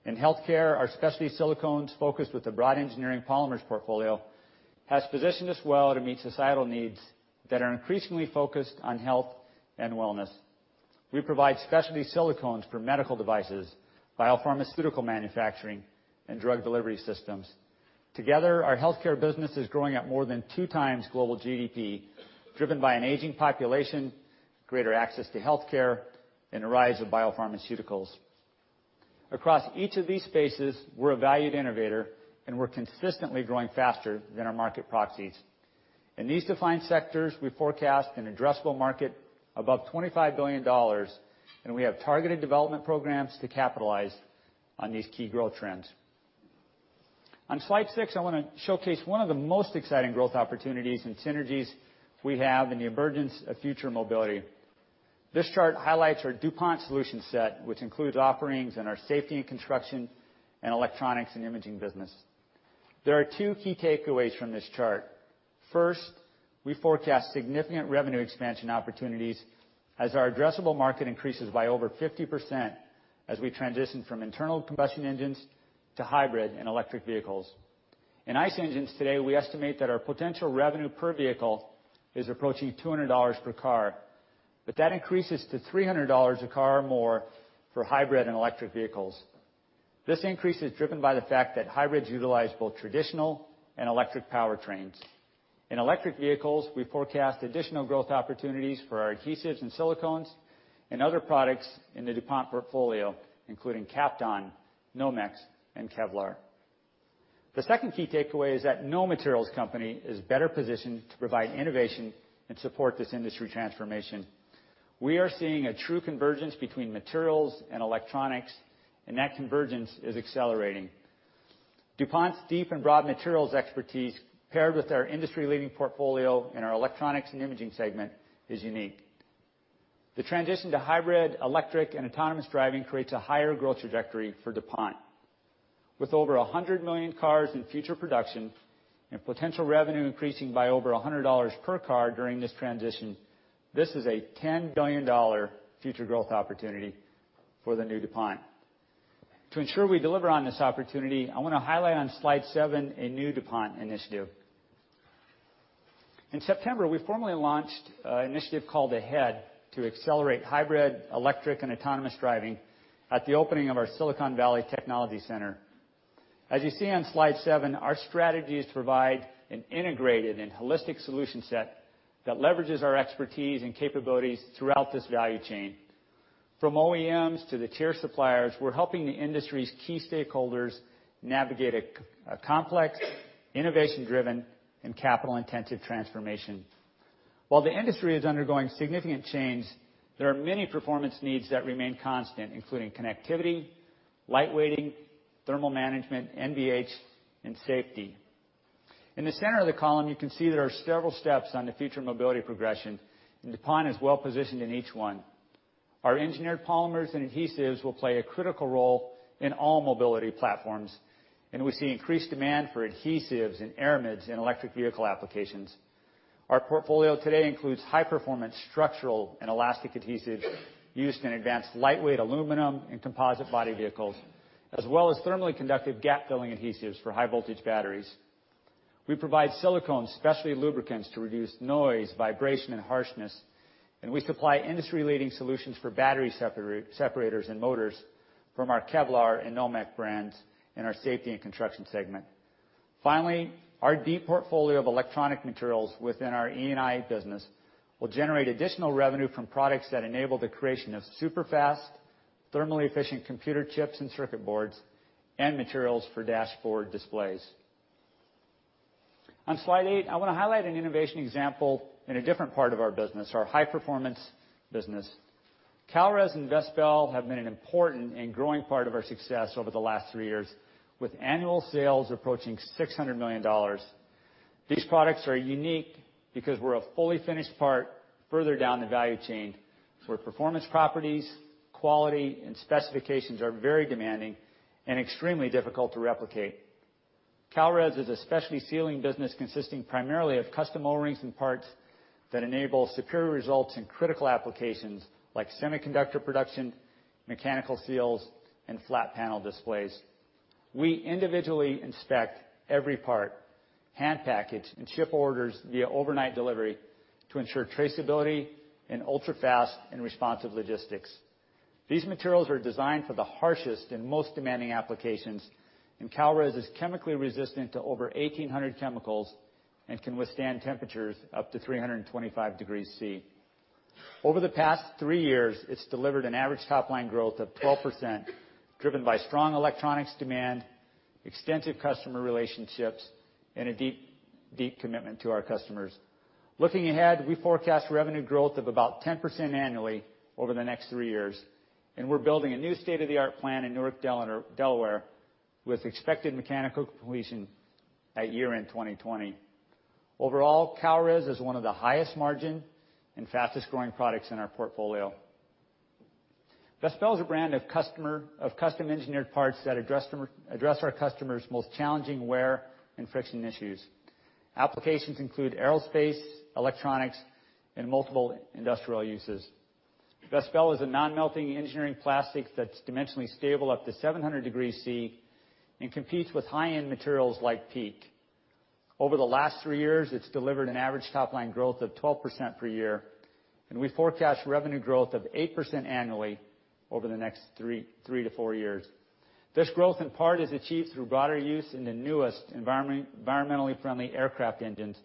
In healthcare, our specialty silicones focus with a broad engineering polymers portfolio has positioned us well to meet societal needs that are increasingly focused on health and wellness. We provide specialty silicones for medical devices, biopharmaceutical manufacturing, and drug delivery systems. Together, our healthcare business is growing at more than two times global GDP, driven by an aging population, greater access to healthcare, and the rise of biopharmaceuticals. Across each of these spaces, we're a valued innovator, and we're consistently growing faster than our market proxies. In these defined sectors, we forecast an addressable market above $25 billion, and we have targeted development programs to capitalize on these key growth trends. On slide six, I want to showcase one of the most exciting growth opportunities and synergies we have in the emergence of future mobility. This chart highlights our DuPont solutions set, which includes offerings in our Safety & Construction and Electronics & Imaging business. There are two key takeaways from this chart. First, we forecast significant revenue expansion opportunities as our addressable market increases by over 50% as we transition from internal combustion engines to hybrid and electric vehicles. In ICE engines today, we estimate that our potential revenue per vehicle is approaching $200 per car, but that increases to $300 a car or more for hybrid and electric vehicles. This increase is driven by the fact that hybrids utilize both traditional and electric powertrains. In electric vehicles, we forecast additional growth opportunities for our adhesives and silicones, and other products in the DuPont portfolio, including Kapton, Nomex, and Kevlar. The second key takeaway is that no materials company is better positioned to provide innovation and support this industry transformation. We are seeing a true convergence between materials and electronics, and that convergence is accelerating. DuPont's deep and broad materials expertise, paired with our industry-leading portfolio in our Electronics & Imaging segment, is unique. The transition to hybrid, electric, and autonomous driving creates a higher growth trajectory for DuPont. With over 100 million cars in future production and potential revenue increasing by over $100 per car during this transition, this is a $10 billion future growth opportunity for the new DuPont. To ensure we deliver on this opportunity, I want to highlight on slide seven a new DuPont initiative. In September, we formally launched an initiative called AHEAD to accelerate hybrid, electric, and autonomous driving at the opening of our Silicon Valley technology center. As you see on slide seven, our strategy is to provide an integrated and holistic solution set that leverages our expertise and capabilities throughout this value chain. From OEMs to the tier suppliers, we're helping the industry's key stakeholders navigate a complex, innovation-driven, and capital-intensive transformation. While the industry is undergoing significant change, there are many performance needs that remain constant, including connectivity, light weighting, thermal management, NVH, and safety. In the center of the column, you can see there are several steps on the future mobility progression, and DuPont is well positioned in each one. Our engineered polymers and adhesives will play a critical role in all mobility platforms, and we see increased demand for adhesives and aramids in electric vehicle applications. Our portfolio today includes high-performance structural and elastic adhesives used in advanced lightweight aluminum and composite body vehicles, as well as thermally conductive gap-filling adhesives for high-voltage batteries. We provide silicone specialty lubricants to reduce noise, vibration, and harshness, and we supply industry-leading solutions for battery separators and motors from our Kevlar and Nomex brands in our Safety & Construction segment. Finally, our deep portfolio of electronic materials within our E&I business will generate additional revenue from products that enable the creation of superfast, thermally efficient computer chips and circuit boards, and materials for dashboard displays. On slide eight, I want to highlight an innovation example in a different part of our business, our high-performance business. Kalrez and Vespel have been an important and growing part of our success over the last three years, with annual sales approaching $600 million. These products are unique because we're a fully finished part further down the value chain. Our performance properties, quality, and specifications are very demanding and extremely difficult to replicate. Kalrez is a specialty sealing business consisting primarily of custom O-rings and parts that enable superior results in critical applications like semiconductor production, mechanical seals, and flat panel displays. We individually inspect every part, hand package, and ship orders via overnight delivery to ensure traceability and ultra-fast and responsive logistics. These materials are designed for the harshest and most demanding applications, and Kalrez is chemically resistant to over 1,800 chemicals and can withstand temperatures up to 325 degrees C. Over the past three years, it's delivered an average top-line growth of 12%, driven by strong electronics demand, extensive customer relationships, and a deep commitment to our customers. Looking ahead, we forecast revenue growth of about 10% annually over the next three years, and we're building a new state-of-the-art plant in Newark, Delaware, with expected mechanical completion at year-end 2020. Overall, Kalrez is one of the highest margin and fastest-growing products in our portfolio. Vespel is a brand of custom-engineered parts that address our customers' most challenging wear and friction issues. Applications include aerospace, electronics, and multiple industrial uses. Vespel is a non-melting engineering plastic that's dimensionally stable up to 700 degrees C and competes with high-end materials like PEEK. Over the last three years, it's delivered an average top-line growth of 12% per year, and we forecast revenue growth of 8% annually over the next three to four years. This growth, in part, is achieved through broader use in the newest environmentally friendly aircraft engines.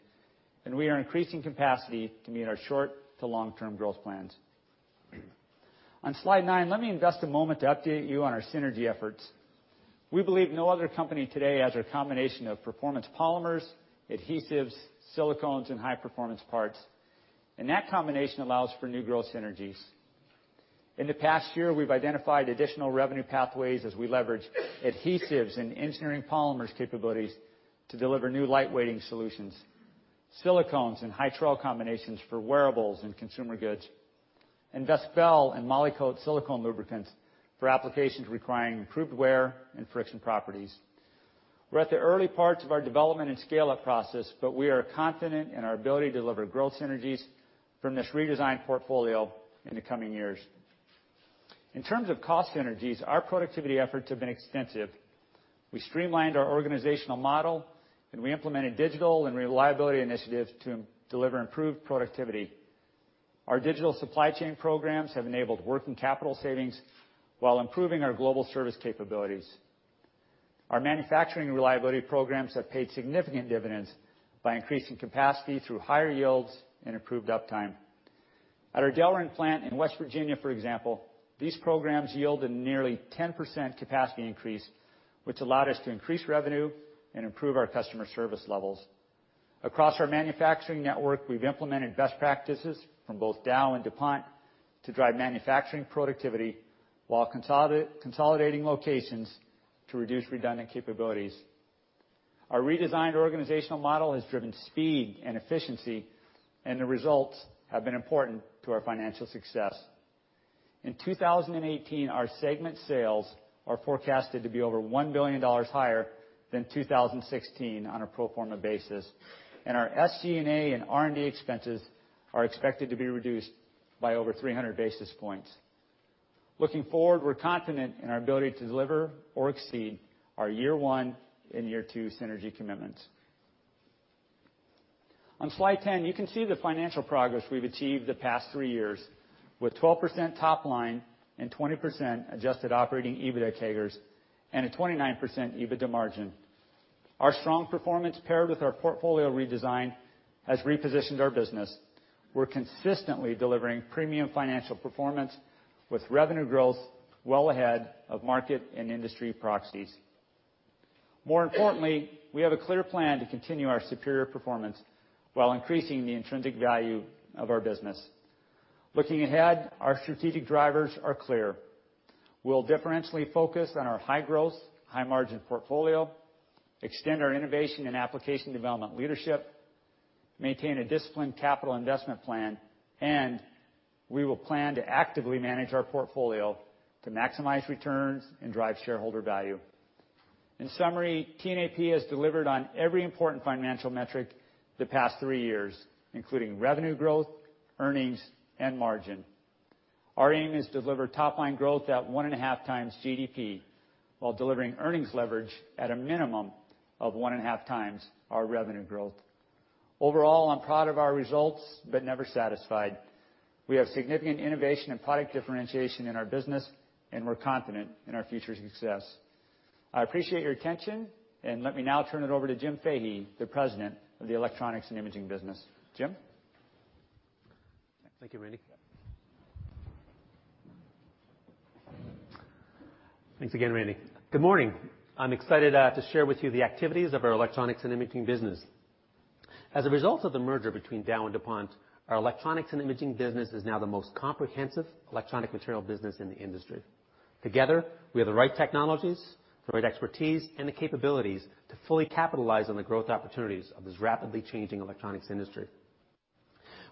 We are increasing capacity to meet our short to long-term growth plans. On slide nine, let me invest a moment to update you on our synergy efforts. We believe no other company today has a combination of performance polymers, adhesives, silicones, and high-performance parts. That combination allows for new growth synergies. In the past year, we've identified additional revenue pathways as we leverage adhesives and engineering polymers capabilities to deliver new light-weighting solutions, silicones and Hytrel combinations for wearables and consumer goods. Vespel and Molykote silicone lubricants for applications requiring improved wear and friction properties. We're at the early parts of our development and scale-up process. We are confident in our ability to deliver growth synergies from this redesigned portfolio in the coming years. In terms of cost synergies, our productivity efforts have been extensive. We streamlined our organizational model, and we implemented digital and reliability initiatives to deliver improved productivity. Our digital supply chain programs have enabled working capital savings while improving our global service capabilities. Our manufacturing reliability programs have paid significant dividends by increasing capacity through higher yields and improved uptime. At our Delrin plant in West Virginia, for example, these programs yield a nearly 10% capacity increase, which allowed us to increase revenue and improve our customer service levels. Across our manufacturing network, we've implemented best practices from both Dow and DuPont to drive manufacturing productivity while consolidating locations to reduce redundant capabilities. Our redesigned organizational model has driven speed and efficiency, and the results have been important to our financial success. In 2018, our segment sales are forecasted to be over $1 billion higher than 2016 on a pro forma basis, and our SG&A and R&D expenses are expected to be reduced by over 300 basis points. Looking forward, we're confident in our ability to deliver or exceed our year one and year two synergy commitments. On slide 10, you can see the financial progress we've achieved the past three years with 12% top line and 20% adjusted operating EBITDA CAGRs and a 29% EBITDA margin. Our strong performance paired with our portfolio redesign has repositioned our business. We're consistently delivering premium financial performance with revenue growth well ahead of market and industry proxies. More importantly, we have a clear plan to continue our superior performance while increasing the intrinsic value of our business. Looking ahead, our strategic drivers are clear. We'll differentially focus on our high growth, high margin portfolio, extend our innovation and application development leadership, maintain a disciplined capital investment plan, and we will plan to actively manage our portfolio to maximize returns and drive shareholder value. In summary, TNAP has delivered on every important financial metric the past three years, including revenue growth, earnings, and margin. Our aim is to deliver top-line growth at one and a half times GDP while delivering earnings leverage at a minimum of one and a half times our revenue growth. Overall, I'm proud of our results, but never satisfied. We have significant innovation and product differentiation in our business, and we're confident in our future success. I appreciate your attention, and let me now turn it over to Jim Fahey, the President of the Electronics & Imaging business. Jim? Thank you, Randy. Yeah. Thanks again, Randy. Good morning. I'm excited to share with you the activities of our Electronics & Imaging business. As a result of the merger between Dow and DuPont, our Electronics & Imaging business is now the most comprehensive electronic material business in the industry. Together, we have the right technologies, the right expertise, and the capabilities to fully capitalize on the growth opportunities of this rapidly changing electronics industry.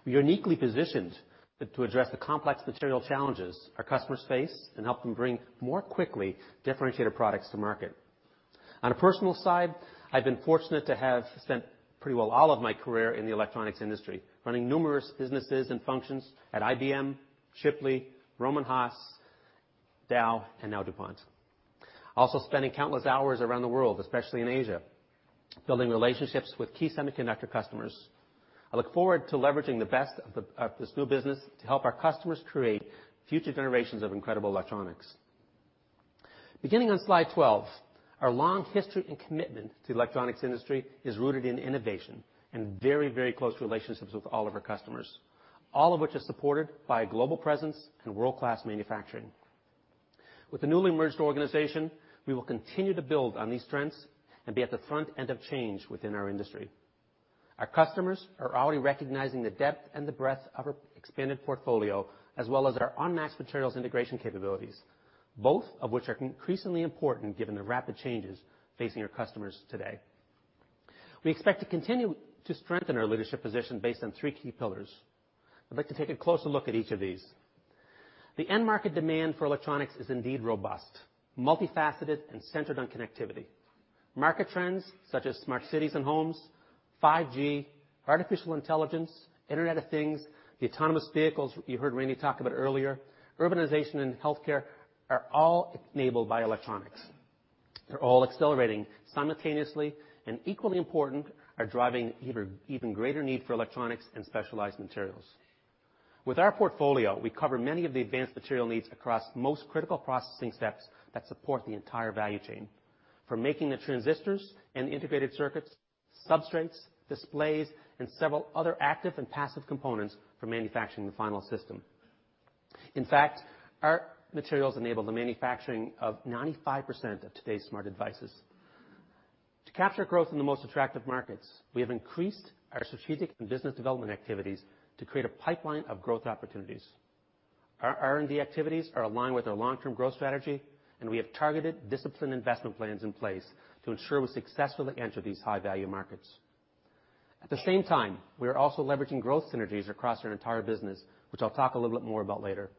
We are uniquely positioned to address the complex material challenges our customers face and help them bring more quickly differentiated products to market. On a personal side, I've been fortunate to have spent pretty well all of my career in the electronics industry, running numerous businesses and functions at IBM, Shipley, Rohm and Haas, Dow, and now DuPont. Also spending countless hours around the world, especially in Asia, building relationships with key semiconductor customers. I look forward to leveraging the best of this new business to help our customers create future generations of incredible electronics. Beginning on slide 12, our long history and commitment to the electronics industry is rooted in innovation and very, very close relationships with all of our customers, all of which are supported by a global presence and world-class manufacturing. With the newly merged organization, we will continue to build on these strengths and be at the front end of change within our industry. Our customers are already recognizing the depth and the breadth of our expanded portfolio, as well as our unmatched materials integration capabilities, both of which are increasingly important given the rapid changes facing our customers today. We expect to continue to strengthen our leadership position based on three key pillars. I'd like to take a closer look at each of these. The end market demand for electronics is indeed robust, multifaceted, and centered on connectivity. Market trends such as smart cities and homes, 5G, artificial intelligence, Internet of Things, the autonomous vehicles you heard Randy talk about earlier, urbanization, and healthcare are all enabled by electronics. They're all accelerating simultaneously and, equally important, are driving even greater need for electronics and specialized materials. With our portfolio, we cover many of the advanced material needs across most critical processing steps that support the entire value chain, from making the transistors and the integrated circuits, substrates, displays, and several other active and passive components for manufacturing the final system. In fact, our materials enable the manufacturing of 95% of today's smart devices. To capture growth in the most attractive markets, we have increased our strategic and business development activities to create a pipeline of growth opportunities. Our R&D activities are aligned with our long-term growth strategy, and we have targeted discipline investment plans in place to ensure we successfully enter these high-value markets. At the same time, we are also leveraging growth synergies across our entire business, which I'll talk a little bit more about later.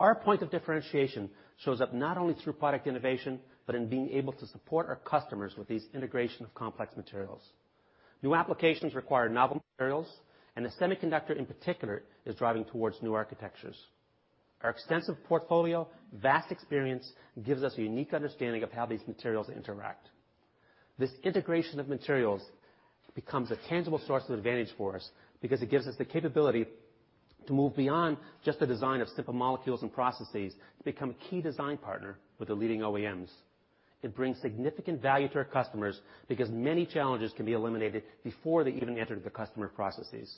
Our point of differentiation shows up not only through product innovation, but in being able to support our customers with these integration of complex materials. New applications require novel materials, and the semiconductor in particular is driving towards new architectures. Our extensive portfolio, vast experience, gives us a unique understanding of how these materials interact. This integration of materials becomes a tangible source of advantage for us because it gives us the capability to move beyond just the design of simple molecules and processes to become a key design partner with the leading OEMs. It brings significant value to our customers because many challenges can be eliminated before they even enter the customer processes.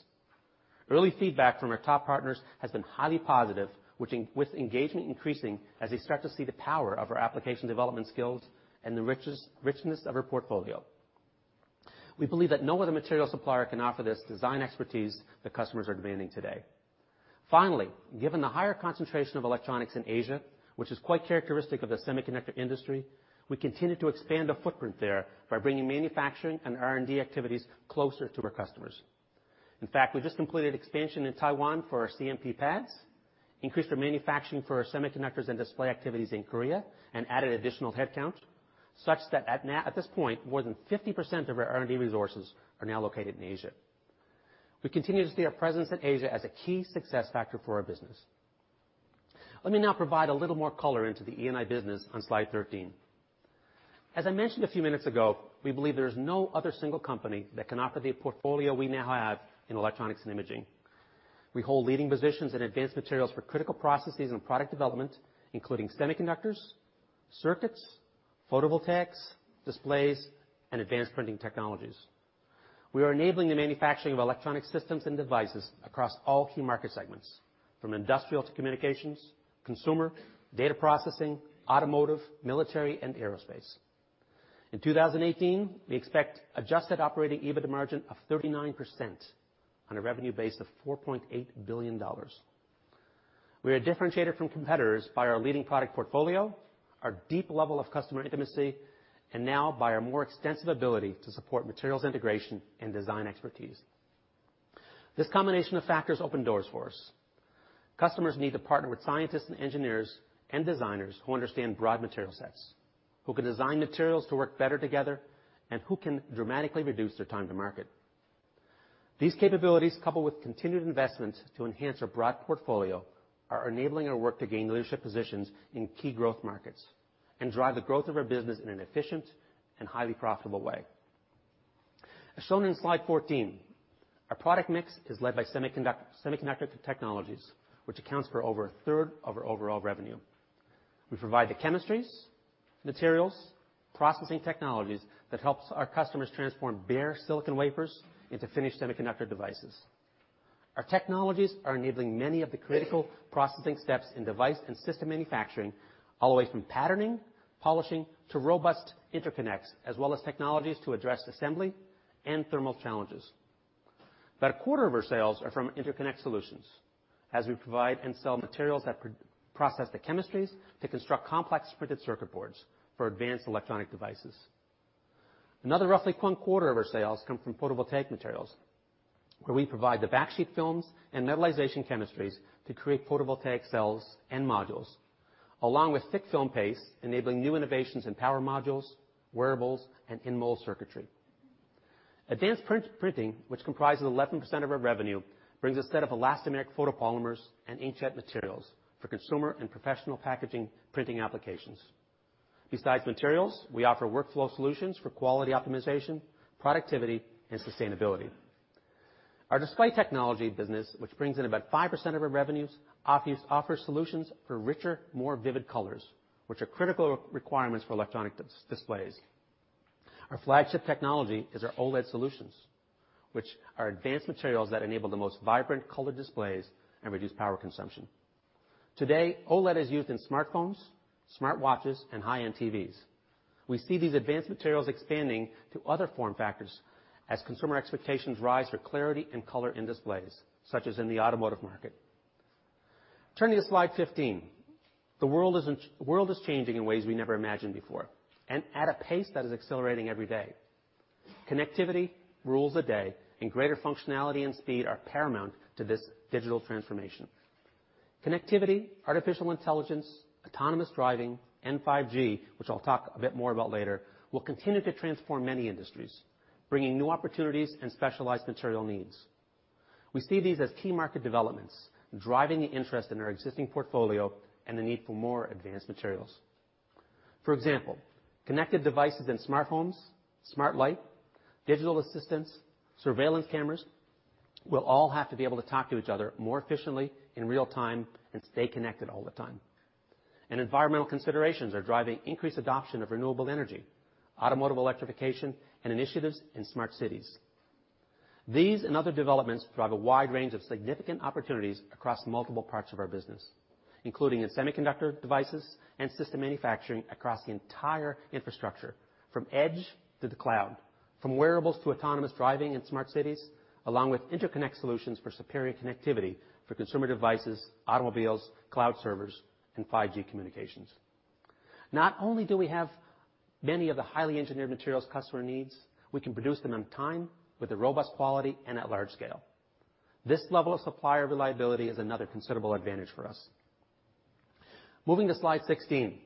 Early feedback from our top partners has been highly positive, with engagement increasing as they start to see the power of our application development skills and the richness of our portfolio. We believe that no other material supplier can offer this design expertise that customers are demanding today. Finally, given the higher concentration of electronics in Asia, which is quite characteristic of the semiconductor industry, we continue to expand our footprint there by bringing manufacturing and R&D activities closer to our customers. In fact, we just completed expansion in Taiwan for our CMP pads, increased our manufacturing for our semiconductors and display activities in Korea, and added additional headcount, such that at this point, more than 50% of our R&D resources are now located in Asia. We continue to see our presence in Asia as a key success factor for our business. Let me now provide a little more color into the E&I business on slide 13. As I mentioned a few minutes ago, we believe there is no other single company that can offer the portfolio we now have in Electronics & Imaging. We hold leading positions in advanced materials for critical processes and product development, including semiconductors, circuits, photovoltaics, displays, and advanced printing technologies. We are enabling the manufacturing of electronic systems and devices across all key market segments, from industrial to communications, consumer, data processing, automotive, military, and aerospace. In 2018, we expect adjusted operating EBITDA margin of 39% on a revenue base of $4.8 billion. We are differentiated from competitors by our leading product portfolio, our deep level of customer intimacy, and now by our more extensive ability to support materials integration and design expertise. This combination of factors open doors for us. Customers need to partner with scientists and engineers and designers who understand broad material sets, who can design materials to work better together, and who can dramatically reduce their time to market. These capabilities, coupled with continued investments to enhance our broad portfolio, are enabling our work to gain leadership positions in key growth markets and drive the growth of our business in an efficient and highly profitable way. As shown in slide 14, our product mix is led by semiconductor technologies, which accounts for over a third of our overall revenue. We provide the chemistries, materials, processing technologies that helps our customers transform bare silicon wafers into finished semiconductor devices. Our technologies are enabling many of the critical processing steps in device and system manufacturing, all the way from patterning, polishing, to robust interconnects, as well as technologies to address assembly and thermal challenges. About a quarter of our sales are from interconnect solutions, as we provide and sell materials that process the chemistries to construct complex printed circuit boards for advanced electronic devices. Another roughly one-quarter of our sales come from photovoltaic materials, where we provide the backsheet films and metallization chemistries to create photovoltaic cells and modules, along with thick film pastes, enabling new innovations in power modules, wearables, and in-mold circuitry. Advanced printing, which comprises 11% of our revenue, brings a set of elastomeric photopolymers and inkjet materials for consumer and professional packaging printing applications. Besides materials, we offer workflow solutions for quality optimization, productivity, and sustainability. Our display technology business, which brings in about 5% of our revenues, offers solutions for richer, more vivid colors, which are critical requirements for electronic displays. Our flagship technology is our OLED solutions, which are advanced materials that enable the most vibrant color displays and reduce power consumption. Today, OLED is used in smartphones, smartwatches, and high-end TVs. We see these advanced materials expanding to other form factors as consumer expectations rise for clarity and color in displays, such as in the automotive market. Turning to slide 15. The world is changing in ways we never imagined before, at a pace that is accelerating every day. Connectivity rules the day, greater functionality and speed are paramount to this digital transformation. Connectivity, artificial intelligence, autonomous driving, and 5G, which I'll talk a bit more about later, will continue to transform many industries, bringing new opportunities and specialized material needs. We see these as key market developments, driving the interest in our existing portfolio and the need for more advanced materials. For example, connected devices in smart homes, smart light, digital assistants, surveillance cameras will all have to be able to talk to each other more efficiently in real time and stay connected all the time. Environmental considerations are driving increased adoption of renewable energy, automotive electrification, and initiatives in smart cities. These and other developments drive a wide range of significant opportunities across multiple parts of our business, including in semiconductor devices and system manufacturing across the entire infrastructure, from edge to the cloud, from wearables to autonomous driving and smart cities, along with interconnect solutions for superior connectivity for consumer devices, automobiles, cloud servers, and 5G communications. Not only do we have many of the highly engineered materials customer needs, we can produce them on time with a robust quality and at large scale. This level of supplier reliability is another considerable advantage for us. Moving to slide 16.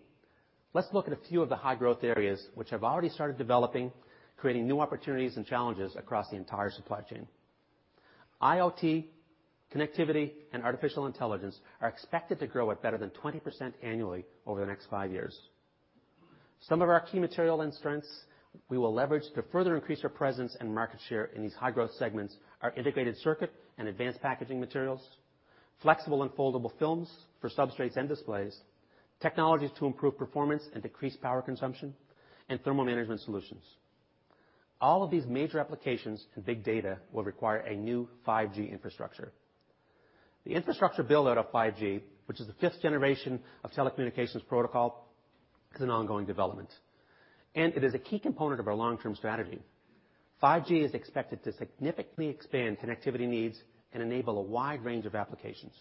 Let's look at a few of the high growth areas which have already started developing, creating new opportunities and challenges across the entire supply chain. IoT, connectivity, and artificial intelligence are expected to grow at better than 20% annually over the next five years. Some of our key material and strengths we will leverage to further increase our presence and market share in these high growth segments are integrated circuit and advanced packaging materials, flexible and foldable films for substrates and displays, technologies to improve performance and decrease power consumption, and thermal management solutions. All of these major applications and big data will require a new 5G infrastructure. The infrastructure build-out of 5G, which is the fifth generation of telecommunications protocol, is an ongoing development. It is a key component of our long-term strategy. 5G is expected to significantly expand connectivity needs and enable a wide range of applications.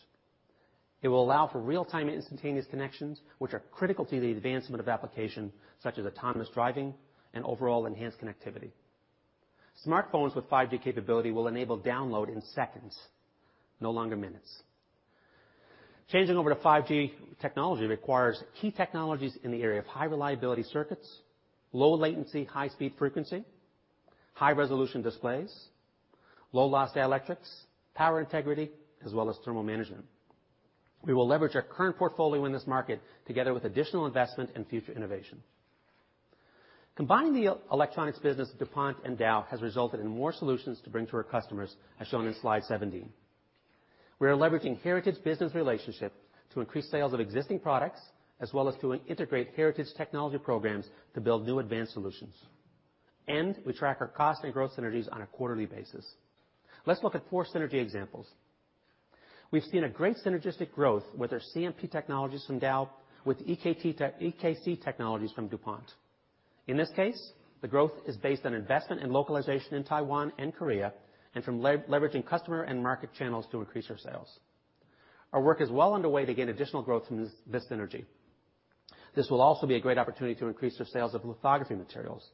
It will allow for real-time instantaneous connections, which are critical to the advancement of application such as autonomous driving and overall enhanced connectivity. Smartphones with 5G capability will enable download in seconds, no longer minutes. Changing over to 5G technology requires key technologies in the area of high reliability circuits, low latency, high speed frequency, high resolution displays, low loss dielectrics, power integrity, as well as thermal management. We will leverage our current portfolio in this market together with additional investment and future innovation. Combining the electronics business with DuPont and Dow has resulted in more solutions to bring to our customers, as shown in slide 17. We are leveraging heritage business relationship to increase sales of existing products, as well as to integrate heritage technology programs to build new advanced solutions. We track our cost and growth synergies on a quarterly basis. Let's look at four synergy examples. We've seen a great synergistic growth with our CMP technologies from Dow with EKC technologies from DuPont. In this case, the growth is based on investment and localization in Taiwan and Korea, and from leveraging customer and market channels to increase our sales. Our work is well underway to gain additional growth from this synergy. This will also be a great opportunity to increase our sales of lithography materials.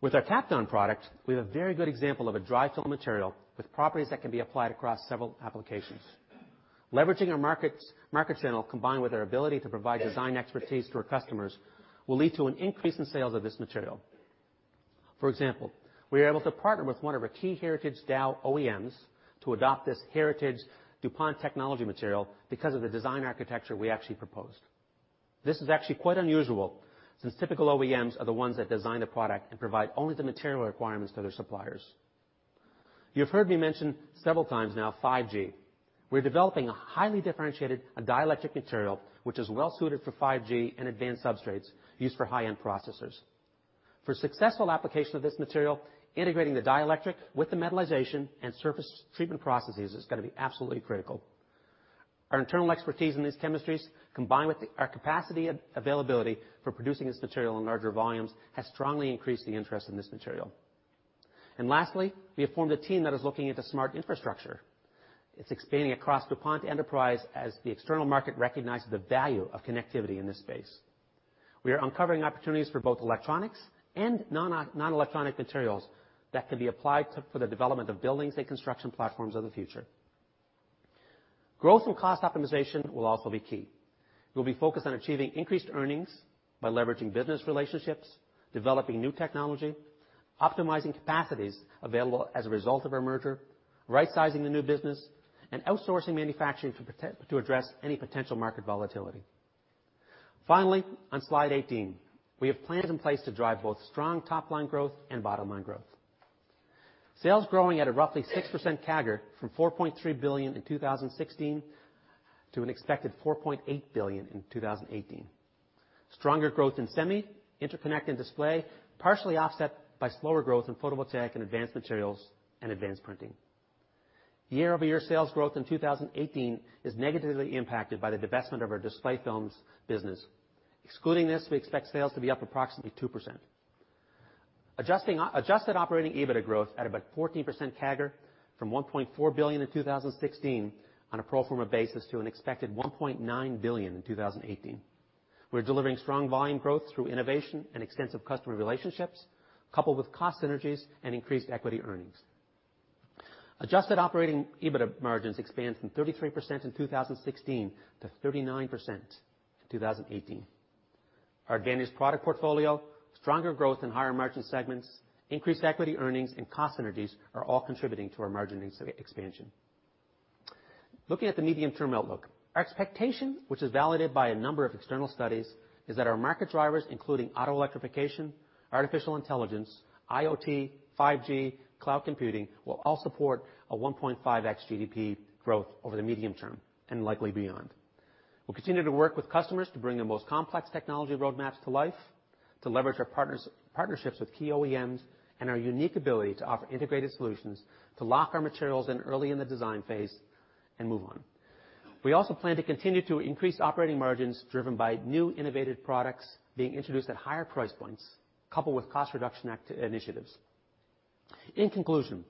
With our Kapton product, we have a very good example of a dry film material with properties that can be applied across several applications. Leveraging our market channel, combined with our ability to provide design expertise to our customers, will lead to an increase in sales of this material. For example, we are able to partner with one of our key heritage Dow OEMs to adopt this heritage DuPont technology material because of the design architecture we actually proposed. This is actually quite unusual, since typical OEMs are the ones that design the product and provide only the material requirements to their suppliers. You've heard me mention several times now, 5G. We're developing a highly differentiated, a dielectric material, which is well-suited for 5G and advanced substrates used for high-end processors. For successful application of this material, integrating the dielectric with the metallization and surface treatment processes is going to be absolutely critical. Our internal expertise in these chemistries, combined with our capacity availability for producing this material in larger volumes, has strongly increased the interest in this material. Lastly, we have formed a team that is looking into smart infrastructure. It's expanding across DuPont enterprise as the external market recognizes the value of connectivity in this space. We are uncovering opportunities for both electronics and non-electronic materials that can be applied for the development of buildings and construction platforms of the future. Growth and cost optimization will also be key. We'll be focused on achieving increased earnings by leveraging business relationships, developing new technology, optimizing capacities available as a result of our merger, right-sizing the new business, and outsourcing manufacturing to address any potential market volatility. Finally, on slide 18, we have plans in place to drive both strong top-line growth and bottom-line growth. Sales growing at a roughly 6% CAGR from $4.3 billion in 2016 to an expected $4.8 billion in 2018. Stronger growth in semi, interconnect and display, partially offset by slower growth in photovoltaic and advanced materials, and advanced printing. Year-over-year sales growth in 2018 is negatively impacted by the divestment of our display films business. Excluding this, we expect sales to be up approximately 2%. Adjusted operating EBITDA growth at about 14% CAGR from $1.4 billion in 2016 on a pro forma basis to an expected $1.9 billion in 2018. We're delivering strong volume growth through innovation and extensive customer relationships, coupled with cost synergies and increased equity earnings. Adjusted operating EBITDA margins expand from 33% in 2016 to 39% in 2018. Our enhanced product portfolio, stronger growth in higher margin segments, increased equity earnings, and cost synergies are all contributing to our margin expansion. Looking at the medium-term outlook, our expectation, which is validated by a number of external studies, is that our market drivers, including auto electrification, artificial intelligence, IoT, 5G, cloud computing, will all support a 1.5x GDP growth over the medium term and likely beyond. We'll continue to work with customers to bring the most complex technology roadmaps to life, to leverage our partnerships with key OEMs, and our unique ability to offer integrated solutions to lock our materials in early in the design phase and move on. We also plan to continue to increase operating margins driven by new innovative products being introduced at higher price points, coupled with cost reduction initiatives. In conclusion,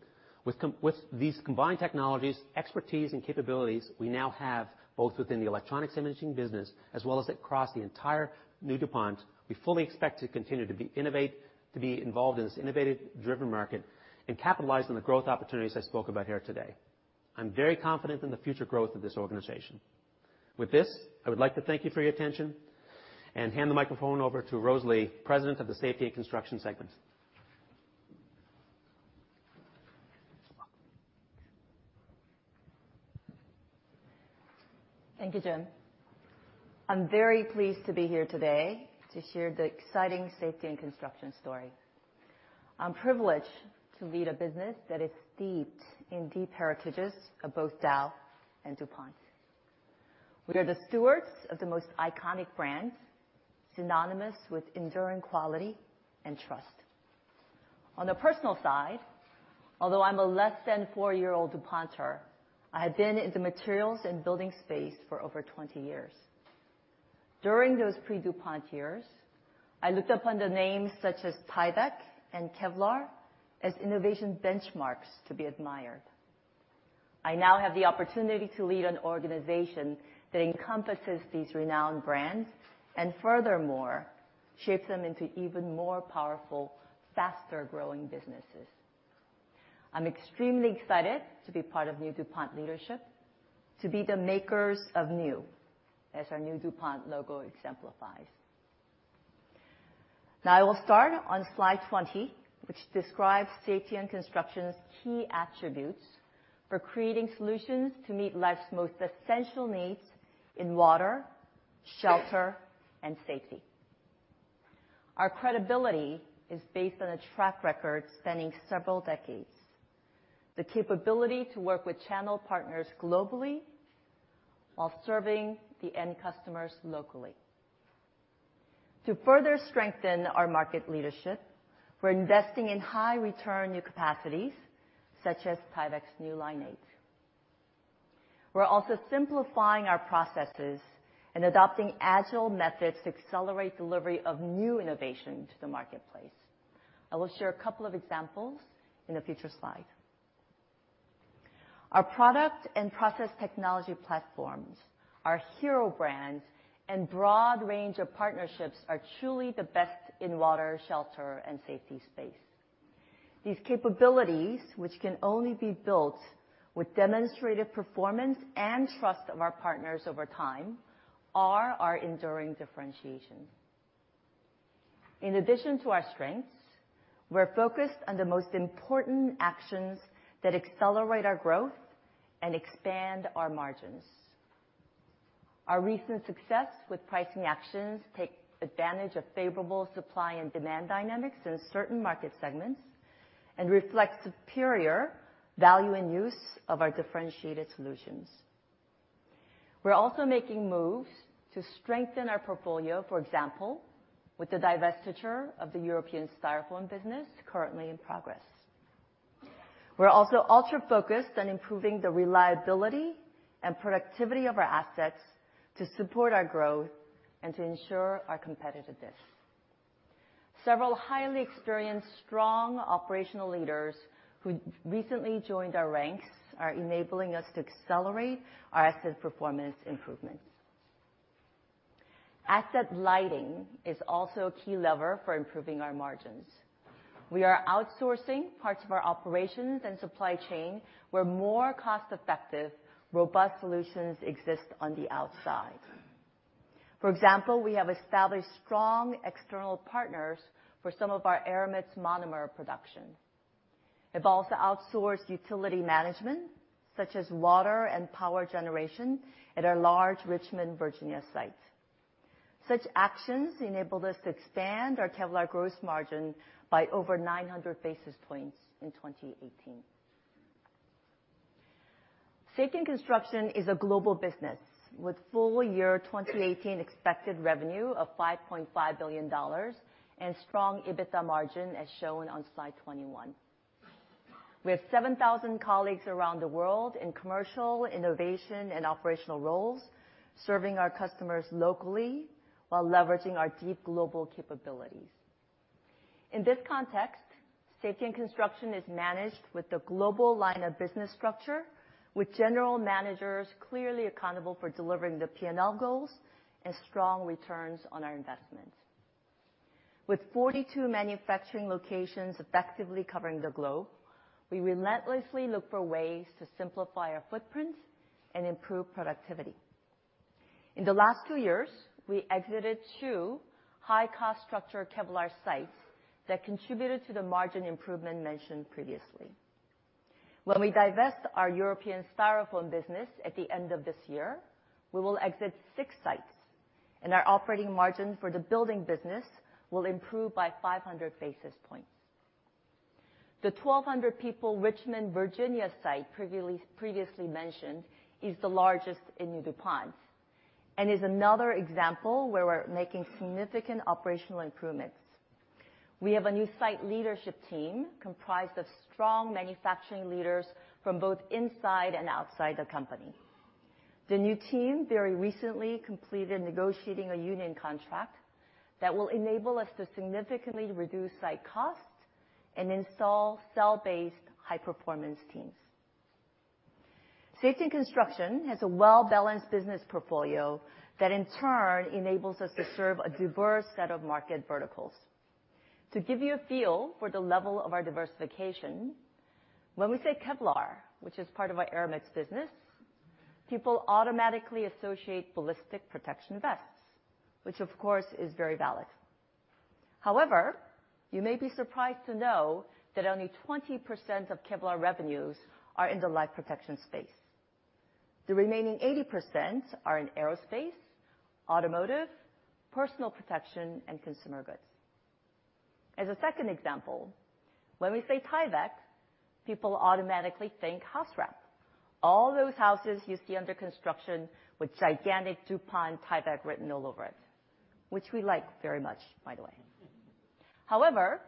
with these combined technologies, expertise, and capabilities we now have both within the Electronics & Imaging business as well as across the entire new DuPont, we fully expect to continue to be involved in this innovative driven market and capitalize on the growth opportunities I spoke about here today. I'm very confident in the future growth of this organization. With this, I would like to thank you for your attention and hand the microphone over to Rose Lee, President of the Safety & Construction segment. Thank you, Jim. I'm very pleased to be here today to share the exciting Safety & Construction story. I'm privileged to lead a business that is steeped in deep heritages of both Dow and DuPont. We are the stewards of the most iconic brands synonymous with enduring quality and trust. On a personal side, although I'm a less than four-year-old DuPonter, I have been in the materials and building space for over 20 years. During those pre-DuPont years, I looked upon the names such as Tyvek and Kevlar as innovation benchmarks to be admired. I now have the opportunity to lead an organization that encompasses these renowned brands and furthermore, shape them into even more powerful, faster-growing businesses. I'm extremely excited to be part of new DuPont leadership, to be the makers of new, as our new DuPont logo exemplifies. I will start on slide 20, which describes Safety & Construction's key attributes for creating solutions to meet life's most essential needs in water, shelter, and safety. Our credibility is based on a track record spanning several decades. The capability to work with channel partners globally while serving the end customers locally. To further strengthen our market leadership, we're investing in high return new capacities, such as Tyvek's new Line 8. We're also simplifying our processes and adopting agile methods to accelerate delivery of new innovation to the marketplace. I will share a couple of examples in a future slide. Our product and process technology platforms, our hero brands, and broad range of partnerships are truly the best in water, shelter, and safety space. These capabilities, which can only be built with demonstrated performance and trust of our partners over time, are our enduring differentiation. In addition to our strengths, we're focused on the most important actions that accelerate our growth and expand our margins. Our recent success with pricing actions take advantage of favorable supply and demand dynamics in certain market segments and reflect superior value and use of our differentiated solutions. We're also making moves to strengthen our portfolio. For example, with the divestiture of the European Styrofoam business currently in progress. We're also ultra-focused on improving the reliability and productivity of our assets to support our growth and to ensure our competitiveness. Several highly experienced, strong operational leaders who recently joined our ranks are enabling us to accelerate our asset performance improvements. Asset-light is also a key lever for improving our margins. We are outsourcing parts of our operations and supply chain where more cost-effective, robust solutions exist on the outside. For example, we have established strong external partners for some of our aramid's monomer production. We've evolved to outsourced utility management, such as water and power generation at our large Richmond, Virginia site. Such actions enable us to expand our Kevlar gross margin by over 900 basis points in 2018. Safety & Construction is a global business with full year 2018 expected revenue of $5.5 billion and strong EBITDA margin as shown on slide 21. We have 7,000 colleagues around the world in commercial, innovation, and operational roles, serving our customers locally while leveraging our deep global capabilities. In this context, Safety & Construction is managed with the global line of business structure, with general managers clearly accountable for delivering the P&L goals and strong returns on our investments. With 42 manufacturing locations effectively covering the globe, we relentlessly look for ways to simplify our footprint and improve productivity. In the last two years, we exited two high-cost structure Kevlar sites that contributed to the margin improvement mentioned previously. When we divest our European Styrofoam business at the end of this year, we will exit six sites, and our operating margin for the building business will improve by 500 basis points. The 1,200 people Richmond, Virginia site previously mentioned is the largest in new DuPont and is another example where we're making significant operational improvements. We have a new site leadership team comprised of strong manufacturing leaders from both inside and outside the company. The new team very recently completed negotiating a union contract that will enable us to significantly reduce site costs and install cell-based high-performance teams. Safety & Construction has a well-balanced business portfolio that in turn enables us to serve a diverse set of market verticals. To give you a feel for the level of our diversification, when we say Kevlar, which is part of our aramid business, people automatically associate ballistic protection vests, which of course is very valid. However, you may be surprised to know that only 20% of Kevlar revenues are in the life protection space. The remaining 80% are in aerospace, automotive, personal protection, and consumer goods. As a second example, when we say Tyvek, people automatically think house wrap. All those houses you see under construction with gigantic DuPont Tyvek written all over it, which we like very much, by the way. However,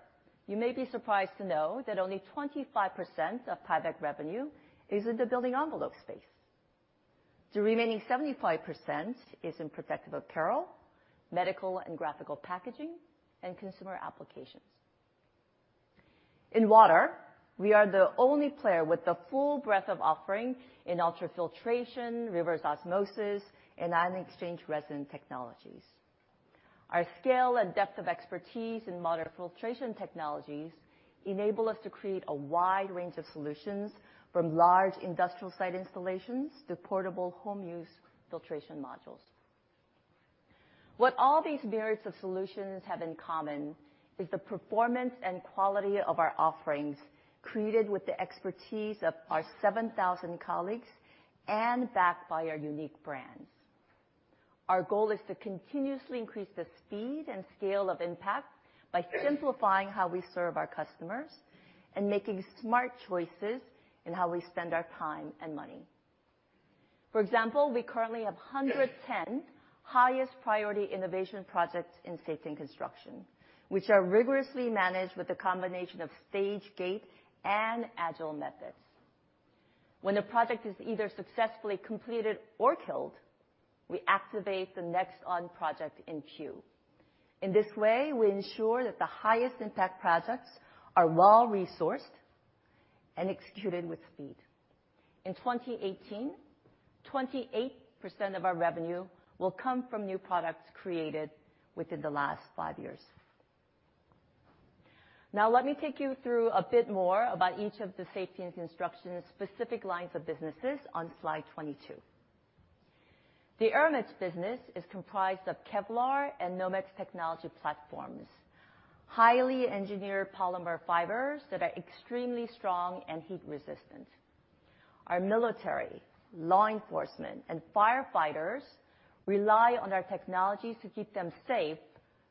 you may be surprised to know that only 25% of Tyvek revenue is in the building envelope space. The remaining 75% is in protective apparel, medical and graphical packaging, and consumer applications. In water, we are the only player with the full breadth of offering in ultrafiltration, reverse osmosis, and ion exchange resin technologies. Our scale and depth of expertise in modern filtration technologies enable us to create a wide range of solutions from large industrial site installations to portable home use filtration modules. What all these various of solutions have in common is the performance and quality of our offerings created with the expertise of our 7,000 colleagues and backed by our unique brands. Our goal is to continuously increase the speed and scale of impact by simplifying how we serve our customers and making smart choices in how we spend our time and money. For example, we currently have 110 highest priority innovation projects in Safety & Construction, which are rigorously managed with a combination of stage gate and agile methods. When the project is either successfully completed or killed, we activate the next on project in queue. In this way, we ensure that the highest impact projects are well-resourced and executed with speed. In 2018, 28% of our revenue will come from new products created within the last five years. Now let me take you through a bit more about each of the Safety & Construction's specific lines of businesses on slide 22. The aramid business is comprised of Kevlar and Nomex technology platforms, highly engineered polymer fibers that are extremely strong and heat-resistant. Our military, law enforcement, and firefighters rely on our technologies to keep them safe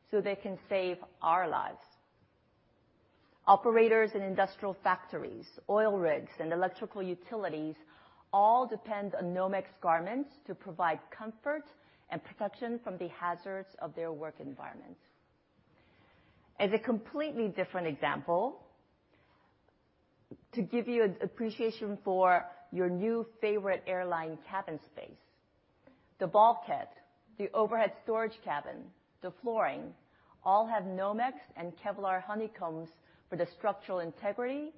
so they can save our lives. Operators in industrial factories, oil rigs, and electrical utilities all depend on Nomex garments to provide comfort and protection from the hazards of their work environments. As a completely different example, to give you an appreciation for your new favorite airline cabin space, the bulkhead, the overhead storage cabin, the flooring all have Nomex and Kevlar honeycombs for the structural integrity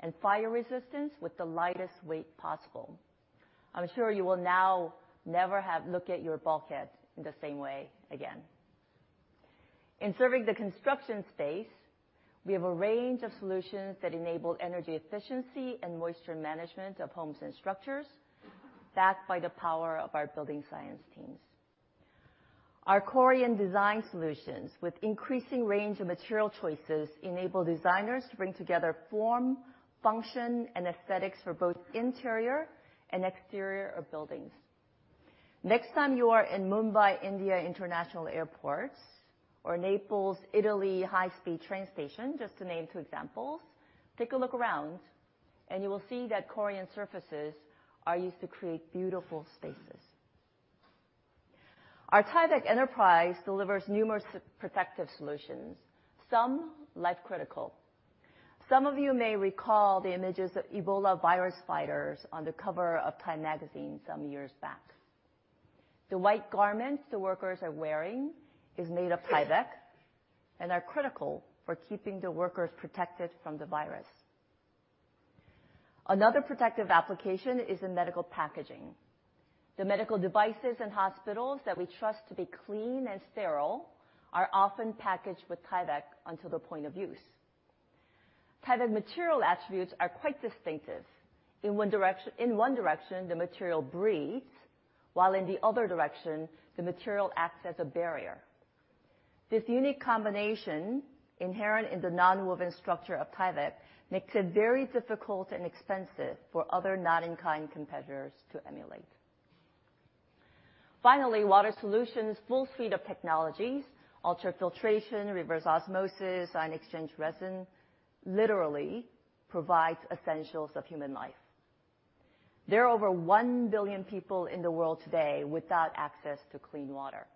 and fire resistance with the lightest weight possible. I'm sure you will now never look at your bulkhead in the same way again. In serving the construction space, we have a range of solutions that enable energy efficiency and moisture management of homes and structures, backed by the power of our building science teams. Our Corian design solutions with increasing range of material choices enable designers to bring together form, function, and aesthetics for both interior and exterior of buildings. Next time you are in Mumbai, India, international airports or Naples, Italy high-speed train station, just to name two examples, take a look around and you will see that Corian surfaces are used to create beautiful spaces. Our Tyvek enterprise delivers numerous protective solutions, some life-critical. Some of you may recall the images of Ebola virus fighters on the cover of Time magazine some years back. The white garments the workers are wearing is made of Tyvek and are critical for keeping the workers protected from the virus. Another protective application is in medical packaging. The medical devices in hospitals that we trust to be clean and sterile are often packaged with Tyvek until the point of use. Tyvek material attributes are quite distinctive. In one direction, the material breathes, while in the other direction, the material acts as a barrier. This unique combination, inherent in the nonwoven structure of Tyvek, makes it very difficult and expensive for other not-in-kind competitors to emulate. Finally, Water Solutions' full suite of technologies, ultrafiltration, reverse osmosis, ion exchange resin, literally provides essentials of human life. There are over one billion people in the world today without access to clean water.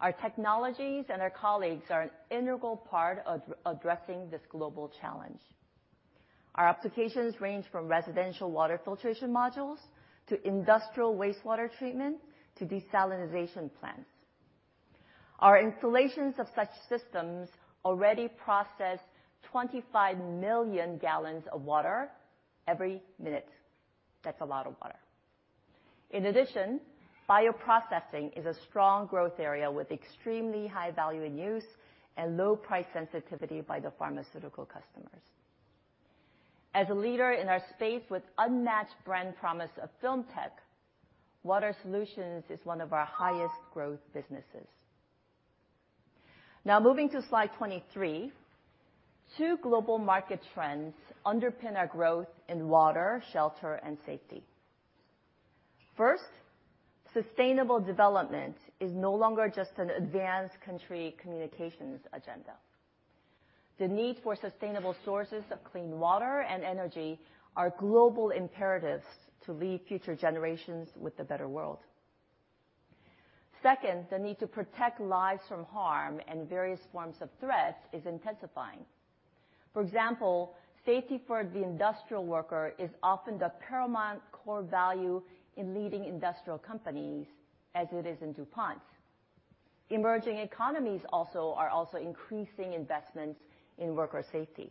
Our technologies and our colleagues are an integral part of addressing this global challenge. Our applications range from residential water filtration modules to industrial wastewater treatment, to desalinization plants. Our installations of such systems already process 25 million gallons of water every minute. That's a lot of water. In addition, bioprocessing is a strong growth area with extremely high value in use and low price sensitivity by the pharmaceutical customers. As a leader in our space with unmatched brand promise of FilmTec, Water Solutions is one of our highest growth businesses. Now moving to slide 23. Two global market trends underpin our growth in water, shelter and safety. First, sustainable development is no longer just an advanced country communications agenda. The need for sustainable sources of clean water and energy are global imperatives to leave future generations with the better world. Second, the need to protect lives from harm and various forms of threats is intensifying. For example, safety for the industrial worker is often the paramount core value in leading industrial companies as it is in DuPont. Emerging economies are also increasing investments in worker safety.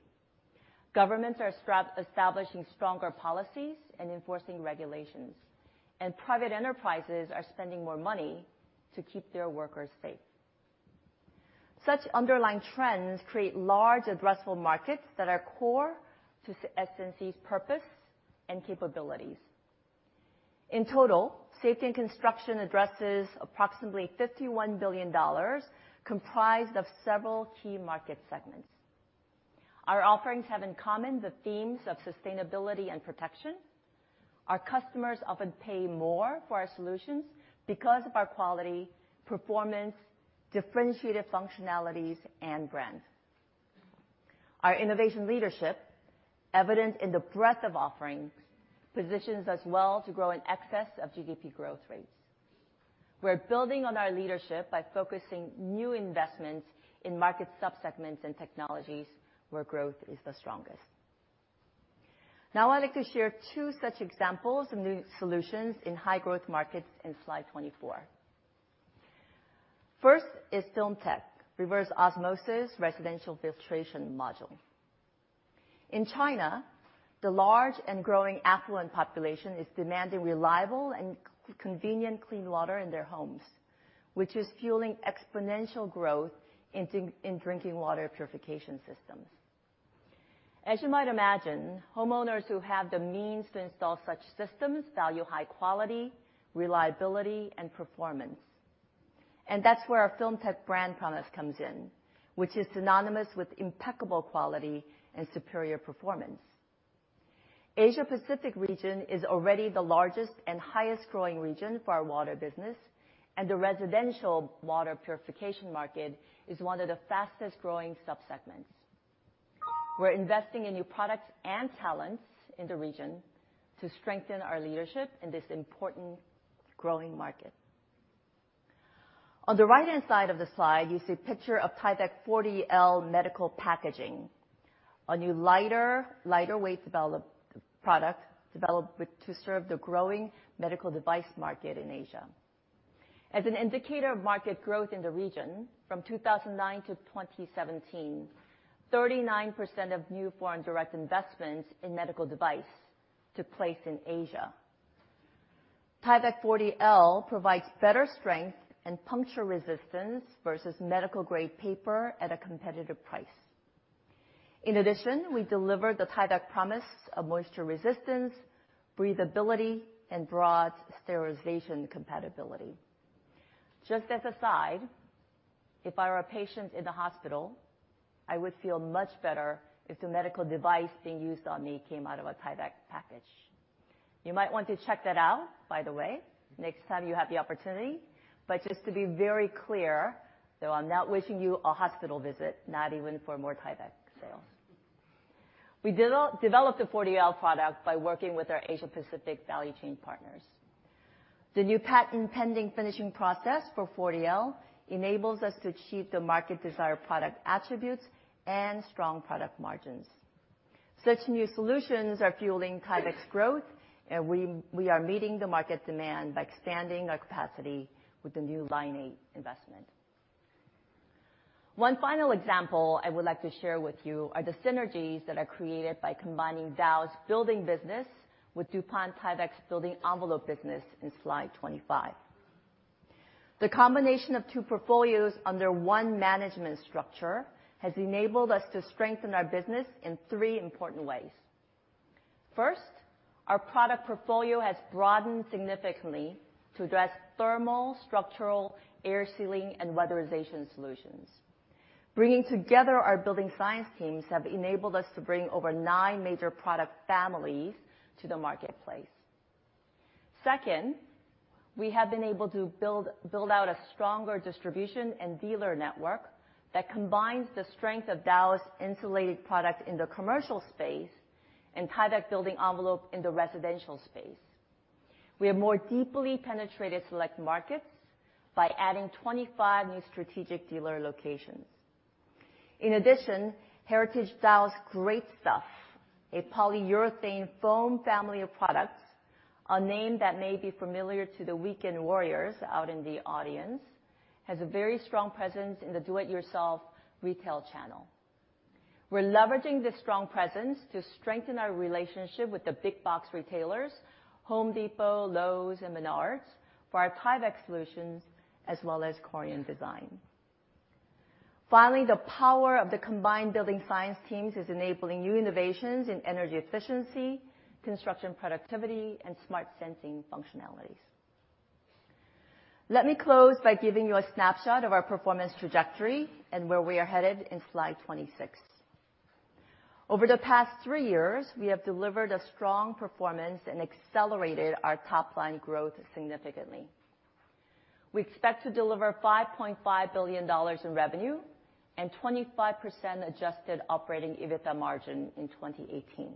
Governments are establishing stronger policies and enforcing regulations, and private enterprises are spending more money to keep their workers safe. Such underlying trends create large addressable markets that are core to S&C's purpose and capabilities. In total, Safety & Construction addresses approximately $51 billion, comprised of several key market segments. Our offerings have in common the themes of sustainability and protection. Our customers often pay more for our solutions because of our quality, performance, differentiated functionalities, and brand. Our innovation leadership, evident in the breadth of offerings, positions us well to grow in excess of GDP growth rates. We're building on our leadership by focusing new investments in market sub-segments and technologies where growth is the strongest. Now I'd like to share two such examples of new solutions in high growth markets in slide 24. First is Filmtec, reverse osmosis residential filtration module. In China, the large and growing affluent population is demanding reliable and convenient clean water in their homes, which is fueling exponential growth in drinking water purification systems. As you might imagine, homeowners who have the means to install such systems value high quality, reliability and performance. And that's where our FilmTec brand promise comes in, which is synonymous with impeccable quality and superior performance. Asia Pacific region is already the largest and highest growing region for our water business, and the residential water purification market is one of the fastest growing sub-segments. We're investing in new products and talents in the region to strengthen our leadership in this important growing market. On the right-hand side of the slide, you see a picture of Tyvek 40L medical packaging. A new lighter weight product developed to serve the growing medical device market in Asia. As an indicator of market growth in the region, from 2009 to 2017, 39% of new foreign direct investments in medical device took place in Asia. Tyvek 40L provides better strength and puncture resistance versus medical grade paper at a competitive price. In addition, we deliver the Tyvek promise of moisture resistance, breathability, and broad sterilization compatibility. Just as a side, if I were a patient in the hospital, I would feel much better if the medical device being used on me came out of a Tyvek package. You might want to check that out, by the way, next time you have the opportunity. But just to be very clear, though I'm not wishing you a hospital visit, not even for more Tyvek sales. We developed the 40L product by working with our Asia Pacific value chain partners. The new patent pending finishing process for 40L enables us to achieve the market desired product attributes and strong product margins. Such new solutions are fueling Tyvek's growth, and we are meeting the market demand by expanding our capacity with the new Line 8 investment. One final example I would like to share with you are the synergies that are created by combining Dow's building business with DuPont Tyvek's building envelope business in slide 25. The combination of two portfolios under one management structure has enabled us to strengthen our business in three important ways. First, our product portfolio has broadened significantly to address thermal, structural, air sealing, and weatherization solutions. Bringing together our building science teams have enabled us to bring over nine major product families to the marketplace. Second, we have been able to build out a stronger distribution and dealer network that combines the strength of Dow's insulated product in the commercial space and Tyvek building envelope in the residential space. We have more deeply penetrated select markets by adding 25 new strategic dealer locations. In addition, Heritage Dow's Great Stuff, a polyurethane foam family of products, a name that may be familiar to the weekend warriors out in the audience, has a very strong presence in the do-it-yourself retail channel. We're leveraging this strong presence to strengthen our relationship with The Home Depot, Lowe's, and Menards, for our Tyvek solutions, as well as Corian design. Finally, the power of the combined building science teams is enabling new innovations in energy efficiency, construction productivity, and smart sensing functionalities. Let me close by giving you a snapshot of our performance trajectory and where we are headed in slide 26. Over the past three years, we have delivered a strong performance and accelerated our top-line growth significantly. We expect to deliver $5.5 billion in revenue and 25% adjusted operating EBITDA margin in 2018.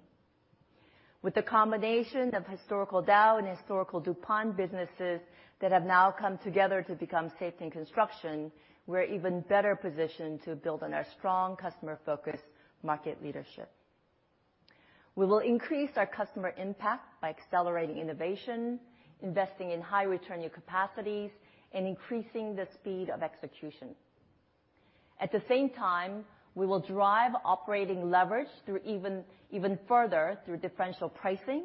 With the combination of historical Dow and historical DuPont businesses that have now come together to become Safety & Construction, we are even better positioned to build on our strong customer focus market leadership. We will increase our customer impact by accelerating innovation, investing in high-return new capacities, and increasing the speed of execution. At the same time, we will drive operating leverage even further through differential pricing,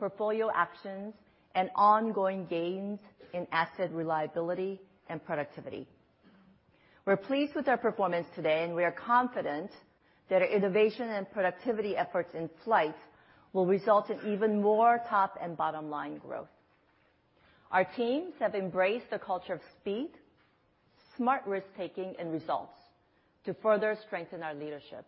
portfolio actions, and ongoing gains in asset reliability and productivity. We are pleased with our performance today, and we are confident that our innovation and productivity efforts in flight will result in even more top and bottom-line growth. Our teams have embraced a culture of speed, smart risk-taking, and results to further strengthen our leadership.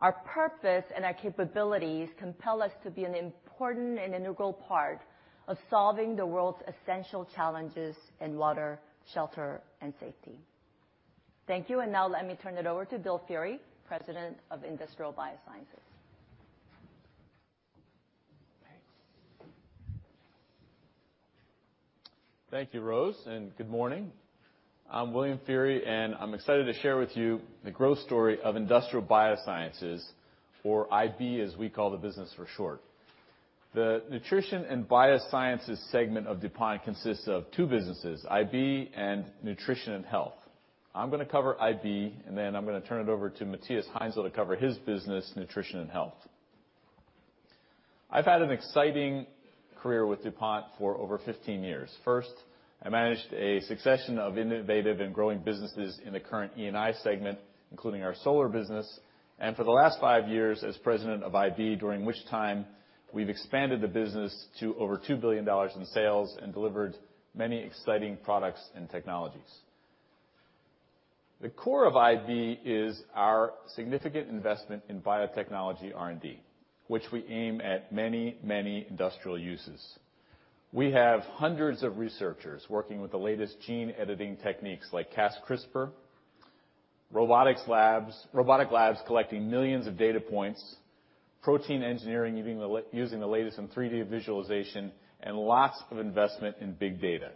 Our purpose and our capabilities compel us to be an important and integral part of solving the world's essential challenges in water, shelter, and safety. Thank you. Now let me turn it over to Bill Feehery, President of Industrial Biosciences. Thanks. Thank you, Rose, and good morning. I am William Feehery, and I am excited to share with you the growth story of Industrial Biosciences, or IB, as we call the business for short. The Nutrition & Biosciences segment of DuPont consists of two businesses, IB and Nutrition & Health. I am going to cover IB, and then I am going to turn it over to Matthias Heinzel to cover his business, Nutrition & Health. I have had an exciting career with DuPont for over 15 years. First, I managed a succession of innovative and growing businesses in the current E&I segment, including our solar business. For the last five years as president of IB, during which time we have expanded the business to over $2 billion in sales and delivered many exciting products and technologies. The core of IB is our significant investment in biotechnology R&D, which we aim at many industrial uses. We have hundreds of researchers working with the latest gene editing techniques like CRISPR-Cas, robotic labs collecting millions of data points, protein engineering using the latest in 3D visualization, and lots of investment in big data.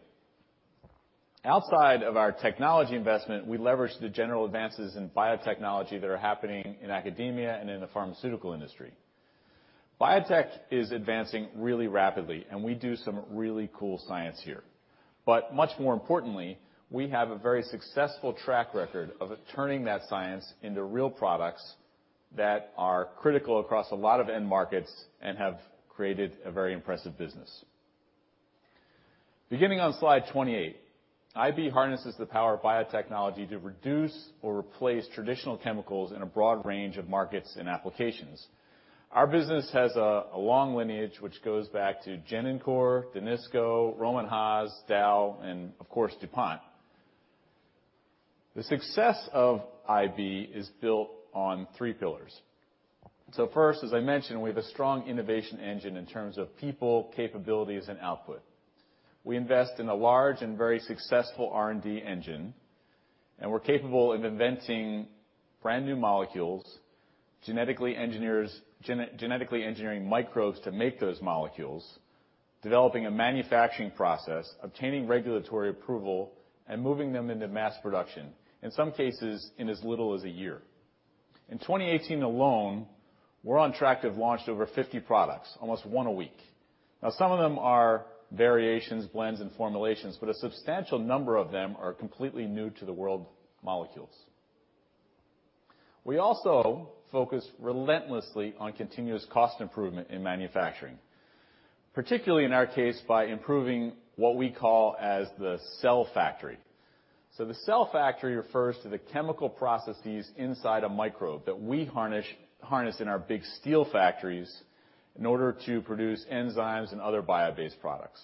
Outside of our technology investment, we leverage the general advances in biotechnology that are happening in academia and in the pharmaceutical industry. Biotech is advancing really rapidly, and we do some really cool science here. Much more importantly, we have a very successful track record of turning that science into real products that are critical across a lot of end markets and have created a very impressive business. Beginning on slide 28, IB harnesses the power of biotechnology to reduce or replace traditional chemicals in a broad range of markets and applications. Our business has a long lineage, which goes back to Genencor, Danisco, Rohm and Haas, Dow, and of course, DuPont. The success of IB is built on three pillars. First, as I mentioned, we have a strong innovation engine in terms of people, capabilities, and output. We invest in a large and very successful R&D engine, and we are capable of inventing brand-new molecules, genetically engineering microbes to make those molecules, developing a manufacturing process, obtaining regulatory approval, and moving them into mass production, in some cases, in as little as a year. In 2018 alone, we are on track to have launched over 50 products, almost one a week. Now, some of them are variations, blends, and formulations, but a substantial number of them are completely new to the world molecules. We also focus relentlessly on continuous cost improvement in manufacturing, particularly in our case, by improving what we call as the cell factory. The cell factory refers to the chemical processes inside a microbe that we harness in our big steel factories in order to produce enzymes and other bio-based products.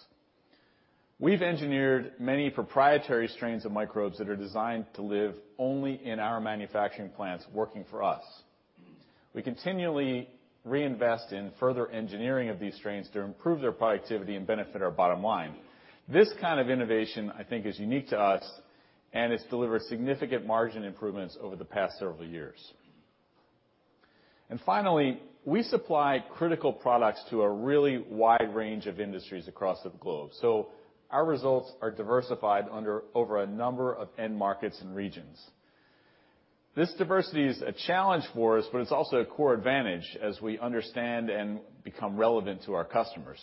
We have engineered many proprietary strains of microbes that are designed to live only in our manufacturing plants, working for us. We continually reinvest in further engineering of these strains to improve their productivity and benefit our bottom line. This kind of innovation, I think, is unique to us, and it has delivered significant margin improvements over the past several years. Finally, we supply critical products to a really wide range of industries across the globe. Our results are diversified over a number of end markets and regions. This diversity is a challenge for us, but it is also a core advantage as we understand and become relevant to our customers.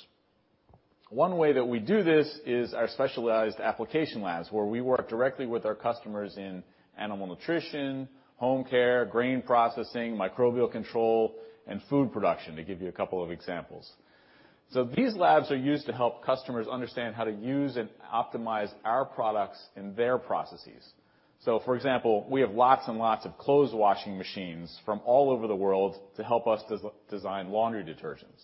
One way that we do this is our specialized application labs, where we work directly with our customers in animal nutrition, home care, grain processing, Microbial Control, and food production, to give you a couple of examples. These labs are used to help customers understand how to use and optimize our products in their processes. For example, we have lots and lots of clothes washing machines from all over the world to help us design laundry detergents.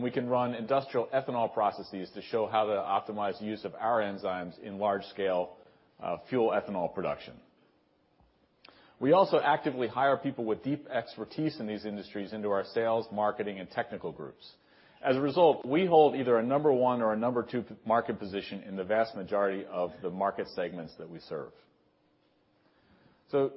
We can run industrial ethanol processes to show how to optimize use of our enzymes in large-scale fuel ethanol production. We also actively hire people with deep expertise in these industries into our sales, marketing, and technical groups. As a result, we hold either a number one or a number two market position in the vast majority of the market segments that we serve.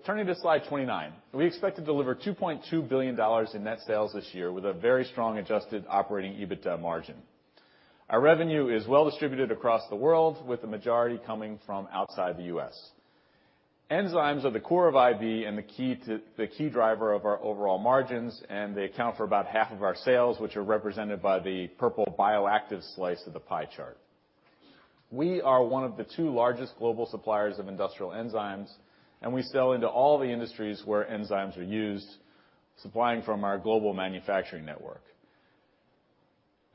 Turning to slide 29. We expect to deliver $2.2 billion in net sales this year with a very strong adjusted operating EBITDA margin. Our revenue is well-distributed across the world, with the majority coming from outside the U.S. Enzymes are the core of IB and the key driver of our overall margins, and they account for about half of our sales, which are represented by the purple Bioactives slice of the pie chart. We are one of the two largest global suppliers of industrial enzymes, and we sell into all the industries where enzymes are used, supplying from our global manufacturing network.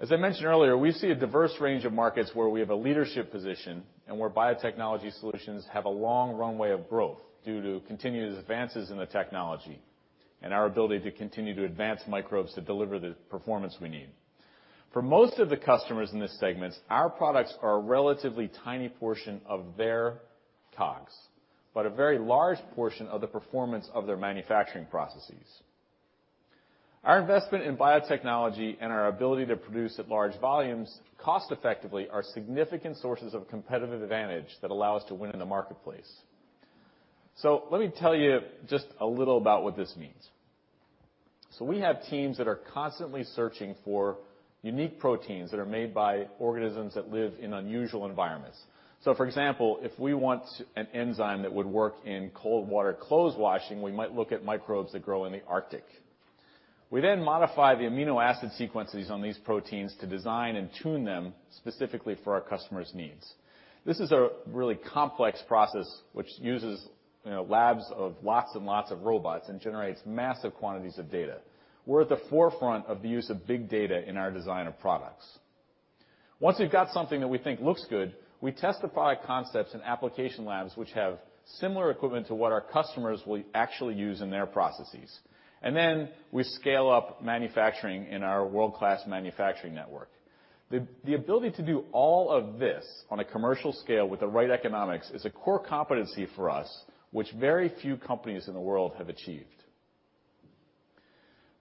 As I mentioned earlier, we see a diverse range of markets where we have a leadership position and where biotechnology solutions have a long runway of growth due to continued advances in the technology and our ability to continue to advance microbes to deliver the performance we need. For most of the customers in this segment, our products are a relatively tiny portion of their COGS, but a very large portion of the performance of their manufacturing processes. Our investment in biotechnology and our ability to produce at large volumes cost effectively are significant sources of competitive advantage that allow us to win in the marketplace. Let me tell you just a little about what this means. We have teams that are constantly searching for unique proteins that are made by organisms that live in unusual environments. For example, if we want an enzyme that would work in cold water clothes washing, we might look at microbes that grow in the Arctic. We then modify the amino acid sequences on these proteins to design and tune them specifically for our customers' needs. This is a really complex process which uses labs of lots and lots of robots and generates massive quantities of data. We're at the forefront of the use of big data in our design of products. Once we've got something that we think looks good, we test the product concepts in application labs which have similar equipment to what our customers will actually use in their processes. Then we scale up manufacturing in our world-class manufacturing network. The ability to do all of this on a commercial scale with the right economics is a core competency for us, which very few companies in the world have achieved.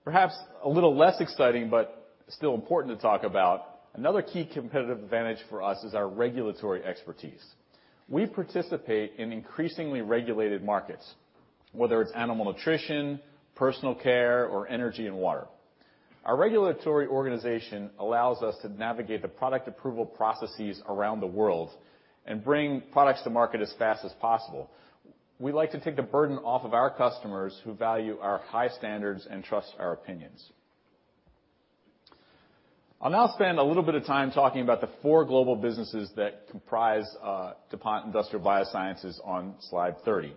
Perhaps a little less exciting, but still important to talk about, another key competitive advantage for us is our regulatory expertise. We participate in increasingly regulated markets, whether it's animal nutrition, personal care, or energy and water. Our regulatory organization allows us to navigate the product approval processes around the world and bring products to market as fast as possible. We like to take the burden off of our customers who value our high standards and trust our opinions. I'll now spend a little bit of time talking about the four global businesses that comprise DuPont Industrial Biosciences on slide 30.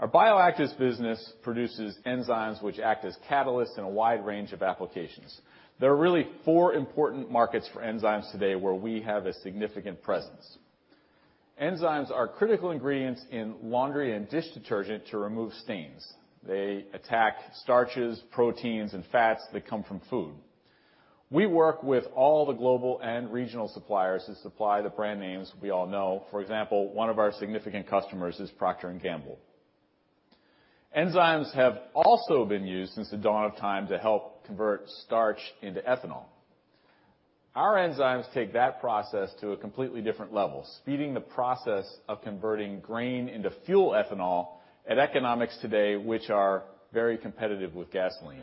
Our Bioactives business produces enzymes, which act as catalysts in a wide range of applications. There are really four important markets for enzymes today where we have a significant presence. Enzymes are critical ingredients in laundry and dish detergent to remove stains. They attack starches, proteins, and fats that come from food. We work with all the global and regional suppliers to supply the brand names we all know. For example, one of our significant customers is Procter & Gamble. Enzymes have also been used since the dawn of time to help convert starch into ethanol. Our enzymes take that process to a completely different level, speeding the process of converting grain into fuel ethanol at economics today, which are very competitive with gasoline.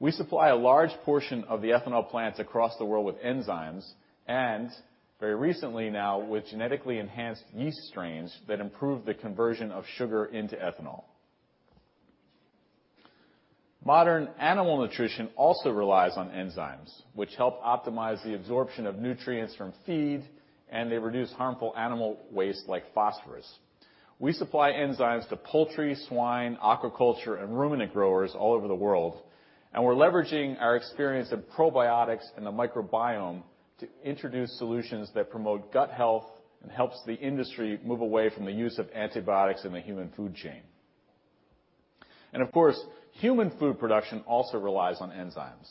We supply a large portion of the ethanol plants across the world with enzymes, and very recently now, with genetically enhanced yeast strains that improve the conversion of sugar into ethanol. Modern animal nutrition also relies on enzymes, which help optimize the absorption of nutrients from feed, and they reduce harmful animal waste like phosphorus. We supply enzymes to poultry, swine, aquaculture, and ruminant growers all over the world, and we're leveraging our experience in probiotics and the microbiome to introduce solutions that promote gut health and helps the industry move away from the use of antibiotics in the human food chain. Of course, human food production also relies on enzymes.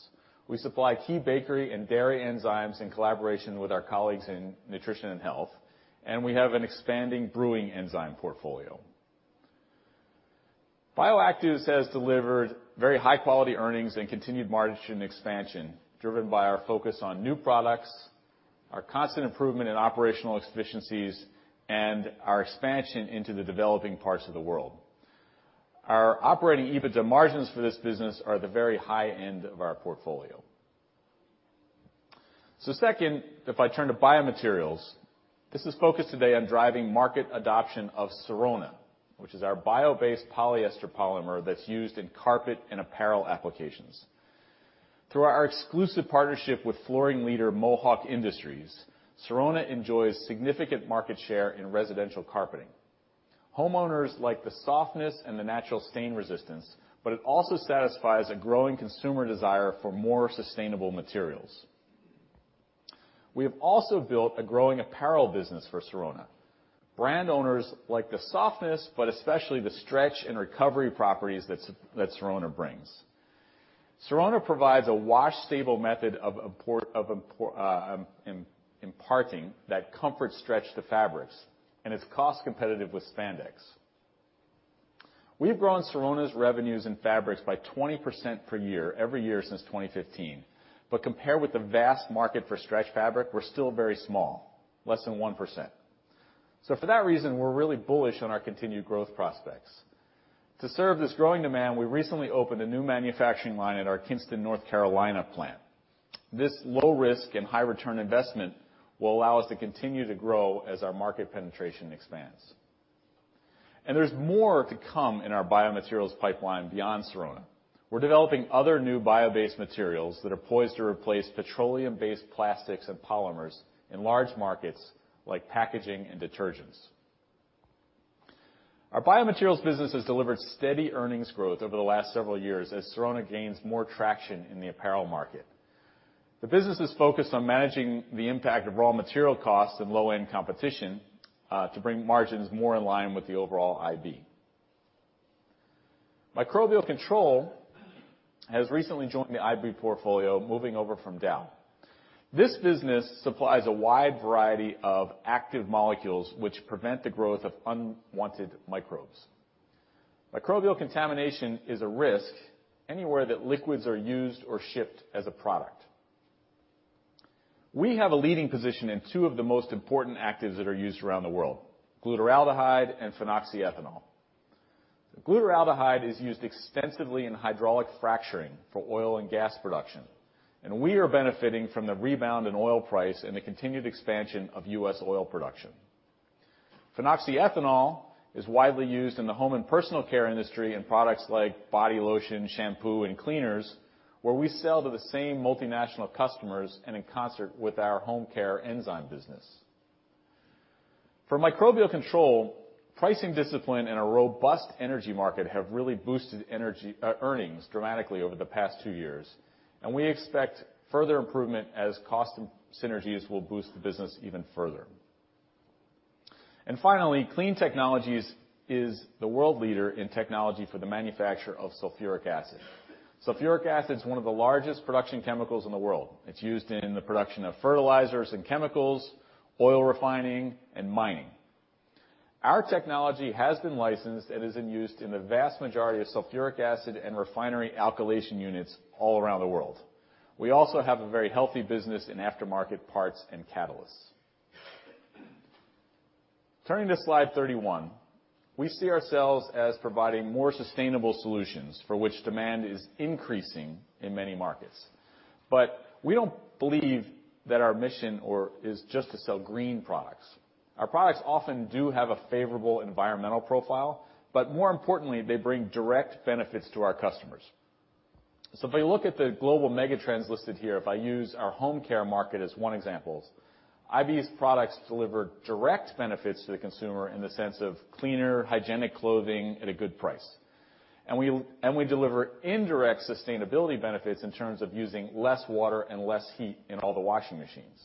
We supply key bakery and dairy enzymes in collaboration with our colleagues in Nutrition & Health, and we have an expanding brewing enzyme portfolio. Bioactives has delivered very high-quality earnings and continued margin expansion, driven by our focus on new products. Our constant improvement in operational efficiencies and our expansion into the developing parts of the world. Our operating EBITDA margins for this business are the very high end of our portfolio. Second, if I turn to biomaterials. This is focused today on driving market adoption of Sorona, which is our bio-based polyester polymer that is used in carpet and apparel applications. Through our exclusive partnership with flooring leader Mohawk Industries, Sorona enjoys significant market share in residential carpeting. Homeowners like the softness and the natural stain resistance, it also satisfies a growing consumer desire for more sustainable materials. We have also built a growing apparel business for Sorona. Brand owners like the softness, especially the stretch and recovery properties that Sorona brings. Sorona provides a wash stable method of imparting that comfort stretch to fabrics, and it is cost competitive with spandex. We have grown Sorona's revenues in fabrics by 20% per year, every year since 2015. Compared with the vast market for stretch fabric, we are still very small, less than 1%. For that reason, we are really bullish on our continued growth prospects. To serve this growing demand, we recently opened a new manufacturing line at our Kinston, North Carolina plant. This low-risk and high-return investment will allow us to continue to grow as our market penetration expands. There is more to come in our biomaterials pipeline beyond Sorona. We are developing other new bio-based materials that are poised to replace petroleum-based plastics and polymers in large markets like packaging and detergents. Our biomaterials business has delivered steady earnings growth over the last several years as Sorona gains more traction in the apparel market. The business is focused on managing the impact of raw material costs and low-end competition, to bring margins more in line with the overall IB. Microbial Control has recently joined the IB portfolio, moving over from Dow. This business supplies a wide variety of active molecules which prevent the growth of unwanted microbes. Microbial contamination is a risk anywhere that liquids are used or shipped as a product. We have a leading position in two of the most important actives that are used around the world, glutaraldehyde and phenoxyethanol. Glutaraldehyde is used extensively in hydraulic fracturing for oil and gas production, and we are benefiting from the rebound in oil price and the continued expansion of U.S. oil production. Phenoxyethanol is widely used in the home and personal care industry in products like body lotion, shampoo, and cleaners, where we sell to the same multinational customers and in concert with our home care enzyme business. For Microbial Control, pricing discipline and a robust energy market have really boosted earnings dramatically over the past two years, and we expect further improvement as cost synergies will boost the business even further. Finally, Clean Technologies is the world leader in technology for the manufacture of sulfuric acid. Sulfuric acid is one of the largest production chemicals in the world. It is used in the production of fertilizers and chemicals, oil refining, and mining. Our technology has been licensed and is in use in the vast majority of sulfuric acid and refinery alkylation units all around the world. We also have a very healthy business in aftermarket parts and catalysts. Turning to slide 31. We see ourselves as providing more sustainable solutions for which demand is increasing in many markets. We don't believe that our mission is just to sell green products. Our products often do have a favorable environmental profile, but more importantly, they bring direct benefits to our customers. If I look at the global megatrends listed here, if I use our home care market as one example, IB's products deliver direct benefits to the consumer in the sense of cleaner, hygienic clothing at a good price. We deliver indirect sustainability benefits in terms of using less water and less heat in all the washing machines.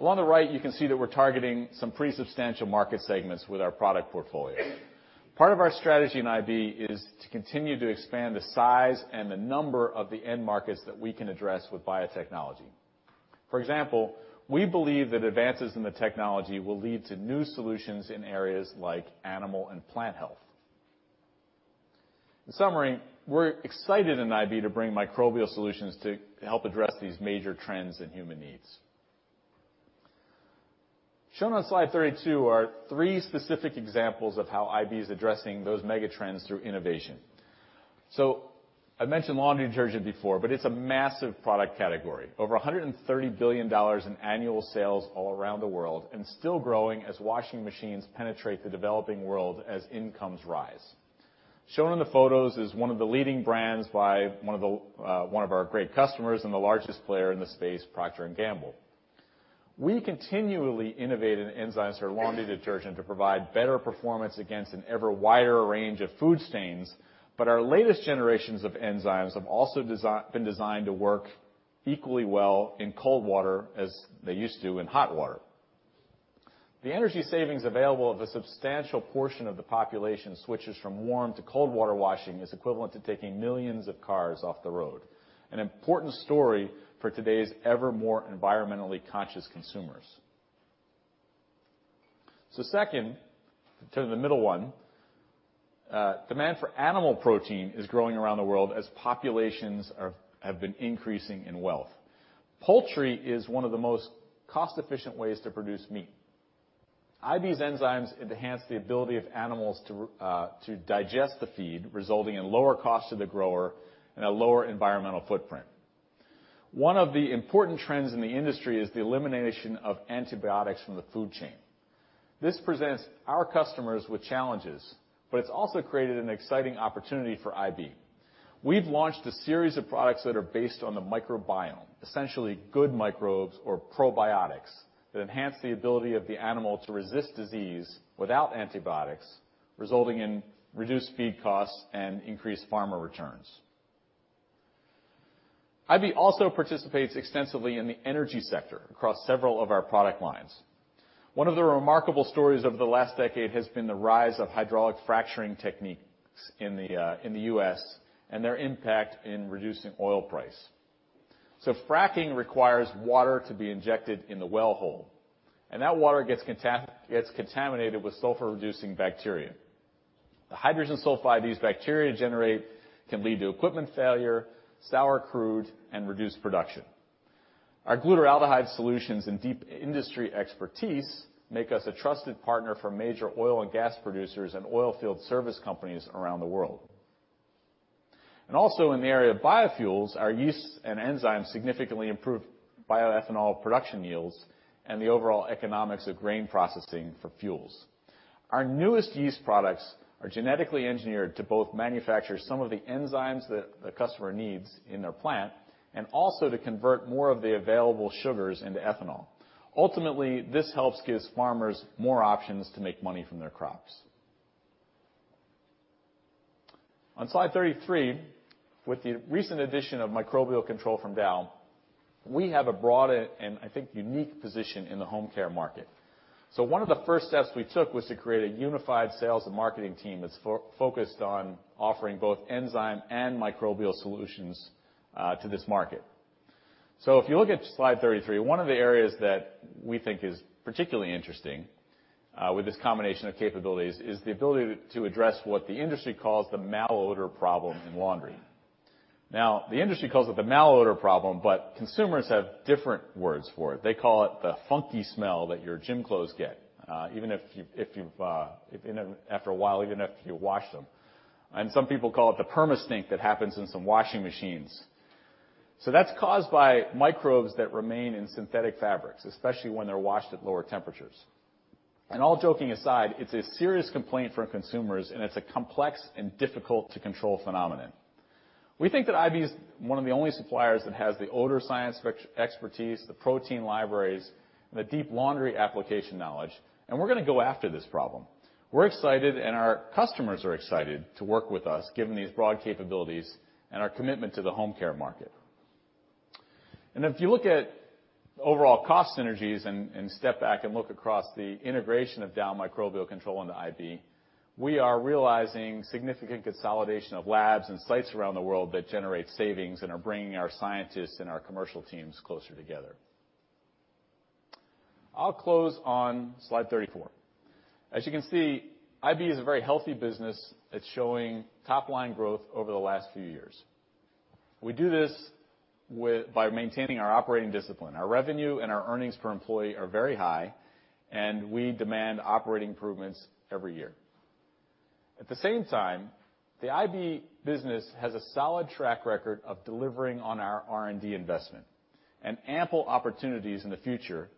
Along the right, you can see that we're targeting some pretty substantial market segments with our product portfolio. Part of our strategy in IB is to continue to expand the size and the number of the end markets that we can address with biotechnology. For example, we believe that advances in the technology will lead to new solutions in areas like animal and plant health. In summary, we're excited in IB to bring microbial solutions to help address these major trends and human needs. Shown on slide 32 are three specific examples of how IB is addressing those megatrends through innovation. I mentioned laundry detergent before, but it's a massive product category. Over $130 billion in annual sales all around the world and still growing as washing machines penetrate the developing world as incomes rise. Shown in the photos is one of the leading brands by one of our great customers and the largest player in the space, Procter & Gamble. We continually innovate in enzymes for laundry detergent to provide better performance against an ever wider range of food stains, but our latest generations of enzymes have also been designed to work equally well in cold water as they used to in hot water. The energy savings available if a substantial portion of the population switches from warm to cold water washing is equivalent to taking millions of cars off the road. An important story for today's ever more environmentally conscious consumers. Second, to the middle one, demand for animal protein is growing around the world as populations have been increasing in wealth. Poultry is one of the most cost-efficient ways to produce meat. IB's enzymes enhance the ability of animals to digest the feed, resulting in lower cost to the grower and a lower environmental footprint. One of the important trends in the industry is the elimination of antibiotics from the food chain. This presents our customers with challenges, but it's also created an exciting opportunity for IB. We've launched a series of products that are based on the microbiome, essentially good microbes or probiotics, that enhance the ability of the animal to resist disease without antibiotics, resulting in reduced feed costs and increased farmer returns. IB also participates extensively in the energy sector across several of our product lines. One of the remarkable stories of the last decade has been the rise of hydraulic fracturing techniques in the U.S. and their impact in reducing oil price. Fracking requires water to be injected in the well hole, and that water gets contaminated with sulfur-reducing bacteria. The hydrogen sulfide these bacteria generate can lead to equipment failure, sour crude, and reduced production. Our glutaraldehyde solutions and deep industry expertise make us a trusted partner for major oil and gas producers and oil field service companies around the world. Also in the area of biofuels, our yeasts and enzymes significantly improve bioethanol production yields and the overall economics of grain processing for fuels. Our newest yeast products are genetically engineered to both manufacture some of the enzymes that the customer needs in their plant, and also to convert more of the available sugars into ethanol. Ultimately, this helps give farmers more options to make money from their crops. On slide 33, with the recent addition of Dow Microbial Control from Dow, we have a broad and, I think, unique position in the home care market. One of the first steps we took was to create a unified sales and marketing team that's focused on offering both enzyme and microbial solutions to this market. If you look at slide 33, one of the areas that we think is particularly interesting with this combination of capabilities is the ability to address what the industry calls the malodor problem in laundry. The industry calls it the malodor problem, but consumers have different words for it. They call it the funky smell that your gym clothes get even after a while, even after you wash them. Some people call it the perma-stink that happens in some washing machines. That's caused by microbes that remain in synthetic fabrics, especially when they're washed at lower temperatures. All joking aside, it's a serious complaint for consumers, and it's a complex and difficult-to-control phenomenon. We think that IB is one of the only suppliers that has the odor science expertise, the protein libraries, and the deep laundry application knowledge, and we're going to go after this problem. We're excited, our customers are excited to work with us, given these broad capabilities and our commitment to the home care market. If you look at overall cost synergies and step back and look across the integration of Dow Microbial Control into IB, we are realizing significant consolidation of labs and sites around the world that generate savings and are bringing our scientists and our commercial teams closer together. I'll close on slide 34. As you can see, IB is a very healthy business. It's showing top-line growth over the last few years. We do this by maintaining our operating discipline. Our revenue and our earnings per employee are very high, we demand operating improvements every year. At the same time, the IB business has a solid track record of delivering on our R&D investment, ample opportunities in the future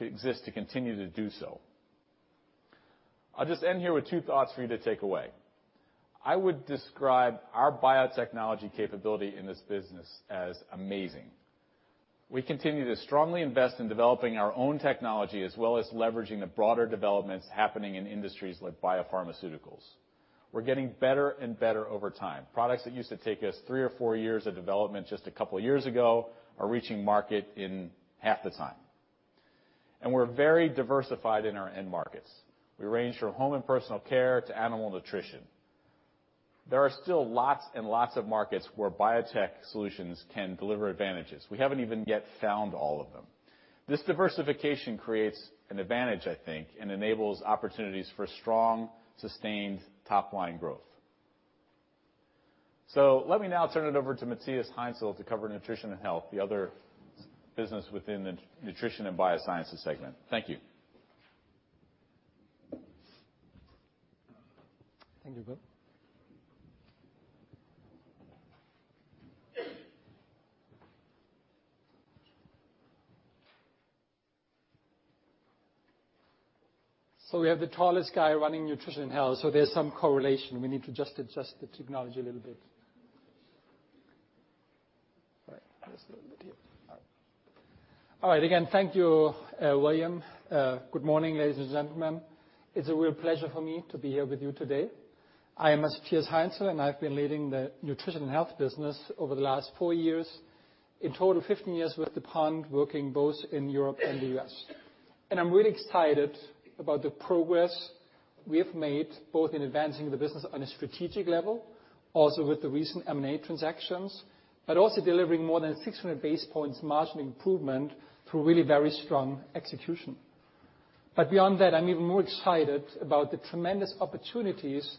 exist to continue to do so. I'll just end here with two thoughts for you to take away. I would describe our biotechnology capability in this business as amazing. We continue to strongly invest in developing our own technology, as well as leveraging the broader developments happening in industries like biopharmaceuticals. We're getting better and better over time. Products that used to take us three or four years of development just a couple of years ago are reaching market in half the time. We're very diversified in our end markets. We range from home and personal care to animal nutrition. There are still lots and lots of markets where biotech solutions can deliver advantages. We haven't even yet found all of them. This diversification creates an advantage, I think, and enables opportunities for strong, sustained top-line growth. Let me now turn it over to Matthias Heinzel to cover Nutrition & Health, the other business within the Nutrition & Biosciences segment. Thank you. Thank you. We have the tallest guy running Nutrition & Health, so there's some correlation. We need to just adjust the technology a little bit. Right. Just a little bit here. All right. Again, thank you, William. Good morning, ladies and gentlemen. It's a real pleasure for me to be here with you today. I am Matthias Heinzel, and I've been leading the Nutrition & Health business over the last four years, in total 15 years with DuPont, working both in Europe and the U.S. I'm really excited about the progress we have made both in advancing the business on a strategic level, also with the recent M&A transactions, but also delivering more than 600 basis points margin improvement through really very strong execution. Beyond that, I'm even more excited about the tremendous opportunities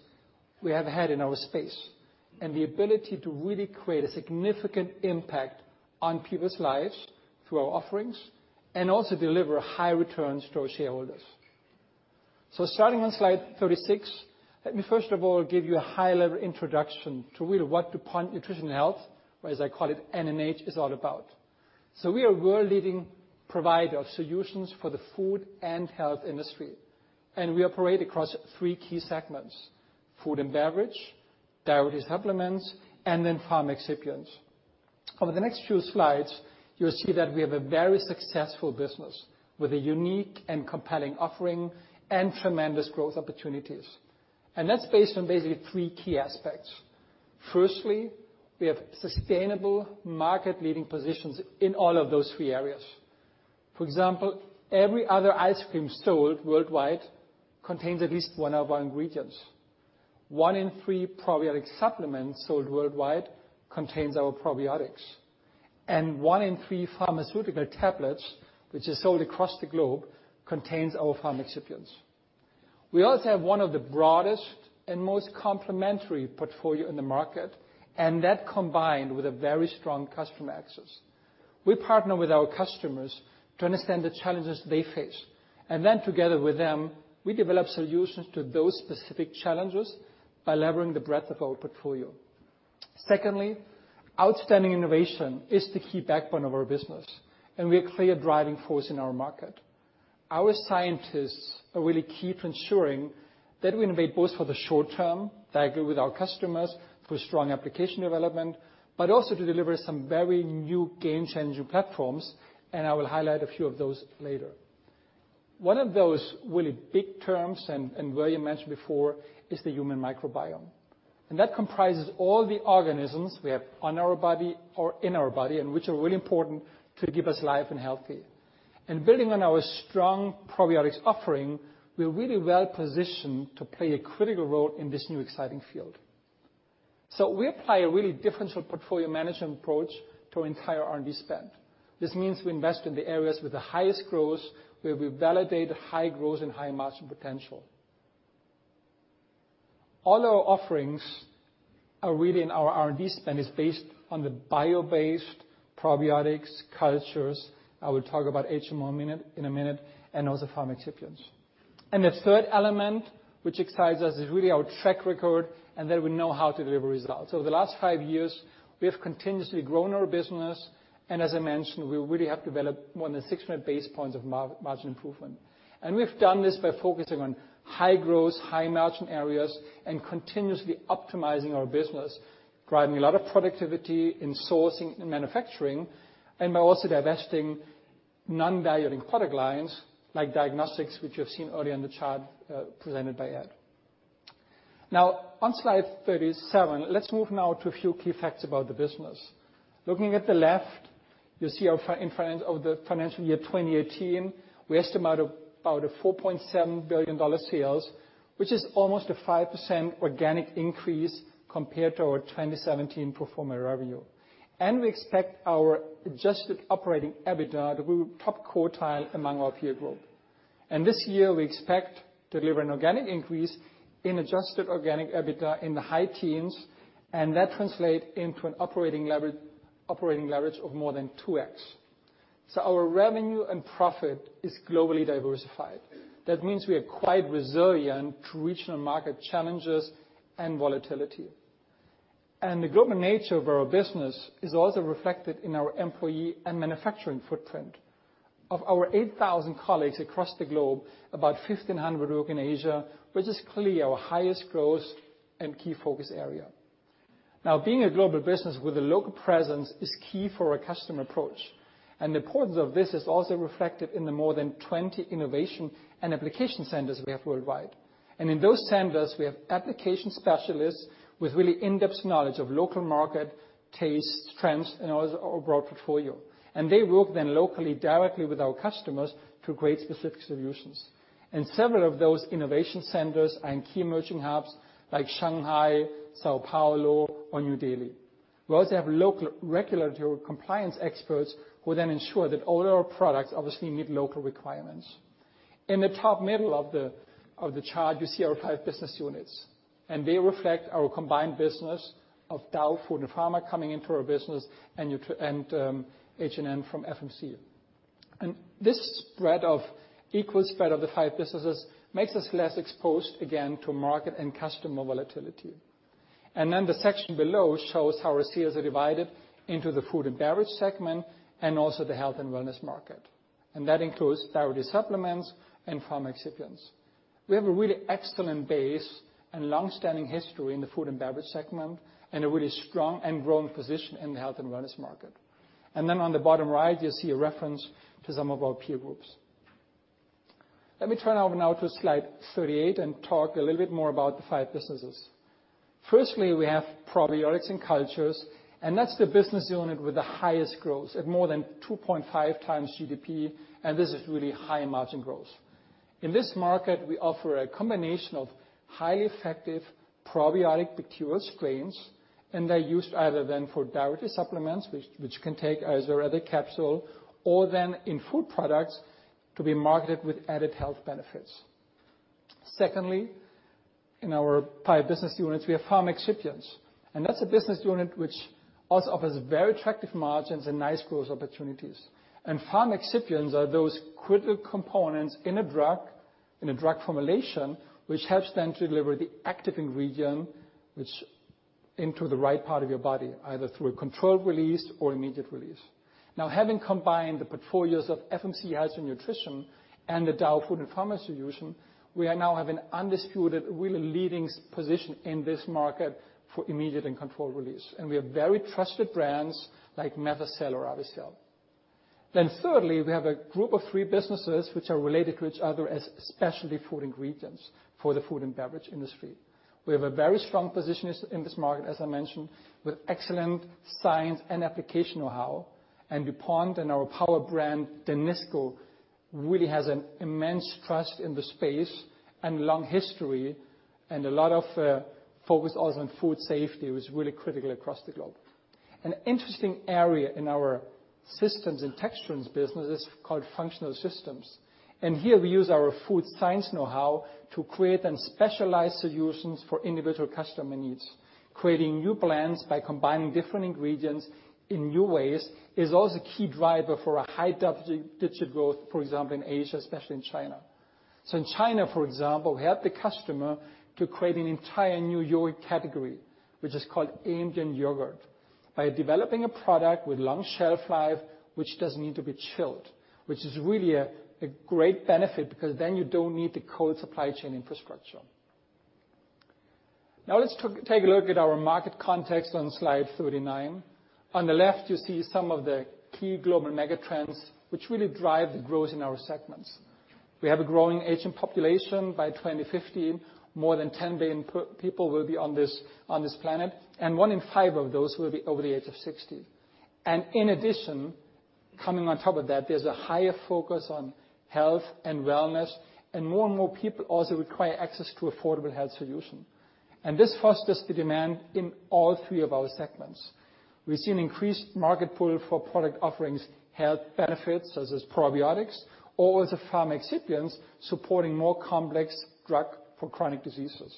we have had in our space, and the ability to really create a significant impact on people's lives through our offerings, and also deliver high returns to our shareholders. Starting on slide 36, let me first of all give you a high-level introduction to really what DuPont Nutrition & Health, or as I call it, N&H, is all about. We are a world-leading provider of solutions for the food and health industry. We operate across three key segments, food and beverage, dietary supplements, and then pharma excipients. Over the next few slides, you'll see that we have a very successful business with a unique and compelling offering and tremendous growth opportunities. That's based on basically three key aspects. Firstly, we have sustainable market-leading positions in all of those three areas. For example, every other ice cream sold worldwide contains at least one of our ingredients. One in three probiotic supplements sold worldwide contains our probiotics. One in three pharmaceutical tablets, which is sold across the globe, contains our pharma excipients. We also have one of the broadest and most complementary portfolio in the market, that combined with a very strong customer access. We partner with our customers to understand the challenges they face. Together with them, we develop solutions to those specific challenges by leveraging the breadth of our portfolio. Secondly, outstanding innovation is the key backbone of our business, and we're a clear driving force in our market. Our scientists are really key to ensuring that we innovate both for the short term, that agree with our customers through strong application development. Also to deliver some very new game-changing platforms, I will highlight a few of those later. One of those really big terms, William mentioned before, is the human microbiome. That comprises all the organisms we have on our body or in our body, which are really important to keep us alive and healthy. Building on our strong probiotics offering, we're really well positioned to play a critical role in this new exciting field. We apply a really differential portfolio management approach to our entire R&D spend. This means we invest in the areas with the highest growth, where we validate high growth and high margin potential. All our offerings are really in our R&D spend is based on the bio-based probiotics, cultures, I will talk about HMO in a minute, and also pharma excipients. The third element, which excites us, is really our track record, that we know how to deliver results. Over the last 5 years, we have continuously grown our business, as I mentioned, we really have developed more than 600 basis points of margin improvement. We've done this by focusing on high growth, high margin areas, continuously optimizing our business, driving a lot of productivity in sourcing and manufacturing, by also divesting non-valuing product lines like diagnostics, which you have seen earlier in the chart, presented by Ed. On slide 37, let's move now to a few key facts about the business. Looking at the left, you see over the financial year 2018, we estimate about a $4.7 billion sales, which is almost a 5% organic increase compared to our 2017 pro forma revenue. We expect our adjusted operating EBITDA to be top quartile among our peer group. This year, we expect to deliver an organic increase in adjusted organic EBITDA in the high teens, that translate into an operating leverage of more than 2x. Our revenue and profit is globally diversified. That means we are quite resilient to regional market challenges and volatility. The global nature of our business is also reflected in our employee and manufacturing footprint. Of our 8,000 colleagues across the globe, about 1,500 work in Asia, which is clearly our highest growth and key focus area. Being a global business with a local presence is key for our customer approach. The importance of this is also reflected in the more than 20 innovation and application centers we have worldwide. In those centers, we have application specialists with really in-depth knowledge of local market tastes, trends, also our broad portfolio. They work then locally directly with our customers to create specific solutions. Several of those innovation centers are in key emerging hubs like Shanghai, São Paulo, or New Delhi. We also have local regulatory compliance experts who then ensure that all our products obviously meet local requirements. In the top middle of the chart, you see our five business units. They reflect our combined business of Dow Pharma & Food Solutions coming into our business and N&H from FMC. This spread of equal spread of the five businesses makes us less exposed again to market and customer volatility. The section below shows how our sales are divided into the food and beverage segment and also the health and wellness market. That includes dietary supplements and pharma excipients. We have a really excellent base and long-standing history in the food and beverage segment, and a really strong and growing position in the health and wellness market. On the bottom right, you see a reference to some of our peer groups. Let me turn over now to slide 38 and talk a little bit more about the 5 businesses. Firstly, we have probiotics and cultures, that's the business unit with the highest growth at more than 2.5 times GDP, this is really high margin growth. In this market, we offer a combination of highly effective probiotic bacterial strains, they're used either then for dietary supplements, which you can take as a ready capsule or then in food products to be marketed with added health benefits. Secondly, in our five business units, we have pharma excipients, that's a business unit which also offers very attractive margins and nice growth opportunities. Pharma excipients are those critical components in a drug formulation, which helps then to deliver the active ingredient into the right part of your body, either through a controlled release or immediate release. Now, having combined the portfolios of FMC Health and Nutrition and the Dow Pharma & Food Solutions, we now have an undisputed really leading position in this market for immediate and controlled release. We have very trusted brands like METHOCEL or Walocel. Thirdly, we have a group of three businesses which are related to each other as specialty food ingredients for the food and beverage industry. We have a very strong position in this market, as I mentioned, with excellent science and application knowhow. DuPont and our power brand, Danisco, really has an immense trust in the space and long history and a lot of focus also on food safety, was really critical across the globe. An interesting area in our systems and texturants business is called functional systems, here we use our food science knowhow to create and specialize solutions for individual customer needs. Creating new blends by combining different ingredients in new ways is also a key driver for a high double-digit growth, for example, in Asia, especially in China. In China, for example, we help the customer to create an entire new yogurt category, which is called ambient yogurt, by developing a product with long shelf life, which doesn't need to be chilled, which is really a great benefit because then you don't need the cold supply chain infrastructure. Let's take a look at our market context on slide 39. On the left, you see some of the key global megatrends which really drive the growth in our segments. We have a growing aging population. By 2050, more than 10 billion people will be on this planet, and one in five of those will be over the age of 60. In addition, coming on top of that, there's a higher focus on health and wellness, and more and more people also require access to affordable health solution. This fosters the demand in all three of our segments. We've seen increased market pull for product offerings, health benefits such as probiotics, or with the pharma excipients supporting more complex drug for chronic diseases.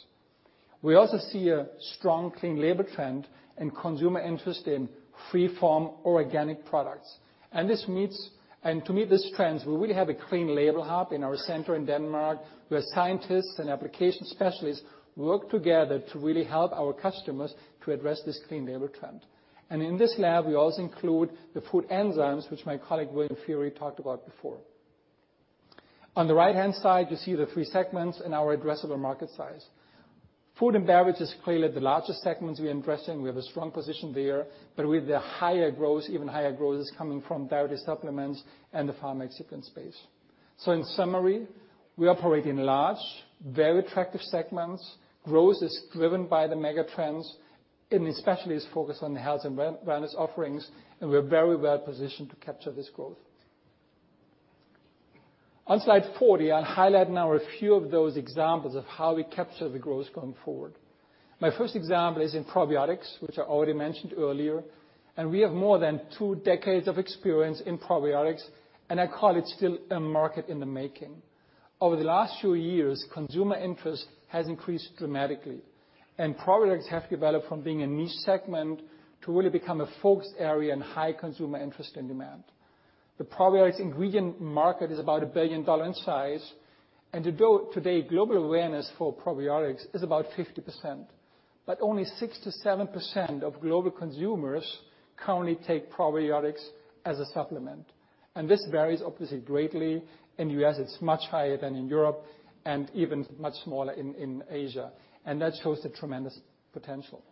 We also see a strong clean label trend and consumer interest in free form organic products. To meet these trends, we really have a clean label hub in our center in Denmark, where scientists and application specialists work together to really help our customers to address this clean label trend. In this lab, we also include the food enzymes, which my colleague William Feehery talked about before. On the right-hand side, you see the three segments in our addressable market size. Food and beverage is clearly the largest segment we address. We have a strong position there, but with the higher growth, even higher growth is coming from dietary supplements and the pharma excipient space. In summary, we operate in large, very attractive segments. Growth is driven by the mega trends and especially is focused on the health and wellness offerings. We're very well positioned to capture this growth. On slide 40, I'll highlight now a few of those examples of how we capture the growth going forward. My first example is in probiotics, which I already mentioned earlier. We have more than two decades of experience in probiotics, and I call it still a market in the making. Over the last few years, consumer interest has increased dramatically. Probiotics have developed from being a niche segment to really become a focused area in high consumer interest and demand. The probiotics ingredient market is about $1 billion in size. Today, global awareness for probiotics is about 50%, but only 6%-7% of global consumers currently take probiotics as a supplement. This varies obviously greatly. In U.S., it's much higher than in Europe and even much smaller in Asia. That shows the tremendous potential.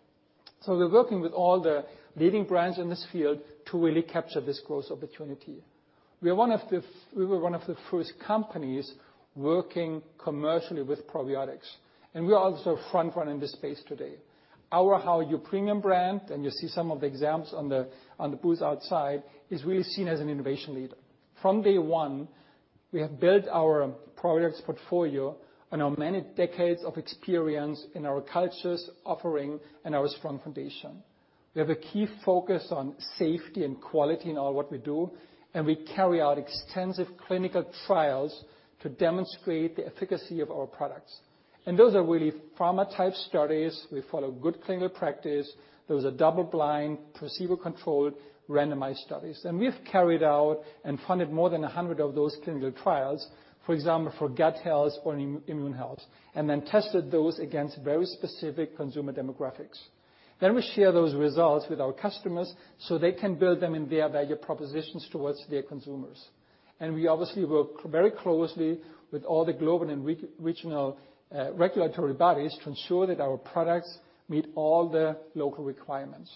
We're working with all the leading brands in this field to really capture this growth opportunity. We were one of the first companies working commercially with probiotics, and we are also front one in this space today. Our HOWARU premium brand, you see some of the examples on the booth outside, is really seen as an innovation leader. From day one, we have built our products portfolio on our many decades of experience in our cultures offering and our strong foundation. We have a key focus on safety and quality in all what we do. We carry out extensive clinical trials to demonstrate the efficacy of our products. Those are really pharma type studies. We follow good clinical practice. Those are double blind, placebo controlled, randomized studies. We've carried out and funded more than 100 of those clinical trials, for example, for gut health or immune health. Tested those against very specific consumer demographics. We share those results with our customers so they can build them in their value propositions towards their consumers. We obviously work very closely with all the global and regional regulatory bodies to ensure that our products meet all the local requirements.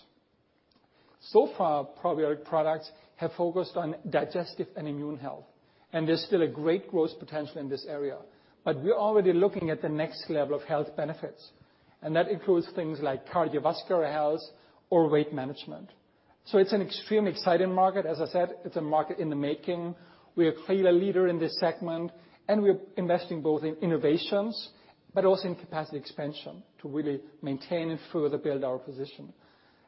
Probiotic products have focused on digestive and immune health, and there's still a great growth potential in this area. We're already looking at the next level of health benefits, and that includes things like cardiovascular health or weight management. It's an extremely exciting market. As I said, it's a market in the making. We are clearly a leader in this segment, and we're investing both in innovations, but also in capacity expansion to really maintain and further build our position.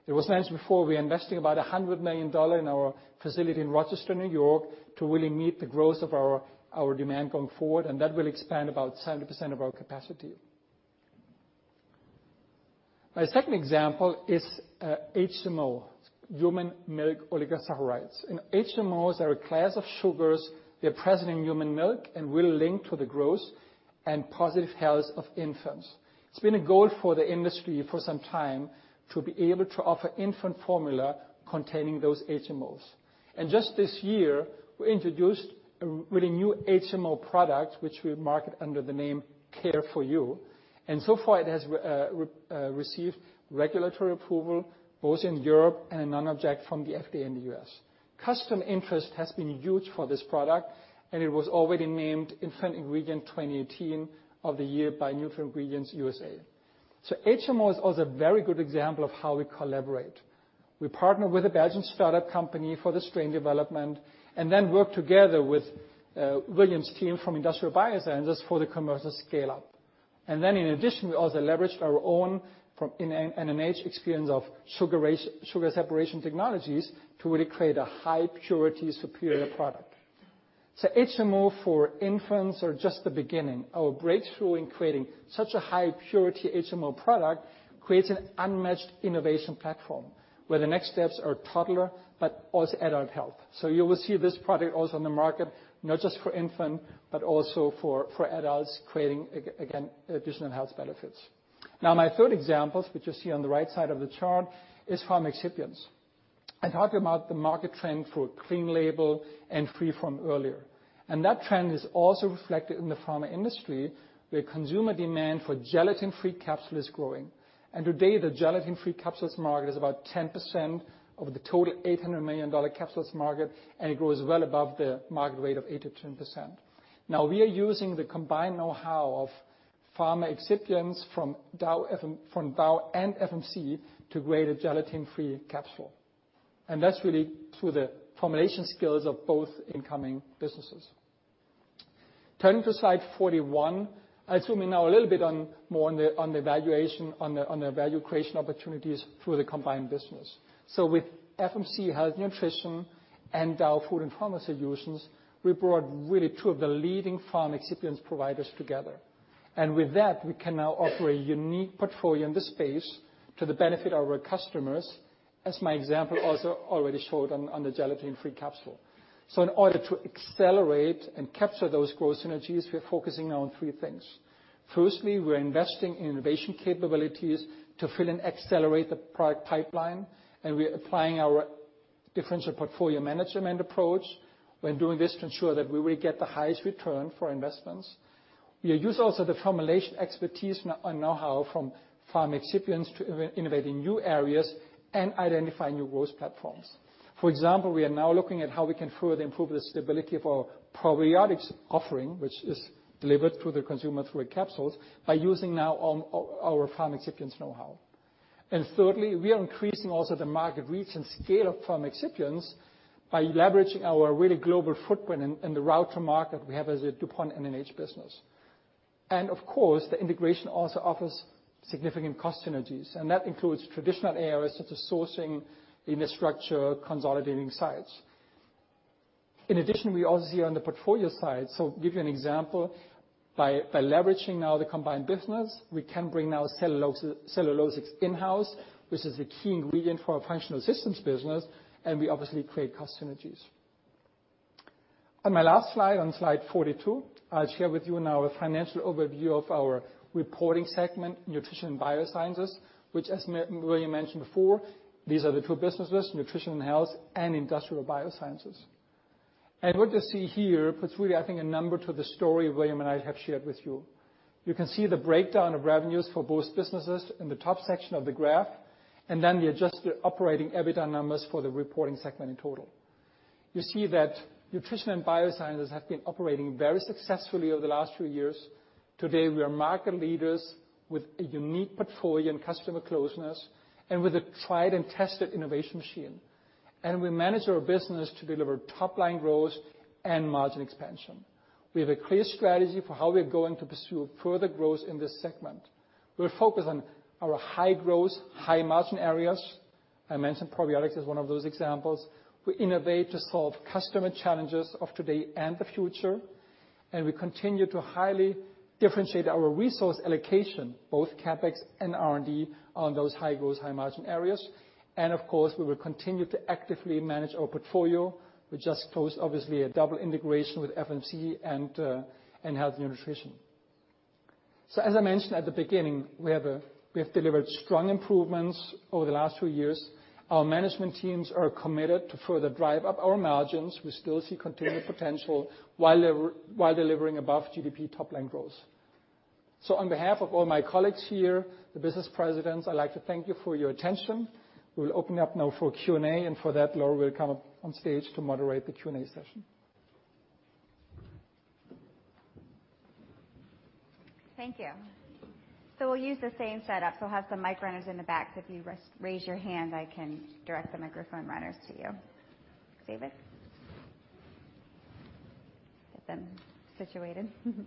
It was mentioned before, we are investing about $100 million in our facility in Rochester, New York, to really meet the growth of our demand going forward, and that will expand about 70% of our capacity. My second example is HMO, human milk oligosaccharides. HMOs are a class of sugars. They're present in human milk and really link to the growth and positive health of infants. It's been a goal for the industry for some time to be able to offer infant formula containing those HMOs. Just this year, we introduced a really new HMO product, which we market under the name CARE4U. It has received regulatory approval both in Europe and a no objection from the FDA in the U.S. Customer interest has been huge for this product, and it was already named Infant Ingredient 2018 of the Year by NutraIngredients-USA. HMO is also a very good example of how we collaborate. We partner with a Belgian startup company for the strain development, then work together with William's team from Industrial Biosciences for the commercial scale-up. We also leveraged our own, from N&H experience of sugar separation technologies to really create a high purity, superior product. HMO for infants are just the beginning. Our breakthrough in creating such a high purity HMO product creates an unmatched innovation platform, where the next steps are toddler, but also adult health. You will see this product also on the market, not just for infant, but also for adults, creating, again, additional health benefits. My third example, which you see on the right side of the chart, is pharma excipients. I talked about the market trend for clean label and free-from earlier, and that trend is also reflected in the pharma industry, where consumer demand for gelatin-free capsule is growing. The gelatin-free capsules market is about 10% of the total $800 million capsules market, and it grows well above the market rate of 8% to 10%. We are using the combined know-how of pharma excipients from Dow and FMC to create a gelatin-free capsule. That's really through the formulation skills of both incoming businesses. Turning to slide 41, I zoom in now a little bit more on the value creation opportunities through the combined business. With FMC Health and Nutrition and Dow Pharma & Food Solutions, we brought really two of the leading pharma excipients providers together. With that, we can now offer a unique portfolio in this space to the benefit of our customers, as my example also already showed on the gelatin-free capsule. In order to accelerate and capture those growth synergies, we are focusing on three things. Firstly, we're investing in innovation capabilities to fill and accelerate the product pipeline, and we're applying our differential portfolio management approach when doing this to ensure that we will get the highest return for investments. We use also the formulation expertise and know-how from pharma excipients to innovate in new areas and identify new growth platforms. For example, we are now looking at how we can further improve the stability of our probiotics offering, which is delivered to the consumer through capsules, by using now our pharma excipients know-how. Thirdly, we are increasing also the market reach and scale of pharma excipients by leveraging our really global footprint and the route to market we have as a DuPont N&H business. Of course, the integration also offers significant cost synergies, and that includes traditional areas such as sourcing, infrastructure, consolidating sites. In addition, we also see on the portfolio side, give you an example, by leveraging now the combined business, we can bring now Cellulosics in-house, which is a key ingredient for our functional systems business, and we obviously create cost synergies. On my last slide, on slide 42, I'll share with you now a financial overview of our reporting segment, Nutrition & Biosciences, which as William mentioned before, these are the two businesses, Nutrition & Health and Industrial Biosciences. What you see here puts really, I think, a number to the story William and I have shared with you. You can see the breakdown of revenues for both businesses in the top section of the graph, and then the adjusted operating EBITDA numbers for the reporting segment in total. You see that Nutrition & Biosciences have been operating very successfully over the last few years. Today, we are market leaders with a unique portfolio and customer closeness and with a tried and tested innovation machine. We manage our business to deliver top line growth and margin expansion. We have a clear strategy for how we're going to pursue further growth in this segment. We're focused on our high growth, high margin areas. I mentioned probiotics is one of those examples. We innovate to solve customer challenges of today and the future, and we continue to highly differentiate our resource allocation, both CapEx and R&D, on those high growth, high margin areas. Of course, we will continue to actively manage our portfolio. We just closed, obviously, a double integration with FMC and Health & Nutrition. As I mentioned at the beginning, we have delivered strong improvements over the last few years. Our management teams are committed to further drive up our margins. We still see continued potential while delivering above GDP top line growth. On behalf of all my colleagues here, the business presidents, I'd like to thank you for your attention. We'll open up now for Q&A, for that, Lori will come up on stage to moderate the Q&A session. Thank you. We'll use the same setup. We'll have some mic runners in the back, so if you raise your hand, I can direct the microphone runners to you. David? Get them situated. Thank you.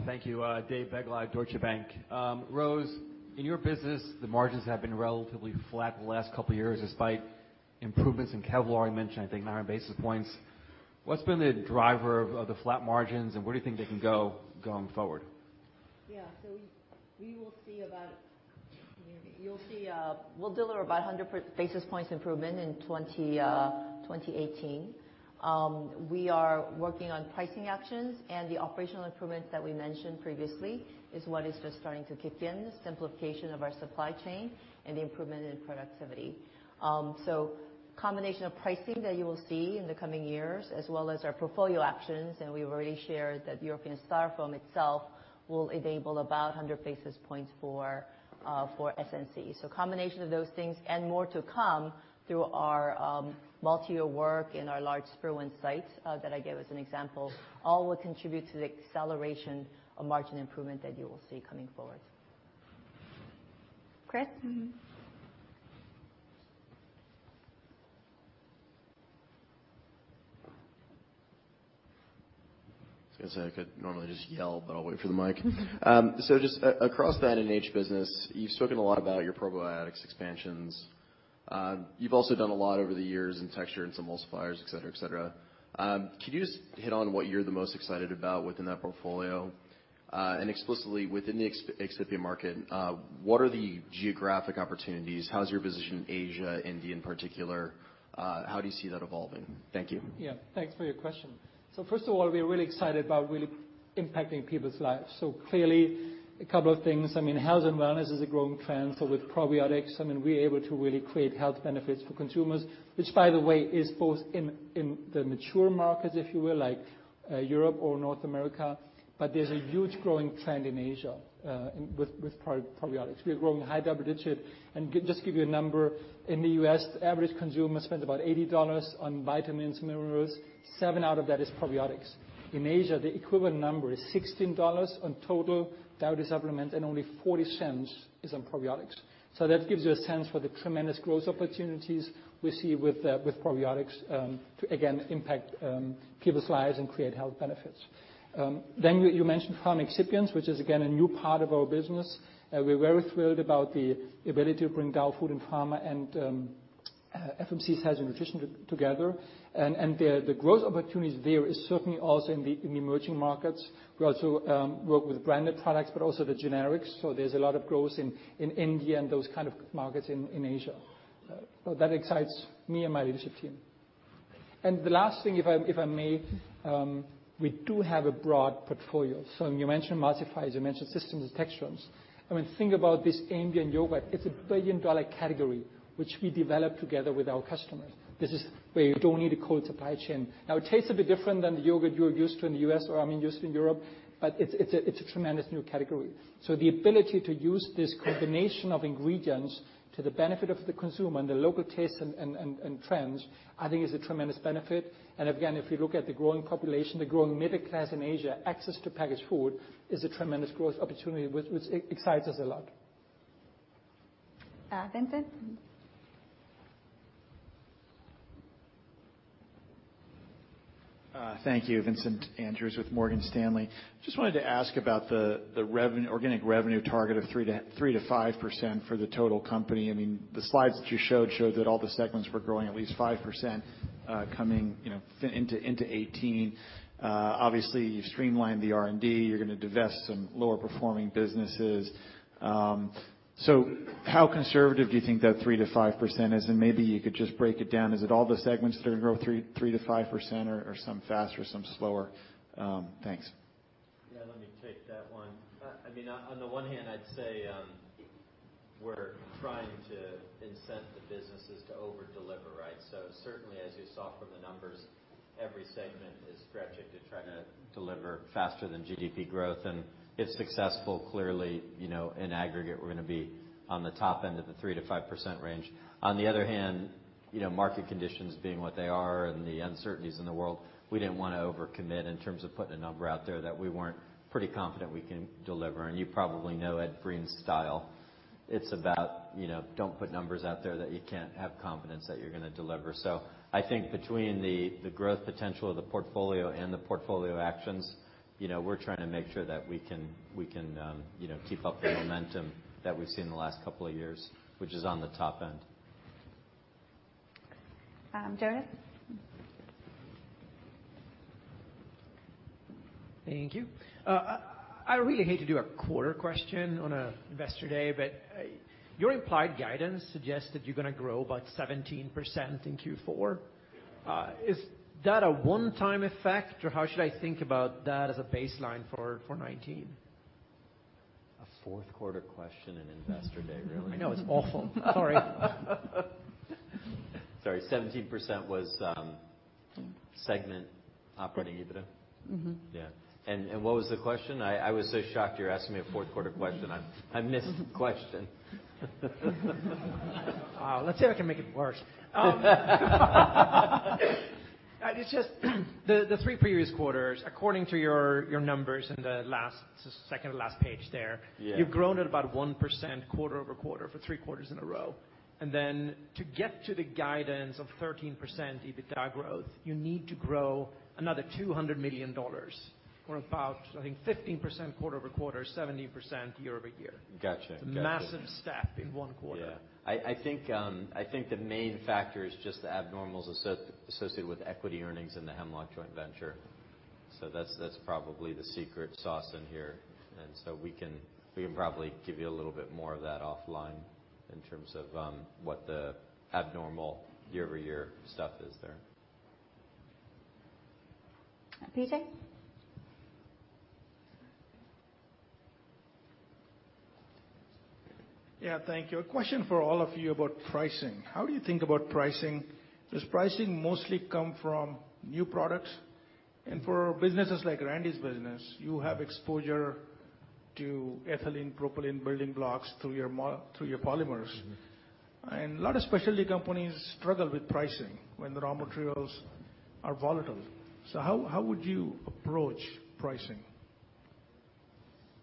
Dave Begleiter, Deutsche Bank. Rose, in your business, the margins have been relatively flat the last couple of years despite improvements in Kevlar you mentioned, I think 900 basis points. What's been the driver of the flat margins, and where do you think they can go going forward? Yeah. We'll deliver about 100 basis points improvement in 2018. We are working on pricing actions, and the operational improvements that we mentioned previously is what is just starting to kick in, the simplification of our supply chain and the improvement in productivity. Combination of pricing that you will see in the coming years as well as our portfolio actions, and we've already shared that European Styrofoam itself will enable about 100 basis points for SNC. Combination of those things and more to come through our multi-year work in our large Spruance site that I gave as an example, all will contribute to the acceleration of margin improvement that you will see coming forward. Chris? I was going to say I could normally just yell, but I'll wait for the mic. Just across that N&H business, you've spoken a lot about your probiotics expansions. You've also done a lot over the years in texture and some emulsifiers, et cetera. Can you just hit on what you're the most excited about within that portfolio? And explicitly within the excipient market, what are the geographic opportunities? How's your position in Asia, India in particular? How do you see that evolving? Thank you. Thanks for your question. First of all, we are really excited about really impacting people's lives. Clearly, a couple of things. Health and wellness is a growing trend, so with probiotics, we're able to really create health benefits for consumers, which by the way, is both in the mature markets, if you will, like Europe or North America, but there's a huge growing trend in Asia with probiotics. We are growing high double digit. Just to give you a number, in the U.S., the average consumer spends about $80 on vitamins, minerals. seven out of that is probiotics. In Asia, the equivalent number is $16 on total dietary supplements, and only $0.40 is on probiotics. That gives you a sense for the tremendous growth opportunities we see with probiotics to, again, impact people's lives and create health benefits. You mentioned PharmExcipients, which is again, a new part of our business. We're very thrilled about the ability to bring Dow Pharma & Food Solutions and FMC Health and Nutrition together. The growth opportunities there is certainly also in the emerging markets. We also work with branded products, but also the generics. There's a lot of growth in India and those kind of markets in Asia. That excites me and my leadership team. The last thing, if I may, we do have a broad portfolio. You mentioned emulsifiers, you mentioned systems and textures. Think about this Indian yogurt. It's a $1 billion category, which we developed together with our customers. This is where you don't need a cold supply chain. Now, it tastes a bit different than the yogurt you're used to in the U.S. or used to in Europe, but it's a tremendous new category. The ability to use this combination of ingredients to the benefit of the consumer and the local tastes and trends, I think, is a tremendous benefit. Again, if you look at the growing population, the growing middle class in Asia, access to packaged food is a tremendous growth opportunity, which excites us a lot. Vincent? Thank you. Vincent Andrews with Morgan Stanley. Just wanted to ask about the organic revenue target of 3%-5% for the total company. The slides that you showed that all the segments were growing at least 5% coming into 2018. Obviously, you've streamlined the R&D. You're going to divest some lower performing businesses. How conservative do you think that 3%-5% is? Maybe you could just break it down. Is it all the segments that are going to grow 3%-5%, or some faster, some slower? Thanks. Let me take that one. On the one hand, I'd say we're trying to incent the businesses to over-deliver. Certainly, as you saw from the numbers, every segment is stretching to try to deliver faster than GDP growth, if successful, clearly, in aggregate, we're going to be on the top end of the 3%-5% range. On the other hand, market conditions being what they are and the uncertainties in the world, we didn't want to overcommit in terms of putting a number out there that we weren't pretty confident we can deliver. You probably know Ed Breen's style. It's about don't put numbers out there that you can't have confidence that you're going to deliver. I think between the growth potential of the portfolio and the portfolio actions, we're trying to make sure that we can keep up the momentum that we've seen in the last couple of years, which is on the top end. Jonas? Thank you. I really hate to do a quarter question on an Investor Day. Your implied guidance suggests that you're going to grow by 17% in Q4. Is that a one-time effect, or how should I think about that as a baseline for 2019? A fourth quarter question in Investor Day, really? I know, it's awful. Sorry. Sorry, 17% was segment operating EBITDA? Yeah. What was the question? I was so shocked you're asking me a fourth quarter question, I missed the question. Let's see if I can make it worse. It's just the three previous quarters, according to your numbers in the second to last page there. Yeah. You've grown at about 1% quarter-over-quarter for three quarters in a row. To get to the guidance of 13% EBITDA growth, you need to grow another $200 million or about, I think, 15% quarter-over-quarter, 17% year-over-year. Got you. It's a massive step in one quarter. Yeah. I think the main factor is just the abnormals associated with equity earnings in the Hemlock joint venture. That's probably the secret sauce in here. We can probably give you a little bit more of that offline in terms of what the abnormal year-over-year stuff is there. PJ? Yeah. Thank you. A question for all of you about pricing. How do you think about pricing? Does pricing mostly come from new products? For businesses like Randy's business, you have exposure to ethylene propylene building blocks through your polymers. A lot of specialty companies struggle with pricing when the raw materials are volatile. How would you approach pricing?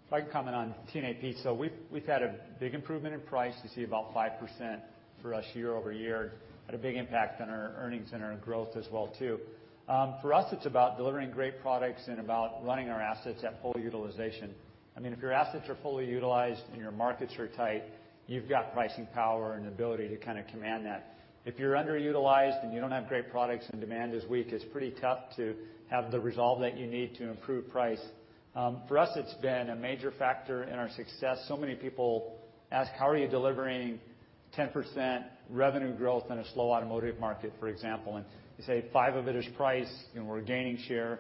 If I can comment on TNAP. We've had a big improvement in price to see about 5% for us year-over-year. Had a big impact on our earnings and our growth as well, too. For us, it's about delivering great products and about running our assets at full utilization. If your assets are fully utilized and your markets are tight, you've got pricing power and ability to command that. If you're underutilized and you don't have great products and demand is weak, it's pretty tough to have the resolve that you need to improve price. For us, it's been a major factor in our success. Many people ask, "How are you delivering 10% revenue growth in a slow automotive market," for example. You say five of it is price, and we're gaining share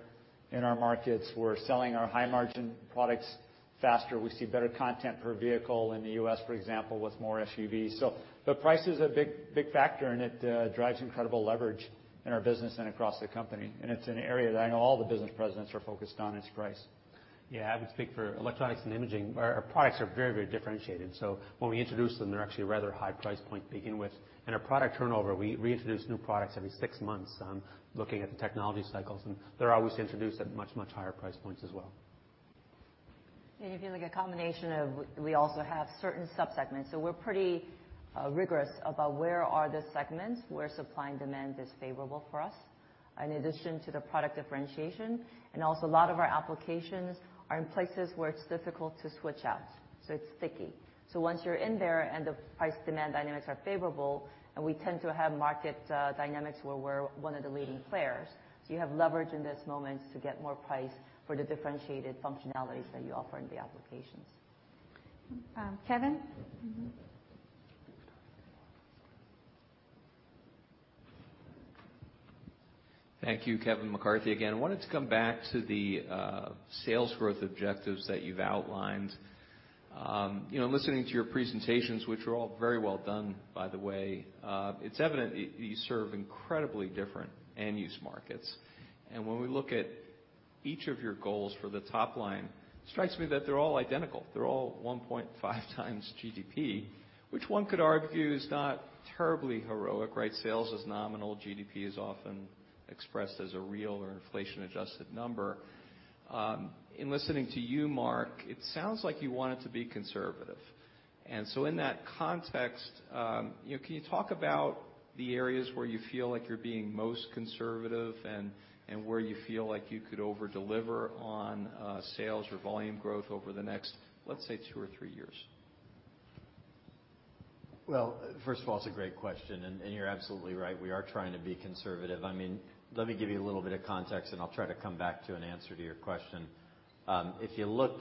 in our markets. We're selling our high margin products faster. We see better content per vehicle in the U.S., for example, with more SUVs. The price is a big factor, and it drives incredible leverage in our business and across the company. It's an area that I know all the business presidents are focused on, is price. Yeah. I would speak for Electronics & Imaging. Our products are very differentiated. When we introduce them, they're actually a rather high price point to begin with. In our product turnover, we introduce new products every six months, looking at the technology cycles, and they're always introduced at much higher price points as well. I feel like a combination of, we also have certain sub-segments. We're pretty rigorous about where are the segments where supply and demand is favorable for us in addition to the product differentiation. Also a lot of our applications are in places where it's difficult to switch out, so it's sticky. Once you're in there and the price demand dynamics are favorable, and we tend to have market dynamics where we're one of the leading players. You have leverage in this moment to get more price for the differentiated functionalities that you offer in the applications. Kevin? Mm-hmm. Thank you. Kevin McCarthy again. I wanted to come back to the sales growth objectives that you've outlined. Listening to your presentations, which were all very well done by the way, it's evident you serve incredibly different end use markets. When we look at each of your goals for the top line, strikes me that they're all identical. They're all 1.5 times GDP, which one could argue is not terribly heroic, right? Sales is nominal. GDP is often expressed as a real or inflation adjusted number. In listening to you, Marc, it sounds like you want it to be conservative. In that context, can you talk about the areas where you feel like you're being most conservative and where you feel like you could over deliver on sales or volume growth over the next, let's say, two or three years? Well, first of all, it's a great question, and you're absolutely right. We are trying to be conservative. Let me give you a little bit of context, and I'll try to come back to an answer to your question. If you look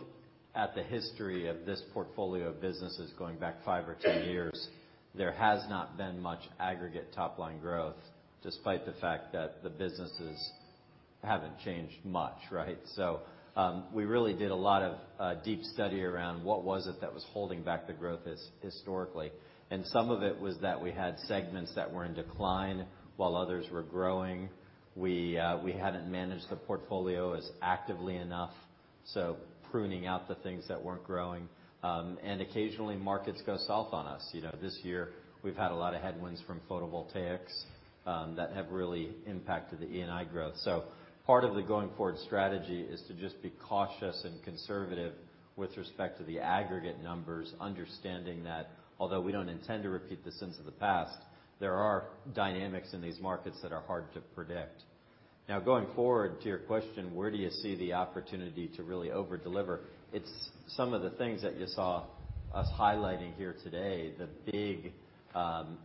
at the history of this portfolio of businesses going back five or 10 years, there has not been much aggregate top line growth despite the fact that the businesses haven't changed much, right? We really did a lot of deep study around what was it that was holding back the growth historically. Some of it was that we had segments that were in decline while others were growing. We hadn't managed the portfolio as actively enough, so pruning out the things that weren't growing. Occasionally markets go south on us. This year, we've had a lot of headwinds from photovoltaics, that have really impacted the E&I growth. Part of the going forward strategy is to just be cautious and conservative with respect to the aggregate numbers, understanding that although we don't intend to repeat the sins of the past, there are dynamics in these markets that are hard to predict. Going forward, to your question, where do you see the opportunity to really over deliver? It's some of the things that you saw us highlighting here today, the big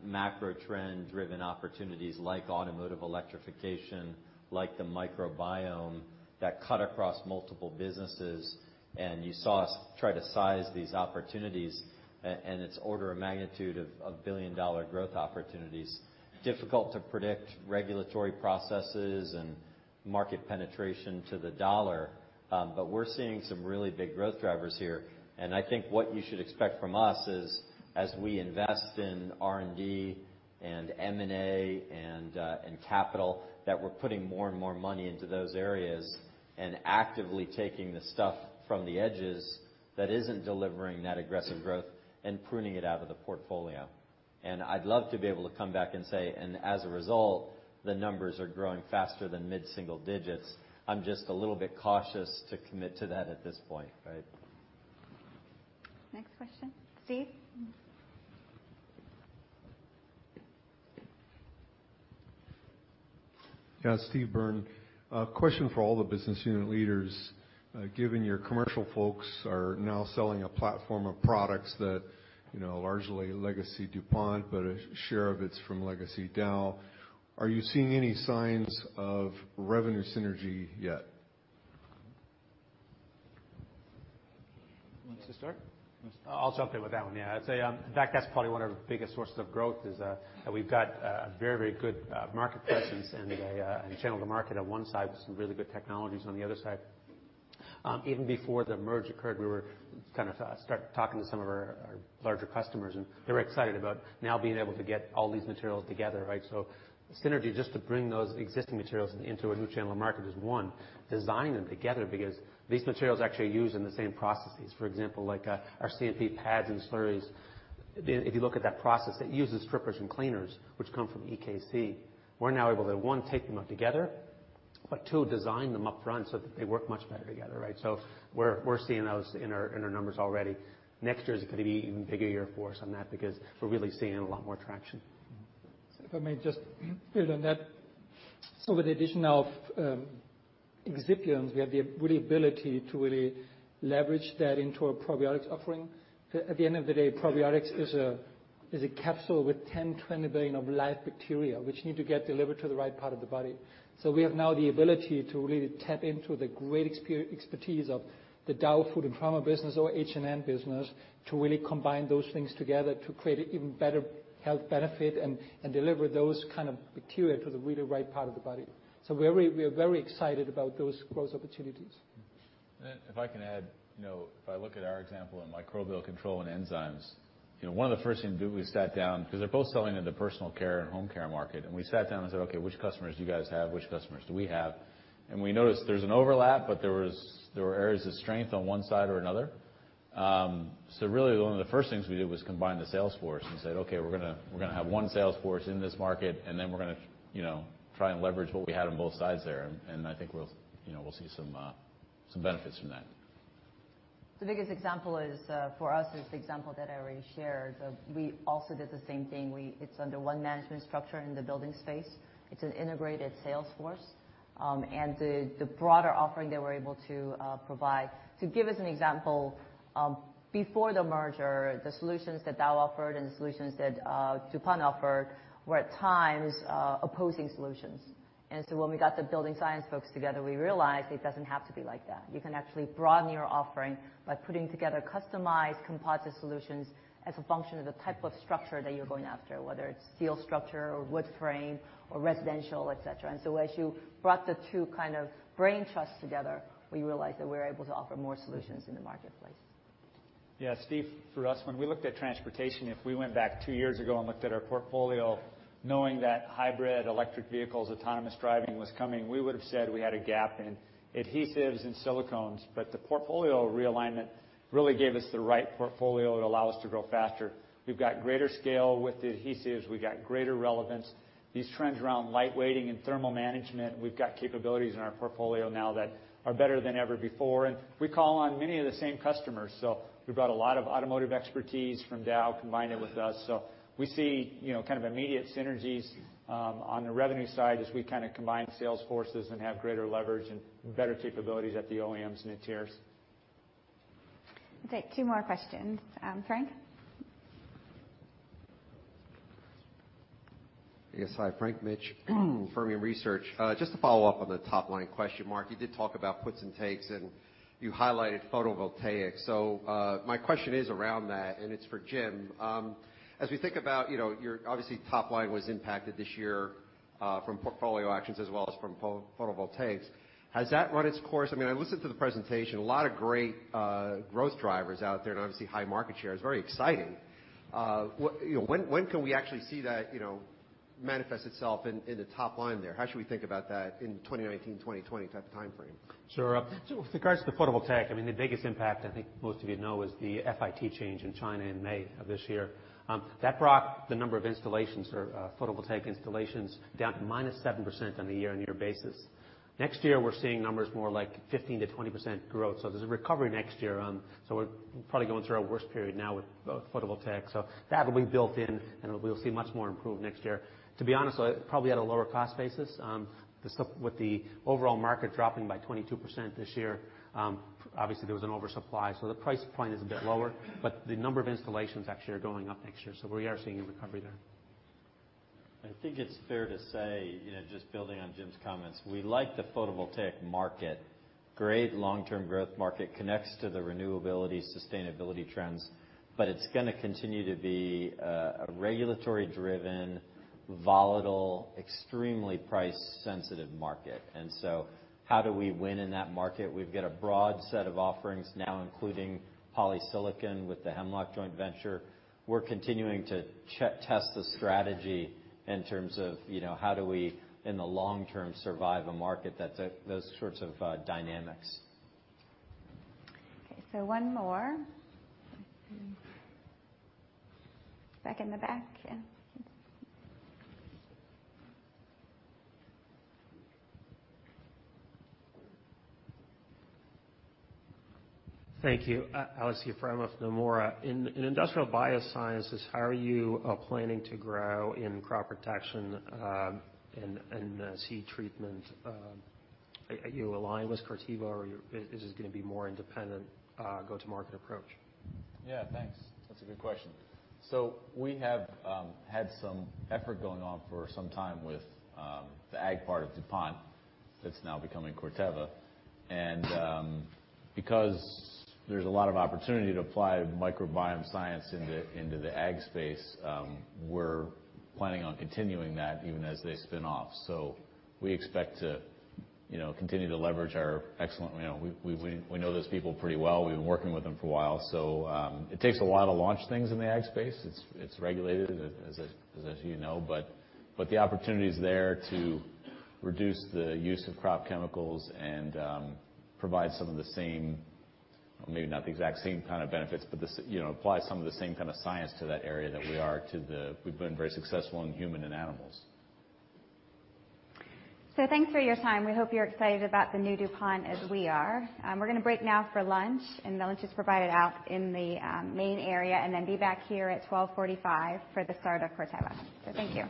macro trend driven opportunities like automotive electrification, like the microbiome that cut across multiple businesses. You saw us try to size these opportunities, and its order of magnitude of billion-dollar growth opportunities. Difficult to predict regulatory processes and market penetration to the dollar, but we're seeing some really big growth drivers here. I think what you should expect from us is, as we invest in R&D and M&A and in capital, that we're putting more and more money into those areas and actively taking the stuff from the edges that isn't delivering that aggressive growth and pruning it out of the portfolio. I'd love to be able to come back and say, as a result, the numbers are growing faster than mid-single digits. I'm just a little bit cautious to commit to that at this point. Next question, Steve? Yeah. Steve Byrne. A question for all the business unit leaders. Given your commercial folks are now selling a platform of products that are largely legacy DuPont, but a share of it's from legacy Dow, are you seeing any signs of revenue synergy yet? Who wants to start? I'll jump in with that one. Yeah, I'd say, in fact, that's probably one of the biggest sources of growth, is that we've got a very good market presence and a channel to market on one side with some really good technologies on the other side. Even before the merge occurred, we were starting to talk to some of our larger customers, and they were excited about now being able to get all these materials together. Synergy, just to bring those existing materials into a new channel to market is one. Design them together because these materials actually are used in the same processes. For example, like our CMP pads and slurries, if you look at that process, it uses strippers and cleaners, which come from EKC. We're now able to, one, take them up together, but two, design them upfront so that they work much better together. We're seeing those in our numbers already. Next year is going to be an even bigger year for us on that because we're really seeing a lot more traction. If I may just build on that. With the addition of excipients, we have the ability to really leverage that into a probiotics offering. At the end of the day, probiotics is a capsule with 10, 20 billion of live bacteria, which need to get delivered to the right part of the body. We have now the ability to really tap into the great expertise of the Dow Pharma & Food Solutions or Nutrition & Health business to really combine those things together to create an even better health benefit and deliver those kind of bacteria to the really right part of the body. We are very excited about those growth opportunities. If I can add. If I look at our example in Microbial Control and enzymes, one of the first things we do when we sat down, because they're both selling in the personal care and home care market, we sat down and said, "Okay, which customers do you guys have? Which customers do we have?" We noticed there's an overlap, but there were areas of strength on one side or another. Really, one of the first things we did was combine the sales force and said, "Okay, we're going to have one sales force in this market, and then we're going to try and leverage what we had on both sides there." I think we'll see some benefits from that. The biggest example for us is the example that I already shared. We also did the same thing. It's under one management structure in the building space. It's an integrated sales force. The broader offering that we're able to provide. To give us an example, before the merger, the solutions that Dow offered and the solutions that DuPont offered were at times opposing solutions. When we got the building science folks together, we realized it doesn't have to be like that. You can actually broaden your offering by putting together customized composite solutions as a function of the type of structure that you're going after, whether it's steel structure or wood frame or residential, et cetera. As you brought the two kind of brain trusts together, we realized that we're able to offer more solutions in the marketplace. Yeah, Steve, for us, when we looked at transportation, if we went back two years ago and looked at our portfolio, knowing that hybrid electric vehicles, autonomous driving was coming, we would have said we had a gap in adhesives and silicones. The portfolio realignment really gave us the right portfolio to allow us to grow faster. We've got greater scale with the adhesives. We got greater relevance. These trends around light weighting and thermal management, we've got capabilities in our portfolio now that are better than ever before, and we call on many of the same customers. We've got a lot of automotive expertise from Dow combined with us. We see immediate synergies on the revenue side as we combine sales forces and have greater leverage and better capabilities at the OEMs and the tiers. We'll take two more questions. Frank? Yes. Hi, Frank Mitsch, Fermium Research. Just to follow up on the top-line question, Marc, you did talk about puts and takes, and you highlighted photovoltaic. My question is around that, and it's for Jim. As we think about your, obviously, top line was impacted this year from portfolio actions as well as from photovoltaics. Has that run its course? I listened to the presentation. A lot of great growth drivers out there, and obviously high market share. It's very exciting. When can we actually see that manifest itself in the top line there? How should we think about that in 2019, 2020 type of timeframe? Sure. With regards to the photovoltaic, the biggest impact I think most of you know, is the FIT change in China in May of this year. That brought the number of installations or photovoltaic installations down to -7% on a year-on-year basis. Next year, we're seeing numbers more like 15%-20% growth. There's a recovery next year. We're probably going through our worst period now with photovoltaic. That will be built in, and we'll see much more improvement next year. To be honest, probably at a lower cost basis. With the overall market dropping by 22% this year, obviously, there was an oversupply, the price point is a bit lower, but the number of installations actually are going up next year. We are seeing a recovery there. I think it's fair to say, just building on Jim's comments, we like the photovoltaic market. Great long-term growth market, connects to the renewability, sustainability trends, but it's going to continue to be a regulatory-driven, volatile, extremely price-sensitive market. How do we win in that market? We've got a broad set of offerings now, including polysilicon with the Hemlock joint venture. We're continuing to test the strategy in terms of how do we, in the long term, survive a market that's those sorts of dynamics. Okay, one more. Back in the back. Yeah. Thank you. Aleksey Yefremov of Nomura. In Industrial Biosciences, how are you planning to grow in crop protection and seed treatment? Are you aligned with Corteva, or is this going to be more independent go-to-market approach? Yeah, thanks. That's a good question. We have had some effort going on for some time with the ag part of DuPont that's now becoming Corteva. Because there's a lot of opportunity to apply microbiome science into the ag space, we're planning on continuing that even as they spin off. We expect to continue to leverage our. We know those people pretty well. We've been working with them for a while. It takes a while to launch things in the ag space. It's regulated, as you know, but the opportunity is there to reduce the use of crop chemicals and provide some of the same, maybe not the exact same kind of benefits, but apply some of the same kind of science to that area that we are to the. We've been very successful in human and animals. Thanks for your time. We hope you're excited about the new DuPont as we are. We're going to break now for lunch, the lunch is provided out in the main area, then be back here at 12:45 P.M. for the start of Corteva. Thank you.